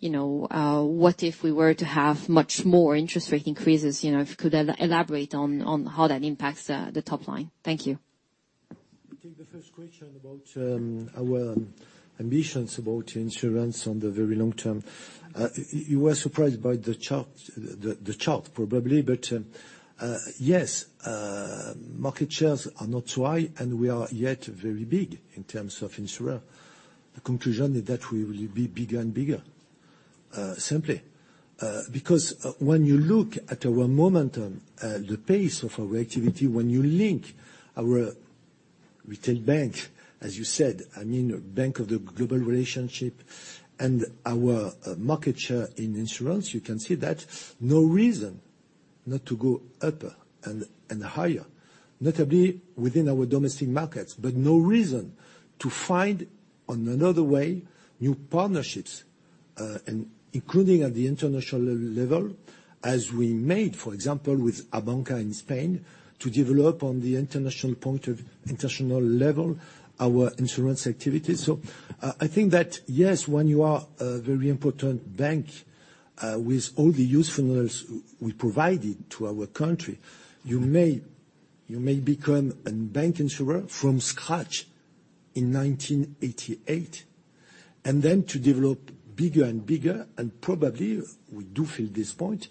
You know, what if we were to have much more interest rate increases, you know, if you could elaborate on how that impacts the top line. Thank you. I think the first question about our ambitions about insurance on the very long term. You were surprised by the chart, probably. Yes, market shares are not so high, and we are yet very big in terms of insurer. The conclusion is that we will be bigger and bigger, simply. Because when you look at our momentum, the pace of our activity, when you link our retail bank, as you said, I mean, a bank of the global relationship and our market share in insurance, you can see that no reason not to go upper and higher, notably within our domestic markets. No reason to find on another way, new partnerships and including at the international level, as we made, for example, with ABANCA in Spain, to develop on the international point of international level our insurance activity. I think that, yes, when you are a very important bank, with all the usefulness we provided to our country, you may become a bank insurer from scratch in 1988, and then to develop bigger and bigger, and probably we do fill this point,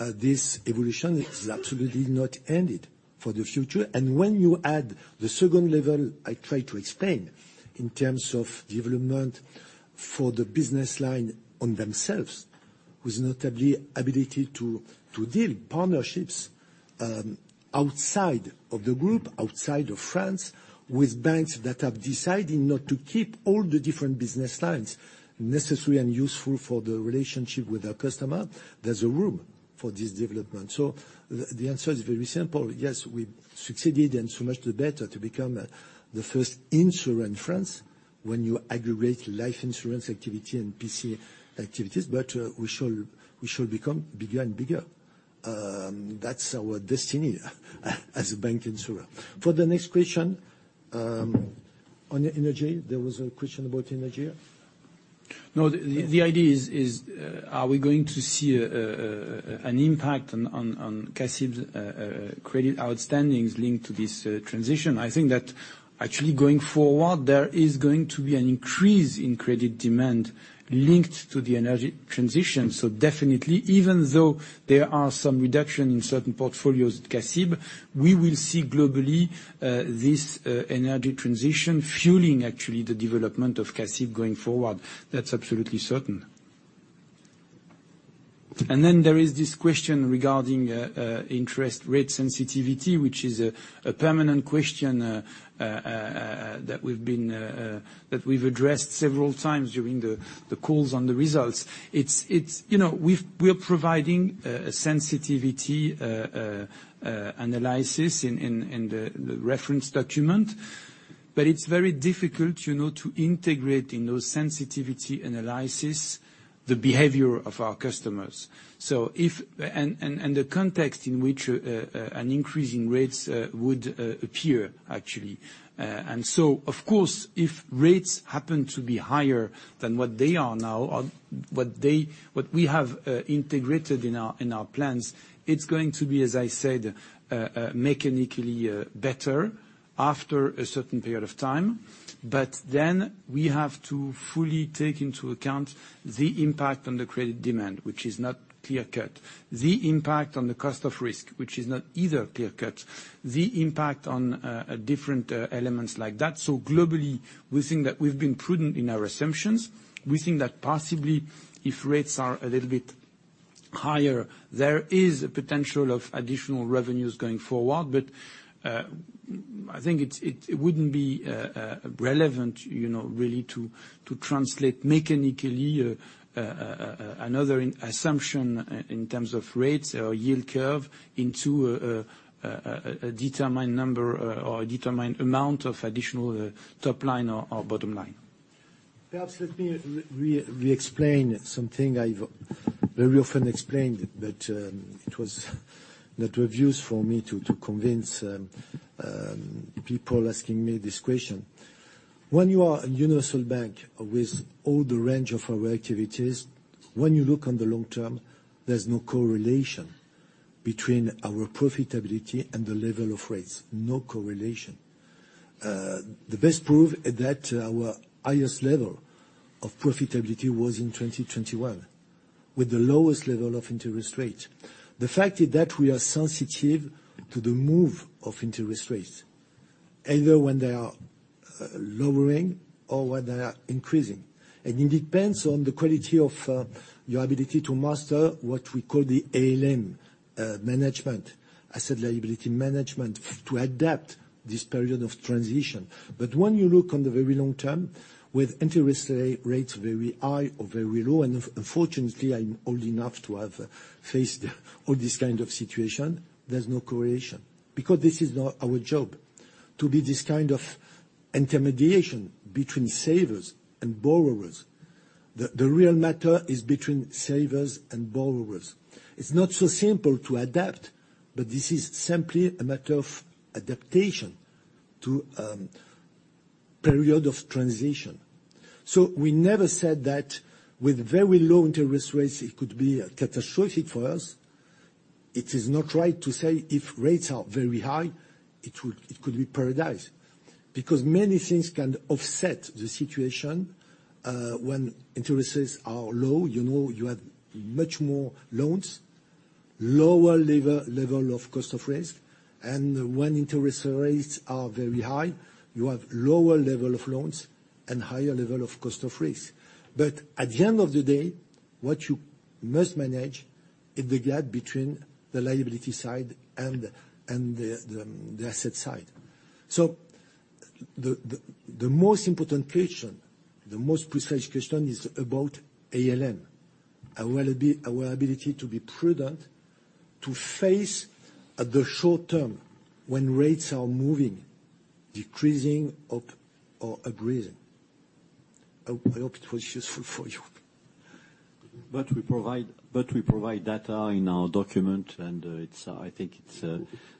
this evolution is absolutely not ended for the future. When you add the second level I try to explain in terms of development for the business line on themselves, with notably ability to deal partnerships, outside of the group, outside of France, with banks that have decided not to keep all the different business lines necessary and useful for the relationship with our customer, there's a room for this development. The answer is very simple. Yes, we succeeded, and so much the better, to become the first insurer in France when you aggregate life insurance activity and P&C activities, but we shall become bigger and bigger. That's our destiny as a bank insurer. For the next question on energy. There was a question about energy? No. The idea is, are we going to see an impact on CACIB credit outstandings linked to this transition? I think that actually going forward there is going to be an increase in credit demand linked to the energy transition. Definitely, even though there are some reduction in certain portfolios at CACIB, we will see globally this energy transition fueling actually the development of CACIB going forward. That's absolutely certain. Then there is this question regarding interest rate sensitivity, which is a permanent question that we've addressed several times during the calls on the results. It's you know we're providing a sensitivity analysis in the reference document, but it's very difficult you know to integrate in those sensitivity analysis the behavior of our customers. The context in which an increase in rates would appear, actually. Of course, if rates happen to be higher than what they are now or what we have integrated in our plans, it's going to be, as I said, mechanically better after a certain period of time. Then we have to fully take into account the impact on the credit demand, which is not clear-cut. The impact on the cost of risk, which is not either clear-cut. The impact on different elements like that. Globally, we think that we've been prudent in our assumptions. We think that possibly if rates are a little bit higher, there is a potential of additional revenues going forward. I think it wouldn't be relevant, you know, really to translate mechanically another assumption in terms of rates or yield curve into a determined number or a determined amount of additional top line or bottom line. Perhaps let me re-explain something I've very often explained, but it was not of use for me to convince people asking me this question. When you are a universal bank with all the range of our activities, when you look on the long term, there's no correlation between our profitability and the level of rates. No correlation. The best proof that our highest level of profitability was in 2021, with the lowest level of interest rate. The fact is that we are sensitive to the move of interest rates, either when they are lowering or when they are increasing. It depends on the quality of your ability to master what we call the ALM management, asset liability management, to adapt this period of transition. When you look on the very long term, with interest rates very high or very low, and fortunately, I'm old enough to have faced all this kind of situation, there's no correlation. Because this is our job, to be this kind of intermediation between savers and borrowers. The real matter is between savers and borrowers. It's not so simple to adapt, but this is simply a matter of adaptation to period of transition. We never said that with very low interest rates it could be catastrophic for us. It is not right to say if rates are very high, it could be paradise. Because many things can offset the situation when interests are low. You know you have much more loans, lower level of cost of risk. When interest rates are very high, you have lower level of loans and higher level of cost of risk. At the end of the day, what you must manage is the gap between the liability side and the asset side. The most important question, the most precise question is about ALM. Our ability to be prudent to face in the short term when rates are moving, decreasing or increasing. I hope it was useful for you. We provide data in our document, and it's, I think,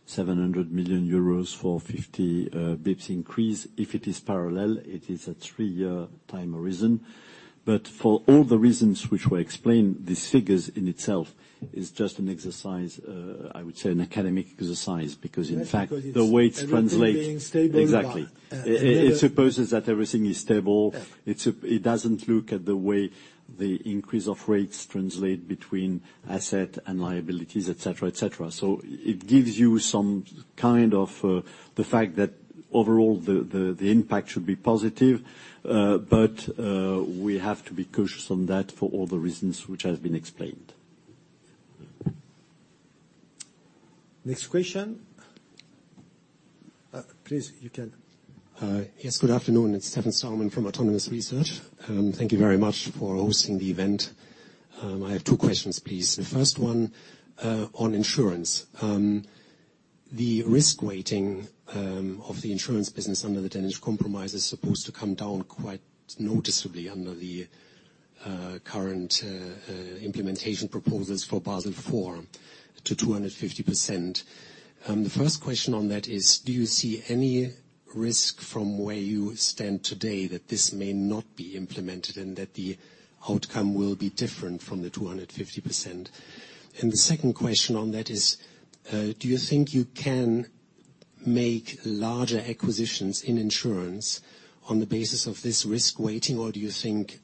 700 million euros for 50 basis points increase. If it is parallel, it is a three-year time horizon. For all the reasons which were explained, the figures in itself is just an exercise, I would say an academic exercise, because in fact- That's because it's everything being stable but. Exactly. Yeah. It supposes that everything is stable. Yeah. It doesn't look at the way the increase of rates translate between asset and liabilities, et cetera, et cetera. It gives you some kind of the fact that overall, the impact should be positive. We have to be cautious on that for all the reasons which has been explained. Next question. Please, you can. Yes. Good afternoon. It's Stefan Stalmann from Autonomous Research. Thank you very much for hosting the event. I have two questions, please. The first one on insurance. The risk weighting of the insurance business under the Danish Compromise is supposed to come down quite noticeably under the current implementation proposals for Basel IV to 250%. The first question on that is, do you see any risk from where you stand today that this may not be implemented and that the outcome will be different from the 250%? The second question on that is, do you think you can make larger acquisitions in insurance on the basis of this risk weighting, or do you think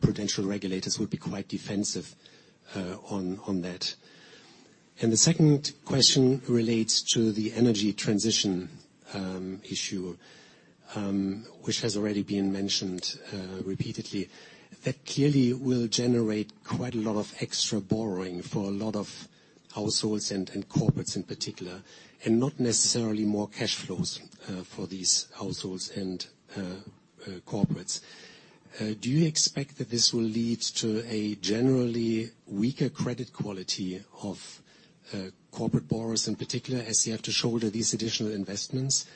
prudential regulators would be quite defensive on that? The second question relates to the energy transition issue, which has already been mentioned repeatedly. That clearly will generate quite a lot of extra borrowing for a lot of households and corporates in particular, and not necessarily more cash flows for these households and corporates. Do you expect that this will lead to a generally weaker credit quality of corporate borrowers in particular, as you have to shoulder these additional investments?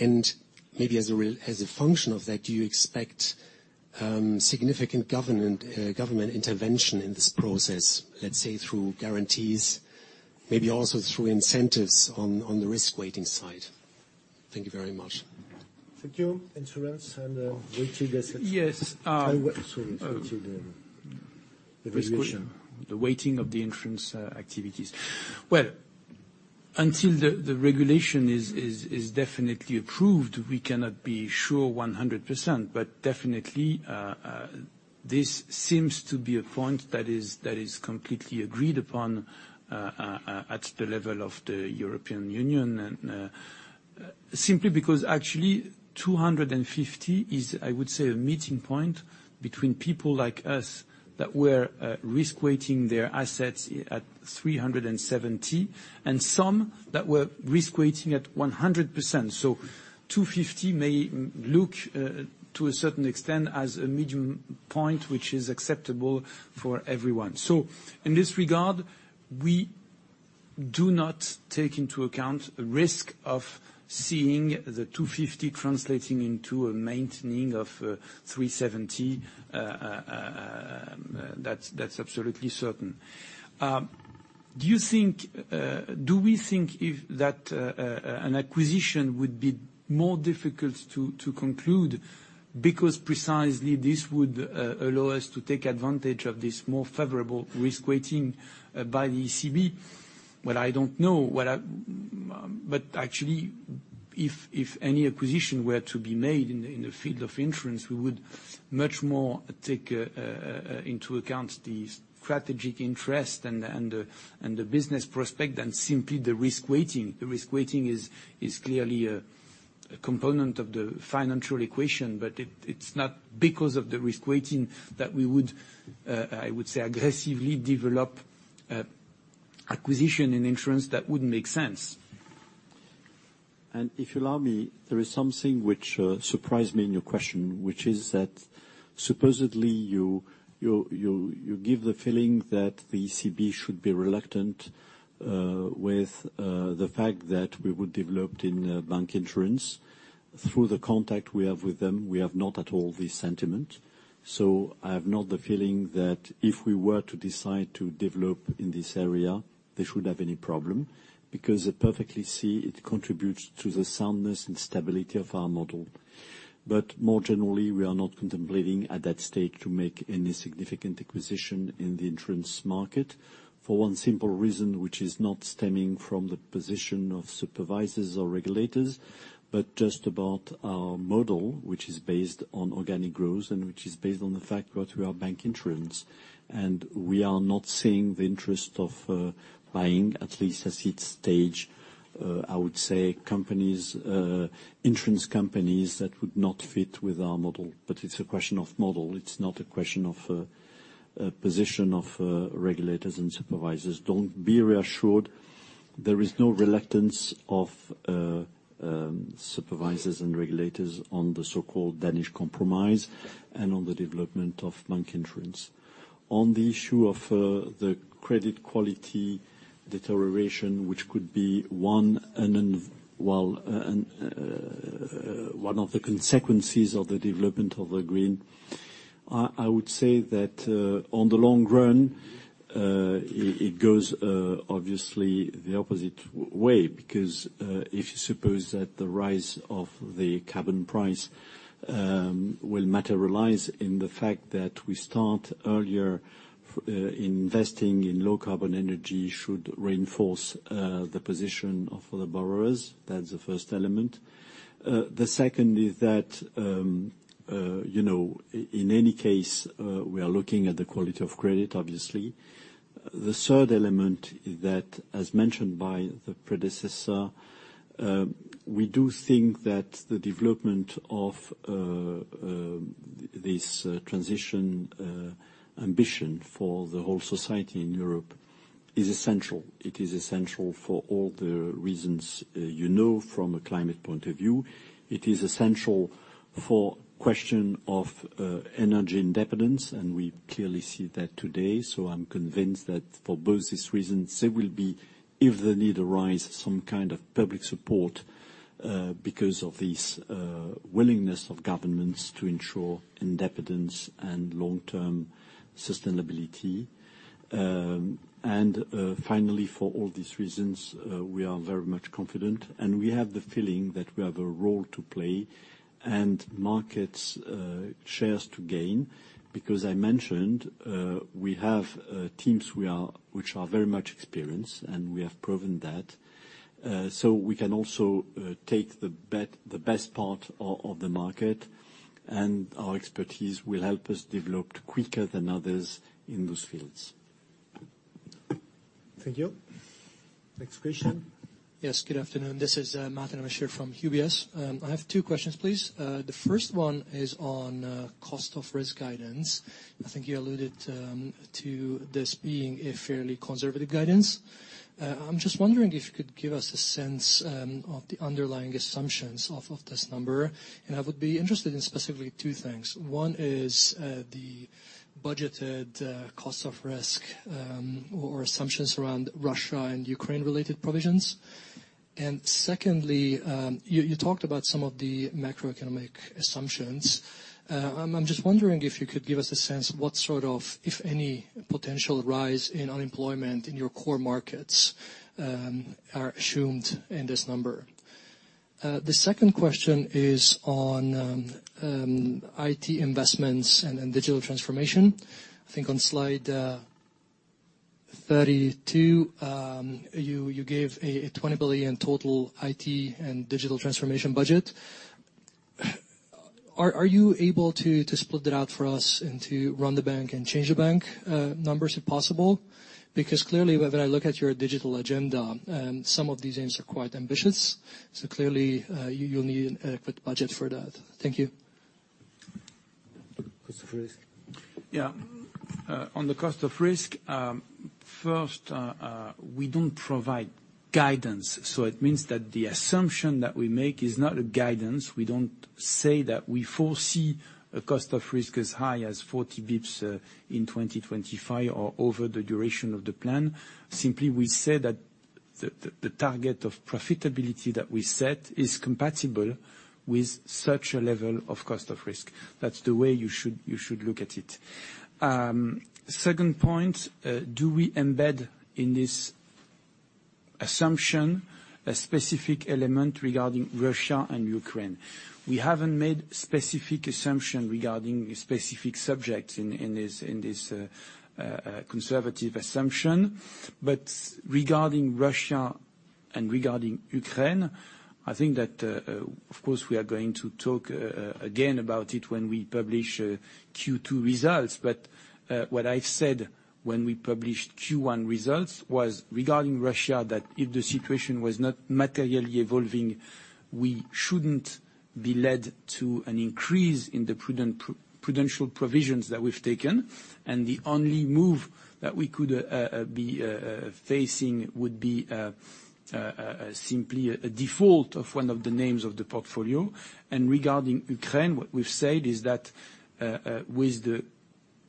Maybe as a function of that, do you expect significant government intervention in this process, let's say, through guarantees, maybe also through incentives on the risk weighting side? Thank you very much. Thank you. Insurance and weighted assets. Yes. Sorry, switching the regulation. The weighting of the insurance activities. Until the regulation is definitely approved, we cannot be sure 100%. Definitely, this seems to be a point that is completely agreed upon at the level of the European Union, and simply because actually 250 is, I would say, a meeting point between people like us that were risk weighting their assets at 370, and some that were risk weighting at 100%. 250 may look, to a certain extent, as a midpoint, which is acceptable for everyone. In this regard, we do not take into account the risk of seeing the 250 translating into a maintaining of 370. That's absolutely certain. Do you think if an acquisition would be more difficult to conclude because precisely this would allow us to take advantage of this more favorable risk weighting by the ECB? Well, I don't know. Actually, if any acquisition were to be made in the field of insurance, we would much more take into account the strategic interest and the business prospect than simply the risk weighting. The risk weighting is clearly a component of the financial equation, but it's not because of the risk weighting that we would, I would say, aggressively develop acquisition and insurance. That wouldn't make sense. If you allow me, there is something which surprised me in your question, which is that supposedly you give the feeling that the ECB should be reluctant with the fact that we would develop in bank insurance. Through the contacts we have with them, we have not at all this sentiment. I have not the feeling that if we were to decide to develop in this area, they should have any problem, because they perfectly see it contributes to the soundness and stability of our model. More generally, we are not contemplating at that stage to make any significant acquisition in the insurance market for one simple reason, which is not stemming from the position of supervisors or regulators, but just about our model, which is based on organic growth and which is based on the fact that we are bank insurance. We are not seeing the interest of buying, at least at this stage, I would say companies, insurance companies that would not fit with our model. It's a question of model. It's not a question of position of regulators and supervisors. Don't be reassured. There is no reluctance of supervisors and regulators on the so-called Danish Compromise and on the development of bank insurance. On the issue of the credit quality deterioration, which could be one, and then while one of the consequences of the development of the green, I would say that on the long run it goes obviously the opposite way, because if you suppose that the rise of the carbon price will materialize in the fact that we start earlier investing in low carbon energy should reinforce the position of the borrowers. That's the first element. The second is that you know in any case we are looking at the quality of credit, obviously. The third element that as mentioned by the predecessor we do think that the development of this transition ambition for the whole society in Europe is essential. It is essential for all the reasons, you know, from a climate point of view. It is essential for question of energy independence, and we clearly see that today. I'm convinced that for both these reasons, there will be, if the need arise, some kind of public support, because of this, willingness of governments to ensure independence and long-term sustainability. Finally, for all these reasons, we are very much confident, and we have the feeling that we have a role to play and markets, shares to gain, because I mentioned, we have, teams which are very much experienced, and we have proven that. We can also take the best part of the market, and our expertise will help us develop quicker than others in those fields. Thank you. Next question. Yes, good afternoon. This is Martin Sherlock from UBS. I have two questions, please. The first one is on cost of risk guidance. I think you alluded to this being a fairly conservative guidance. I'm just wondering if you could give us a sense of the underlying assumptions of this number. I would be interested in specifically two things. One is the budgeted cost of risk or assumptions around Russia and Ukraine-related provisions. Secondly, you talked about some of the macroeconomic assumptions. I'm just wondering if you could give us a sense what sort of, if any, potential rise in unemployment in your core markets are assumed in this number. The second question is on IT investments and digital transformation. I think on Slide 32, you gave a 20 billion total IT and digital transformation budget. Are you able to split that out for us into run the bank and change the bank numbers, if possible? Because clearly, when I look at your digital agenda, and some of these aims are quite ambitious, so clearly, you'll need an adequate budget for that. Thank you. Cost of risk. On the cost of risk, first, we don't provide guidance, so it means that the assumption that we make is not a guidance. We don't say that we foresee a cost of risk as high as 40 basis points in 2025 or over the duration of the plan. Simply, we say that the target of profitability that we set is compatible with such a level of cost of risk. That's the way you should look at it. Second point, do we embed in this assumption a specific element regarding Russia and Ukraine? We haven't made specific assumption regarding a specific subject in this conservative assumption. Regarding Russia and regarding Ukraine, I think that, of course, we are going to talk again about it when we publish Q2 results. What I've said when we published Q1 results was, regarding Russia, that if the situation was not materially evolving, we shouldn't be led to an increase in the prudential provisions that we've taken, and the only move that we could be facing would be simply a default of one of the names of the portfolio. Regarding Ukraine, what we've said is that with the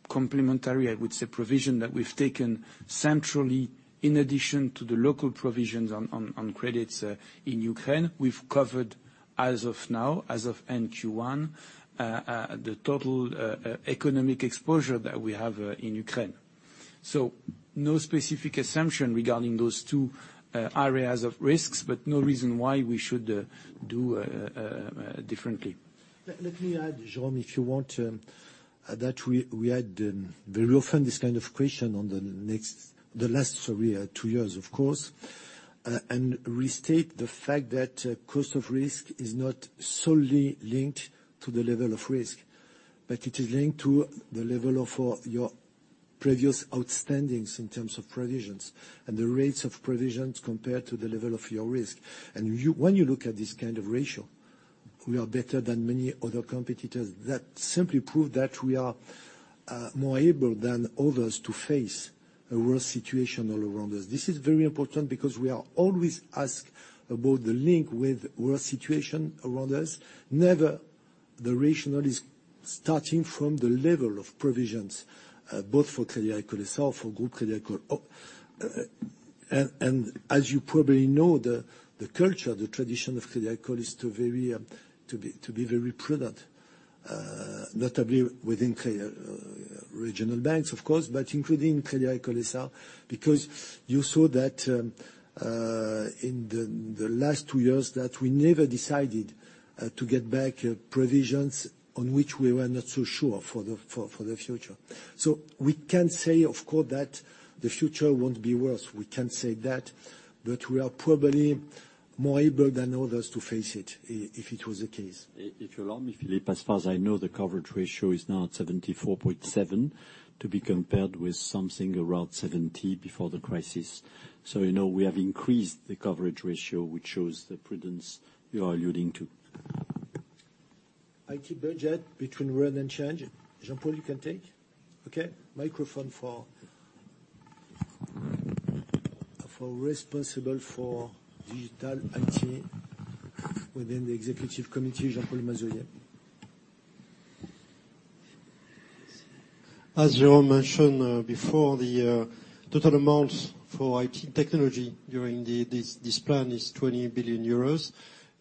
complementary, I would say, provision that we've taken centrally, in addition to the local provisions on credits in Ukraine, we've covered as of now, as of end Q1, the total economic exposure that we have in Ukraine. No specific assumption regarding those two areas of risks, but no reason why we should do differently. Let me add, Jérôme, if you want, that we had very often this kind of question in the last two years, of course, and restate the fact that cost of risk is not solely linked to the level of risk, but it is linked to the level of your previous outstandings in terms of provisions and the rates of provisions compared to the level of your risk. When you look at this kind of ratio, we are better than many other competitors. That simply prove that we are more able than others to face a worse situation all around us. This is very important because we are always asked about the link with worse situation around us. Never the rationale is starting from the level of provisions, both for Crédit Agricole itself, for Crédit Agricole Group. As you probably know, the culture, the tradition of Crédit Agricole is to be very prudent, notably within regional banks, of course, but including Crédit Agricole itself. Because you saw that in the last two years that we never decided to get back provisions on which we were not so sure for the future. We can say, of course, that the future won't be worse. We can say that, but we are probably more able than others to face it if it was the case. If you allow me, Philippe, as far as I know, the coverage ratio is now at 74.7%, to be compared with something around 70% before the crisis. You know, we have increased the coverage ratio, which shows the prudence you are alluding to. IT budget between run and change. Jean-Paul, you can take. Okay. Microphone for responsible for digital IT within the executive committee, Jean-Paul Mazoyer. As Jérôme mentioned before, the total amount for IT technology during this plan is 20 billion euros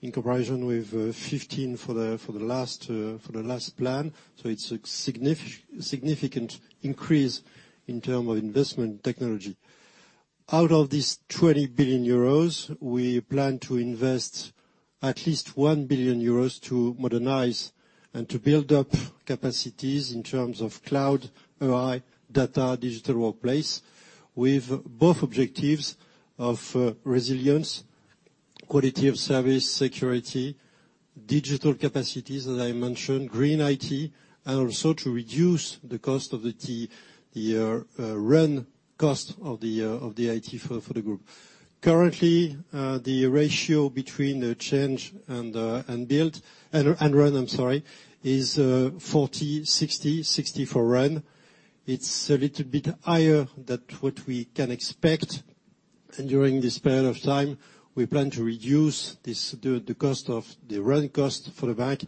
in comparison with 15 for the last plan. It's a significant increase in terms of investment technology. Out of this 20 billion euros, we plan to invest at least 1 billion euros to modernize and to build up capacities in terms of cloud, AI, data, digital workplace, with both objectives of resilience, quality of service, security, digital capacities, as I mentioned, green IT, and also to reduce the cost of the run cost of the IT for the group. Currently, the ratio between the change and build and run, I'm sorry, is 40/60. 60 for run. It's a little bit higher than what we can expect. During this period of time, we plan to reduce the running cost for the bank,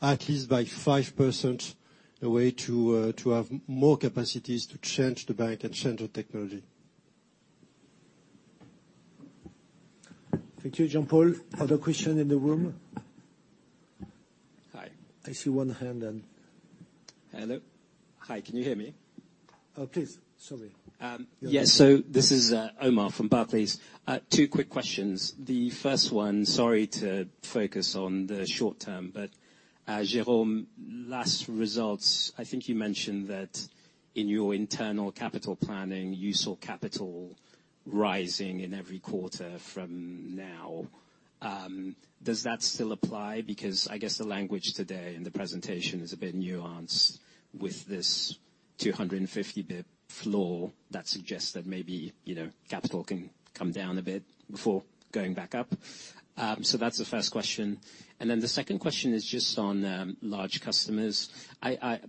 at least by 5%, as a way to have more capacities to change the bank and change the technology. Thank you, Jean-Paul. Other question in the room? Hi. I see one hand and. Hello. Hi, can you hear me? Oh, please. Sorry. Yes. This is Omar from Barclays. Two quick questions. The first one, sorry to focus on the short term, but, Jérôme, last results, I think you mentioned that in your internal capital planning, you saw capital rising in every quarter from now. Does that still apply? Because I guess the language today in the presentation is a bit nuanced with this 250 basis points floor that suggests that maybe, you know, capital can come down a bit before going back up. That's the first question. The second question is just on large customers.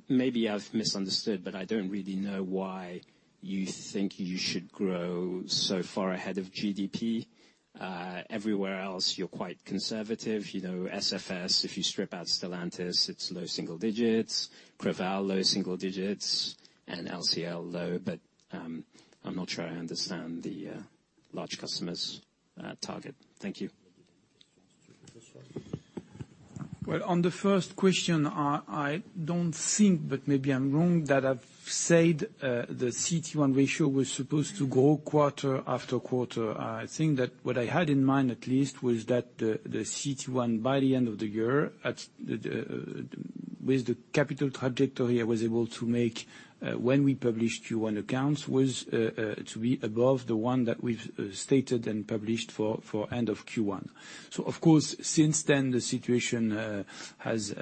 Maybe I've misunderstood, but I don't really know why you think you should grow so far ahead of GDP. Everywhere else, you're quite conservative. You know, SFS, if you strip out Stellantis, it's low single digits, Creval, low single digits, and LCL, low. I'm not sure I understand the large customers target. Thank you. Well, on the first question, I don't think, but maybe I'm wrong, that I've said the CET1 ratio was supposed to grow quarter after quarter. I think that what I had in mind, at least, was that the CET1 by the end of the year, with the capital trajectory I was able to make when we published Q1 accounts, was to be above the one that we've stated and published for end of Q1. Of course, since then, the situation has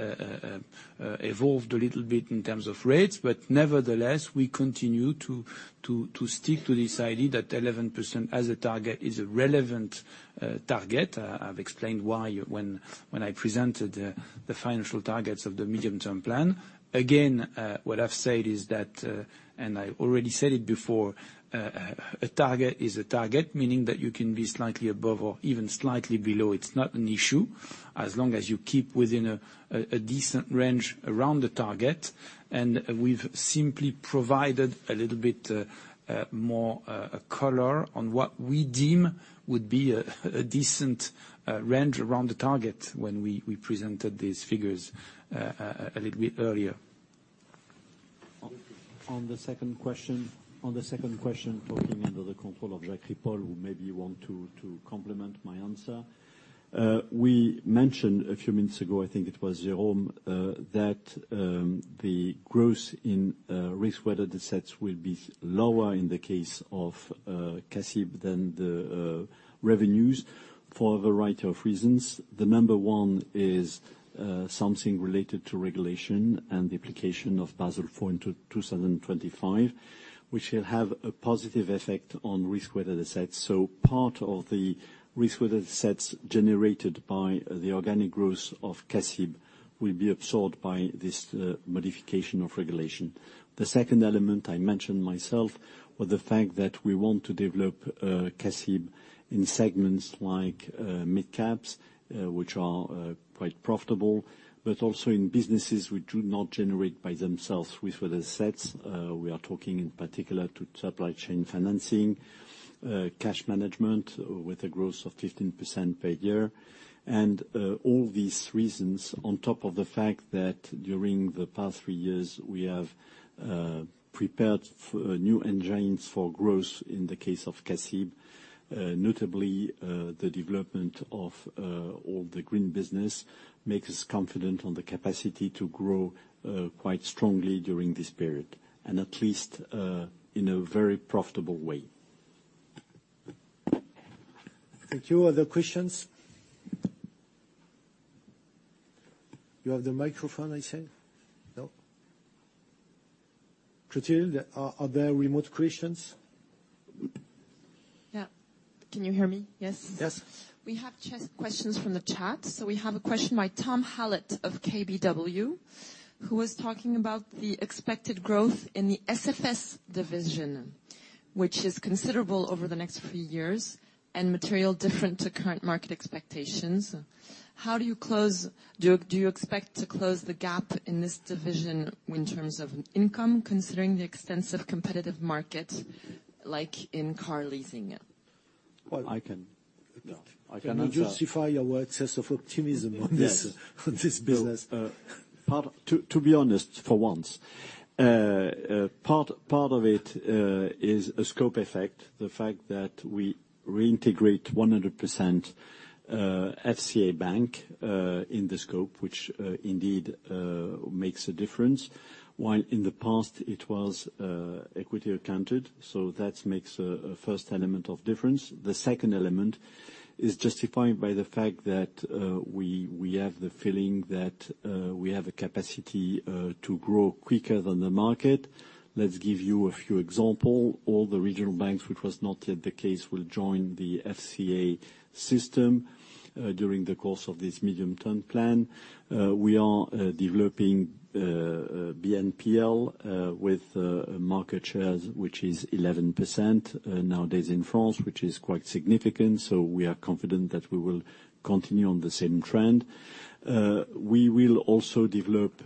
evolved a little bit in terms of rates, but nevertheless, we continue to stick to this idea that 11% as a target is a relevant target. I've explained why when I presented the financial targets of the medium-term plan. Again, what I've said is that, and I already said it before, a target is a target, meaning that you can be slightly above or even slightly below. It's not an issue as long as you keep within a decent range around the target. We've simply provided a little bit more color on what we deem would be a decent range around the target when we presented these figures a little bit earlier. On the second question, talking under the control of Jacques Ripoll, who maybe you want to complement my answer. We mentioned a few minutes ago, I think it was Jérôme, that the growth in risk-weighted assets will be lower in the case of CACEIS than the revenues for a variety of reasons. The number one is something related to regulation and the application of Basel IV in 2025, which will have a positive effect on risk-weighted assets. Part of the risk-weighted assets generated by the organic growth of CACEIS will be absorbed by this modification of regulation. The second element I mentioned myself was the fact that we want to develop CACEIS in segments like mid-caps, which are quite profitable, but also in businesses which do not generate by themselves risk-weighted assets. We are talking in particular to supply chain financing, cash management with a growth of 15% per year. All these reasons on top of the fact that during the past three years, we have prepared new engines for growth in the case of CACEIS, notably, the development of all the green business makes us confident on the capacity to grow quite strongly during this period, and at least in a very profitable way. Thank you. Other questions? You have the microphone, I think. No. Clotilde, are there remote questions? Yeah. Can you hear me? Yes. Yes. We have chat questions from the chat. We have a question by Thomas Hallett of KBW, who was talking about the expected growth in the SFS division, which is considerable over the next few years and materially different to current market expectations. Do you expect to close the gap in this division in terms of income, considering the extensive competitive market like in car leasing? Well. Can you justify your excess of optimism on this business? Yes. No. To be honest for once, part of it is a scope effect, the fact that we reintegrate 100% FCA Bank in the scope, which indeed makes a difference. While in the past, it was equity accounted, so that makes a first element of difference. The second element is justified by the fact that we have the feeling that we have a capacity to grow quicker than the market. Let's give you a few example. All the regional banks, which was not yet the case, will join the FCA system during the course of this medium-term plan. We are developing BNPL with market shares, which is 11% nowadays in France, which is quite significant. We are confident that we will continue on the same trend. We will also develop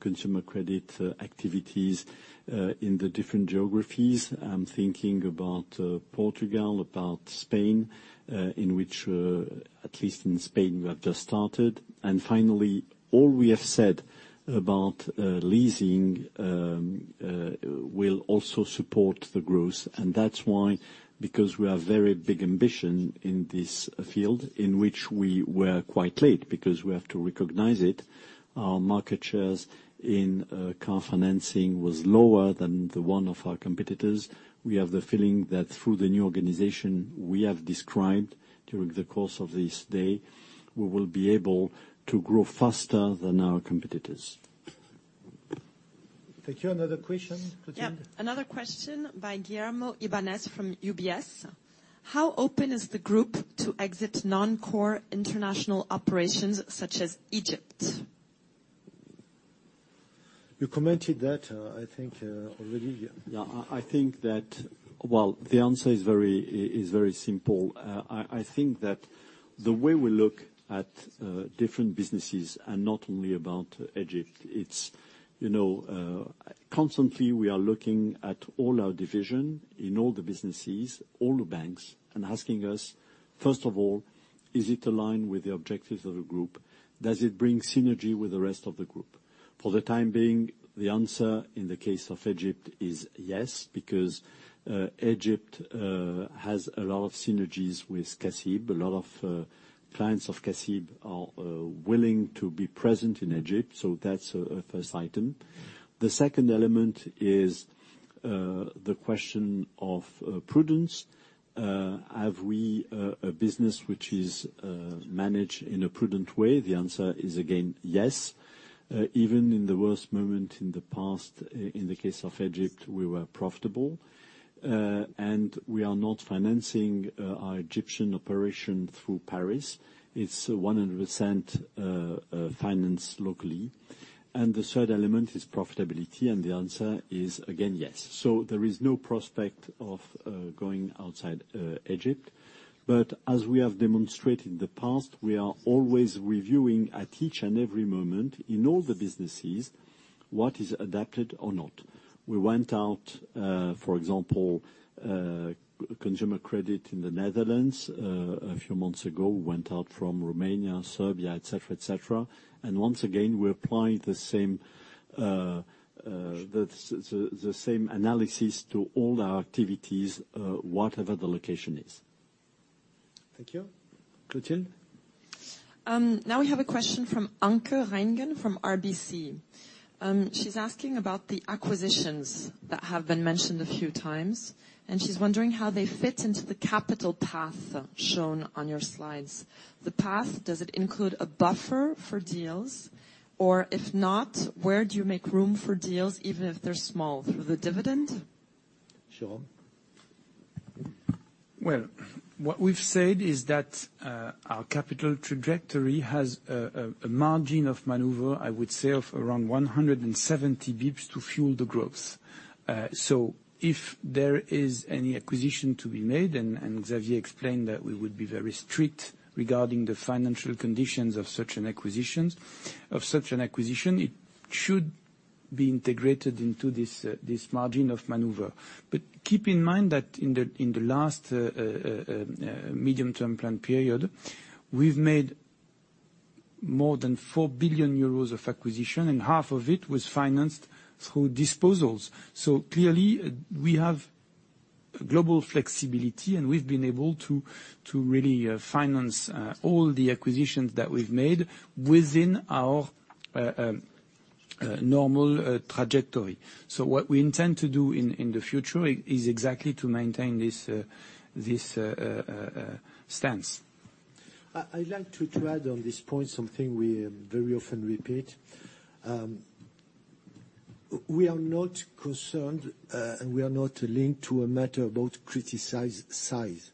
consumer credit activities in the different geographies. I'm thinking about Portugal, about Spain, in which, at least in Spain, we have just started. Finally, all we have said about leasing will also support the growth, and that's why, because we have very big ambition in this field in which we were quite late, because we have to recognize it. Our market shares in car financing was lower than the one of our competitors. We have the feeling that through the new organization we have described during the course of this day, we will be able to grow faster than our competitors. Thank you. Another question, Clotilde L'Angevin. Yep. Another question by Guillermo Ibanez from UBS. How open is the group to exit non-core international operations such as Egypt? You commented that, I think, already. Yeah. I think that well, the answer is very simple. I think that the way we look at different businesses and not only about Egypt, you know, constantly we are looking at all our division in all the businesses, all the banks, and asking us, first of all, is it aligned with the objectives of the group? Does it bring synergy with the rest of the group? For the time being, the answer in the case of Egypt is yes, because Egypt has a lot of synergies with CACEIS. A lot of clients of CACEIS are willing to be present in Egypt, so that's a first item. The second element is the question of prudence. Have we a business which is managed in a prudent way? The answer is, again, yes. Even in the worst moment in the past, in the case of Egypt, we were profitable. We are not financing our Egyptian operation through Paris. It's 100% financed locally. The third element is profitability, and the answer is, again, yes. There is no prospect of going outside Egypt. As we have demonstrated in the past, we are always reviewing at each and every moment in all the businesses what is adapted or not. We went out, for example, consumer credit in the Netherlands a few months ago. We went out from Romania, Serbia, et cetera, et cetera. Once again, we're applying the same analysis to all our activities, whatever the location is. Thank you. Clotilde? Now we have a question from Anke Reingen from RBC. She's asking about the acquisitions that have been mentioned a few times, and she's wondering how they fit into the capital path shown on your slides. The path, does it include a buffer for deals? Or if not, where do you make room for deals, even if they're small, through the dividend? Jérôme? Well, what we've said is that our capital trajectory has a margin of maneuver, I would say, of around 170 basis points to fuel the growth. If there is any acquisition to be made, and Xavier explained that we would be very strict regarding the financial conditions of such an acquisition, it should be integrated into this margin of maneuver. Keep in mind that in the last medium-term plan period, we've made more than 4 billion euros of acquisition, and half of it was financed through disposals. Clearly, we have global flexibility, and we've been able to really finance all the acquisitions that we've made within our normal trajectory. What we intend to do in the future is exactly to maintain this stance. I'd like to add on this point something we very often repeat. We are not concerned and we are not linked to a matter about critical size.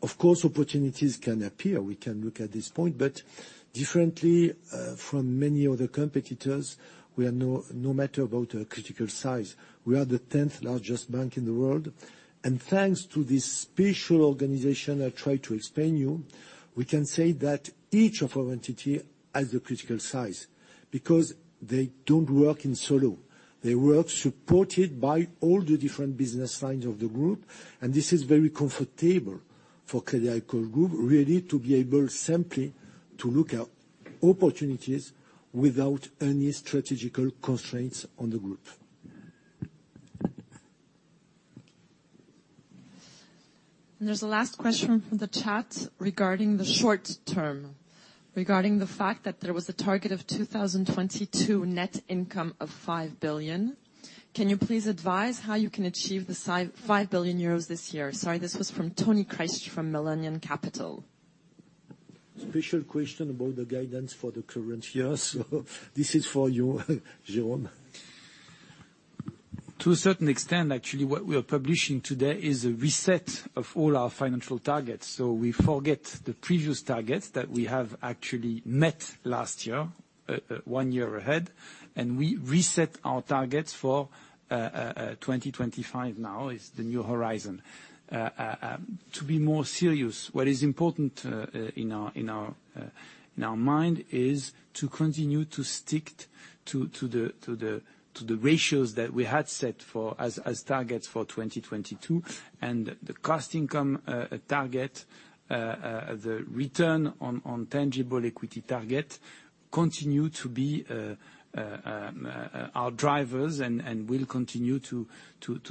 Of course, opportunities can appear. We can look at this point, but differently from many other competitors, we are no matter about a critical size. We are the 10th-largest bank in the world. Thanks to this special organization I try to explain to you, we can say that each of our entity has a critical size because they don't work in solo. They work supported by all the different business lines of the group, and this is very comfortable for Crédit Agricole Group really to be able simply to look at opportunities without any strategic constraints on the group. There's a last question from the chat regarding the short-term, regarding the fact that there was a target of 2022 net income of 5 billion. Can you please advise how you can achieve the 5.5 billion euros this year? Sorry, this was from Tony Sherlock from Millennium Capital. Special question about the guidance for the current year, so this is for you, Jérôme. To a certain extent, actually, what we are publishing today is a reset of all our financial targets. We forget the previous targets that we have actually met last year, one year ahead, and we reset our targets for 2025, now is the new horizon. To be more serious, what is important in our mind is to continue to stick to the ratios that we had set as targets for 2022. The cost/income target, the return on tangible equity target continue to be our drivers and will continue to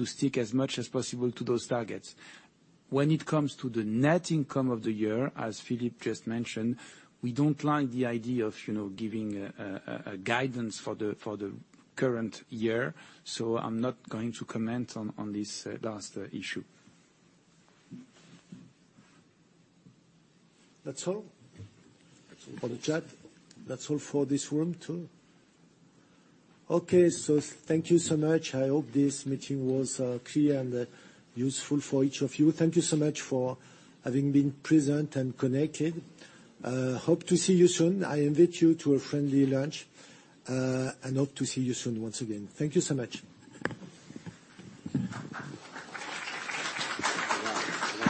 stick as much as possible to those targets. When it comes to the net income of the year, as Philippe just mentioned, we don't like the idea of, you know, giving a guidance for the current year, so I'm not going to comment on this last issue. That's all? On the chat. That's all for this room, too. Okay, thank you so much. I hope this meeting was clear and useful for each of you. Thank you so much for having been present and connected. Hope to see you soon. I invite you to a friendly lunch, and hope to see you soon once again. Thank you so much.